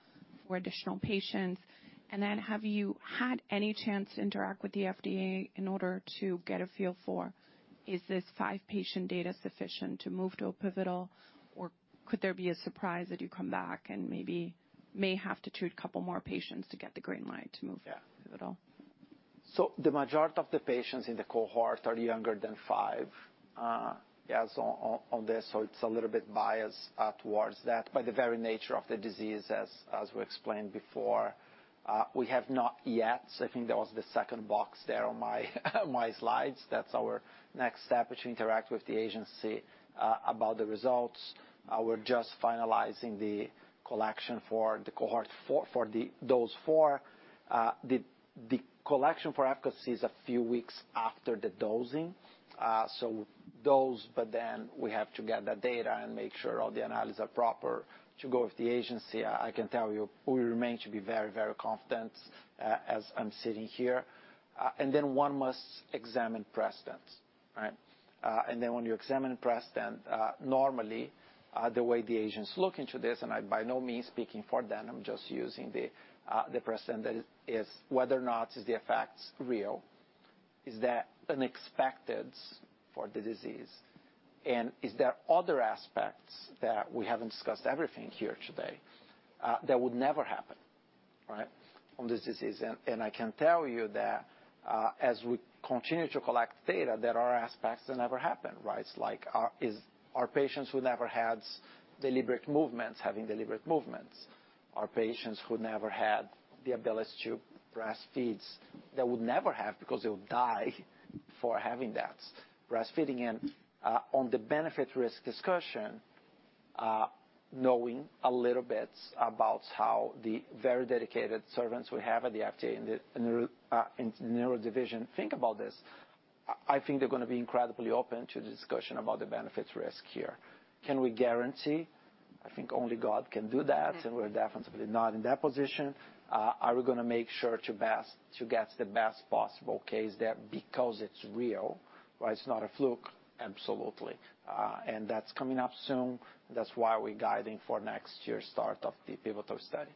S4: 4 additional patients? And then, have you had any chance to interact with the FDA in order to get a feel for, is this 5-patient data sufficient to move to a pivotal? Or could there be a surprise that you come back and maybe may have to treat a couple more patients to get the green light to move to pivotal.
S1: The majority of the patients in the cohort are younger than 5, as on this, so it's a little bit biased towards that, by the very nature of the disease, as we explained before. We have not yet, I think that was the second box there on my slides. That's our next step, which we interact with the agency about the results. We're just finalizing the collection for the cohort for dose 4. The collection for efficacy is a few weeks after the dosing. So dose, but then we have to get the data and make sure all the analysis are proper to go with the agency. I can tell you, we remain to be very, very confident, as I'm sitting here. One must examine precedence, right? And then when you examine precedent, normally, the way the agents look into this, and I'm by no means speaking for them, I'm just using the precedent, is whether or not the effects real? Is that unexpected for the disease? And is there other aspects that we haven't discussed everything here today that would never happen, right, on this disease? And I can tell you that, as we continue to collect data, there are aspects that never happen, right? Like, patients who never had deliberate movements, having deliberate movements, patients who never had the ability to breastfeed, they would never have because they would die before having that breastfeeding. On the benefit risk discussion, knowing a little bit about how the very dedicated servants we have at the FDA in the, in the neuro division think about this, I think they're going to be incredibly open to discussion about the benefits risk here. Can we guarantee? I think only God can do that, and we're definitely not in that position. Are we going to make sure to best- to get the best possible case there because it's real, but it's not a fluke? Absolutely. And that's coming up soon. That's why we're guiding for next year's start of the pivotal study.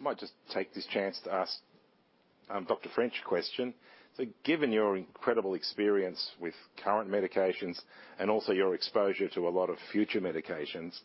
S11: I might just take this chance to ask, Dr. French a question. So given your incredible experience with current medications and also your exposure to a lot of future medications,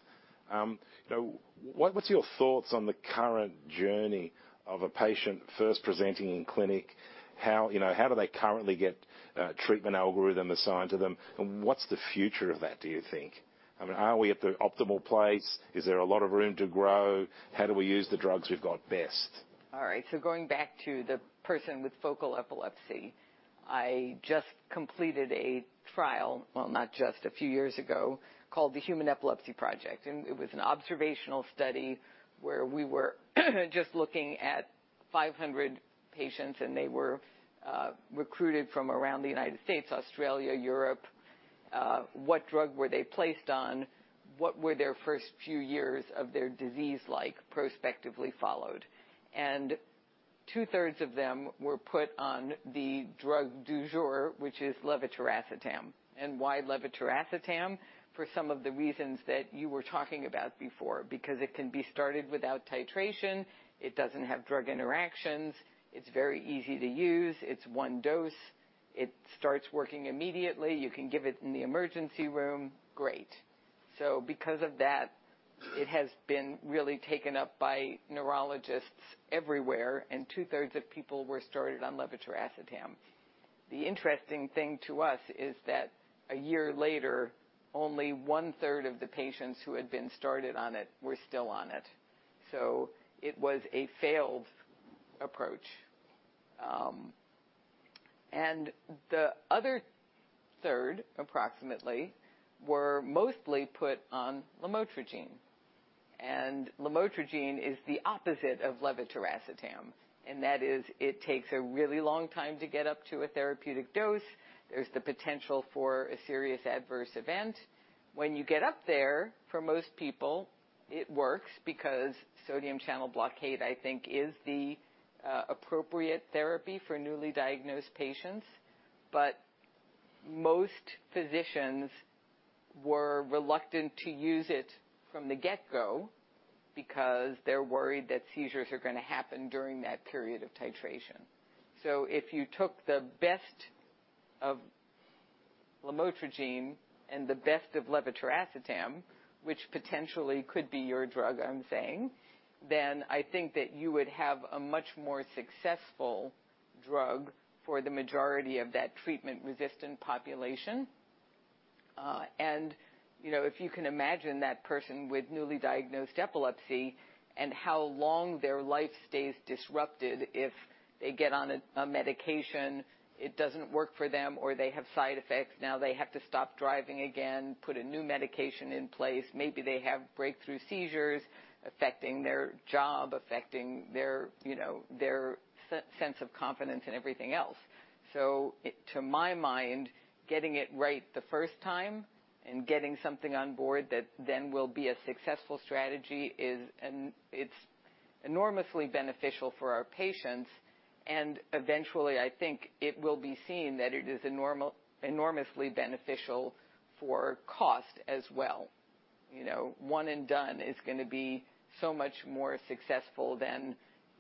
S11: you know, what's your thoughts on the current journey of a patient first presenting in clinic? How, you know, do they currently get a treatment algorithm assigned to them? And what's the future of that, do you think? I mean, are we at the optimal place? Is there a lot of room to grow? How do we use the drugs we've got best?
S13: All right, so going back to the person with focal epilepsy, I just completed a trial, well, not just, a few years ago, called the Human Epilepsy Project, and it was an observational study where we were just looking at 500 patients, and they were recruited from around the United States, Australia, Europe. What drug were they placed on? What were their first few years of their disease like, prospectively followed? Two-thirds of them were put on the drug du jour, which is levetiracetam. Why levetiracetam? For some of the reasons that you were talking about before, because it can be started without titration, it doesn't have drug interactions, it's very easy to use, it's one dose, it starts working immediately, you can give it in the emergency room. Great. So because of that, it has been really taken up by neurologists everywhere, and two-thirds of people were started on levetiracetam. The interesting thing to us is that a year later, only one-third of the patients who had been started on it were still on it. So it was a failed approach. And the other third, approximately, were mostly put on lamotrigine. And lamotrigine is the opposite of levetiracetam, and that is it takes a really long time to get up to a therapeutic dose. There's the potential for a serious adverse event. When you get up there, for most people, it works because sodium channel blockade, I think, is the appropriate therapy for newly diagnosed patients. But most physicians were reluctant to use it from the get-go because they're worried that seizures are gonna happen during that period of titration. So if you took the best of lamotrigine and the best of levetiracetam, which potentially could be your drug, I'm saying, then I think that you would have a much more successful drug for the majority of that treatment-resistant population. And, you know, if you can imagine that person with newly diagnosed epilepsy and how long their life stays disrupted, if they get on a medication, it doesn't work for them, or they have side effects. Now, they have to stop driving again, put a new medication in place. Maybe they have breakthrough seizures, affecting their job, affecting their, you know, their sense of confidence and everything else. So to my mind, getting it right the first time and getting something on board that then will be a successful strategy is, and it's enormously beneficial for our patients. Eventually, I think it will be seen that it is enormously beneficial for cost as well. You know, one and done is gonna be so much more successful than,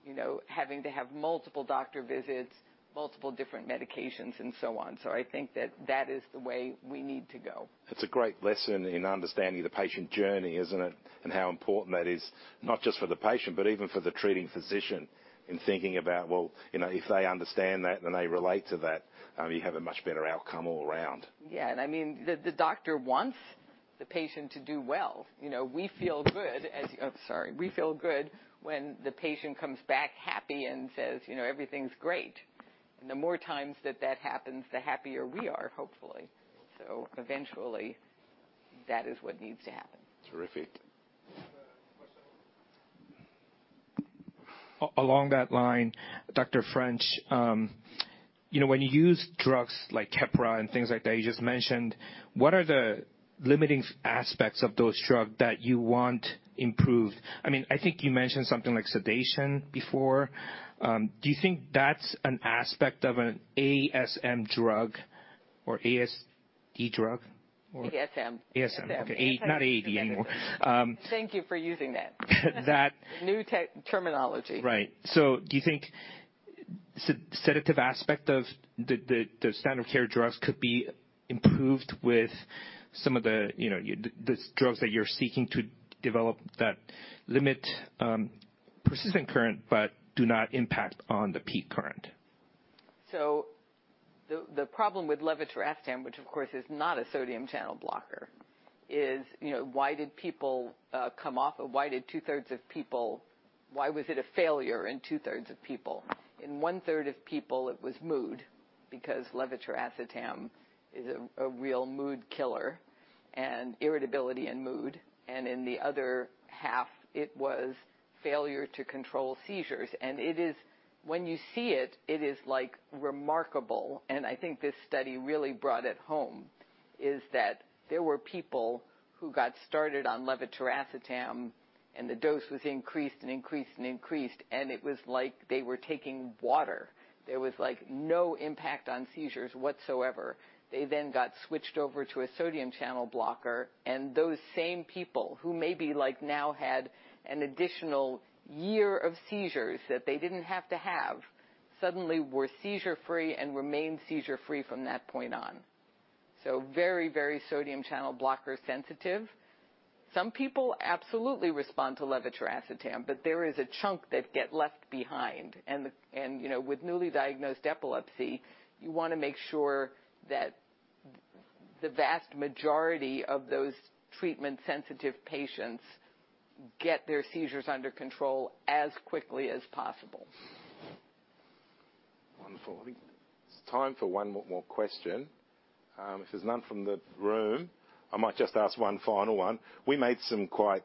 S13: you know, having to have multiple doctor visits, multiple different medications, and so on. So I think that that is the way we need to go.
S11: It's a great lesson in understanding the patient journey, isn't it? And how important that is, not just for the patient, but even for the treating physician, in thinking about, well, you know, if they understand that, and they relate to that, you have a much better outcome all around.
S13: Yeah, and I mean, the doctor wants the patient to do well. You know, we feel good when the patient comes back happy and says, "You know, everything's great." And the more times that that happens, the happier we are, hopefully. So eventually, that is what needs to happen.
S11: Terrific.
S5: Along that line, Dr. French, you know, when you use drugs like Keppra and things like that, you just mentioned, what are the limiting aspects of those drugs that you want improved? I mean, I think you mentioned something like sedation before. Do you think that's an aspect of an ASM drug or ASD drug or?
S13: ASM.
S5: ASM, okay. Not AED anymore.
S13: Thank you for using that.
S5: That.
S13: New terminology.
S5: Right. So do you think sedative aspect of the standard care drugs could be improved with some of the, you know, the drugs that you're seeking to develop that limit persistent current, but do not impact on the peak current?
S13: So the problem with levetiracetam, which, of course, is not a sodium channel blocker, is, you know, why did people come off, or why did two-thirds of people. Why was it a failure in two-thirds of people? In one-third of people, it was mood, because levetiracetam is a real mood killer, and irritability and mood, and in the other half, it was failure to control seizures. And it is, when you see it, it is like remarkable, and I think this study really brought it home, is that there were people who got started on levetiracetam, and the dose was increased and increased and increased, and it was like they were taking water. There was like no impact on seizures whatsoever. They then got switched over to a sodium channel blocker, and those same people who maybe like now had an additional year of seizures that they didn't have to have, suddenly were seizure-free and remained seizure-free from that point on. So very, very sodium channel blocker sensitive. Some people absolutely respond to levetiracetam, but there is a chunk that get left behind, and you know, with newly diagnosed epilepsy, you wanna make sure that the vast majority of those treatment-sensitive patients get their seizures under control as quickly as possible.
S11: 1:40. It's time for one more question. If there's none from the room, I might just ask one final one. We made some quite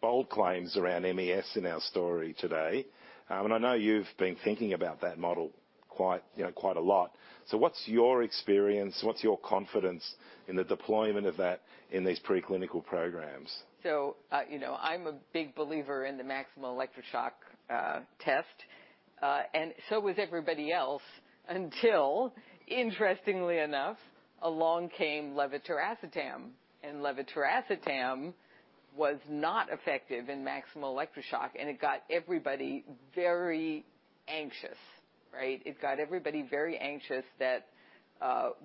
S11: bold claims around MES in our story today, and I know you've been thinking about that model quite, you know, quite a lot. So what's your experience? What's your confidence in the deployment of that in these preclinical programs?
S13: So, you know, I'm a big believer in the Maximal Electroshock test, and so was everybody else until, interestingly enough, along came levetiracetam, and levetiracetam was not effective in Maximal Electroshock, and it got everybody very anxious, right? It got everybody very anxious that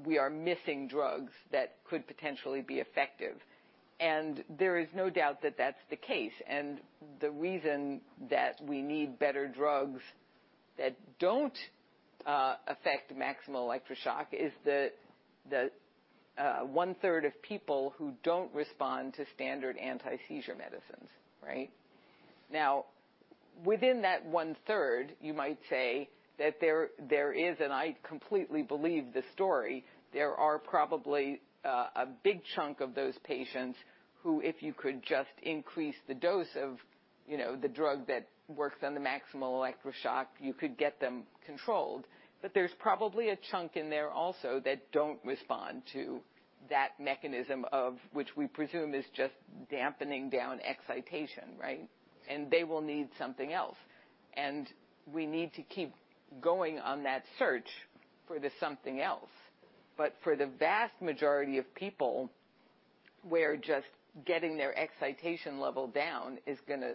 S13: we are missing drugs that could potentially be effective. And there is no doubt that that's the case. And the reason that we need better drugs that don't affect Maximal Electroshock is that, the one-third of people who don't respond to standard anti-seizure medicines, right? Now, within that one-third, you might say that there, there is, and I completely believe this story, there are probably a big chunk of those patients who, if you could just increase the dose of, you know, the drug that works on the Maximal Electroshock, you could get them controlled. But there's probably a chunk in there also that don't respond to that mechanism of which we presume is just dampening down excitation, right? And they will need something else. And we need to keep going on that search for the something else. But for the vast majority of people where just getting their excitation level down is going to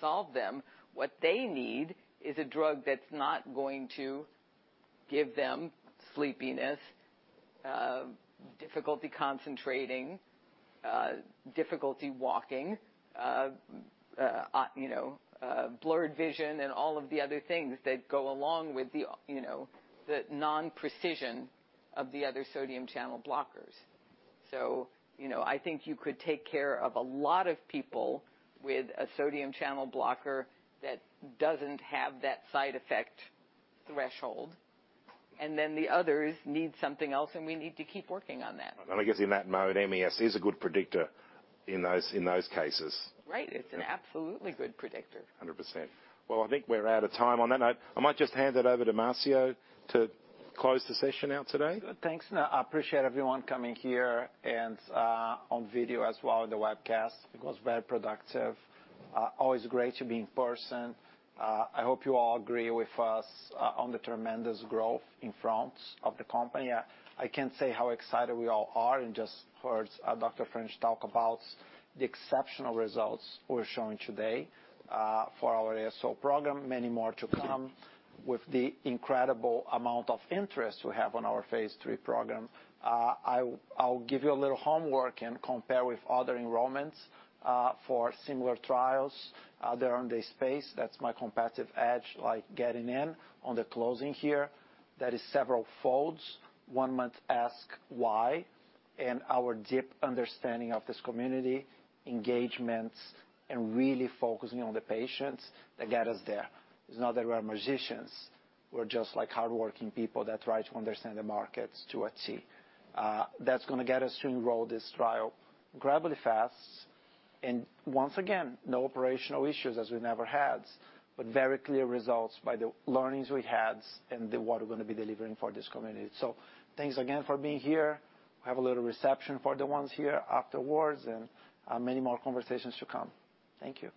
S13: solve them. What they need is a drug that's not going to give them sleepiness, difficulty concentrating, difficulty walking, you know, blurred vision, and all of the other things that go along with the, you know, the non-precision of the other sodium channel blockers. So, you know, I think you could take care of a lot of people with a sodium channel blocker that doesn't have that side effect threshold, and then the others need something else, and we need to keep working on that.
S11: I guess in that mode, MES is a good predictor in those cases.
S13: Right. It's an absolutely good predictor.
S11: 100%. Well, I think we're out of time on that note. I might just hand it over to Marcio to close the session out today.
S1: Good. Thanks. I appreciate everyone coming here and on video as well, the webcast. It was very productive. Always great to be in person. I hope you all agree with us on the tremendous growth in front of the company. I can't say how excited we all are and just heard Dr. French talk about the exceptional results we're showing today for our ASO program. Many more to come with the incredible amount of interest we have on our phase III program. I'll give you a little homework and compare with other enrollments for similar trials in the space. That's my competitive edge, like, getting in on the closing here. That is several folds. One might ask why, and our deep understanding of this community, engagement, and really focusing on the patients that get us there. It's not that we're magicians, we're just like hardworking people that try to understand the markets to a T. That's gonna get us to enroll this trial incredibly fast. And once again, no operational issues, as we never had, but very clear results by the learnings we had and what we're gonna be delivering for this community. So thanks again for being here. We have a little reception for the ones here afterwards, and, many more conversations to come. Thank you.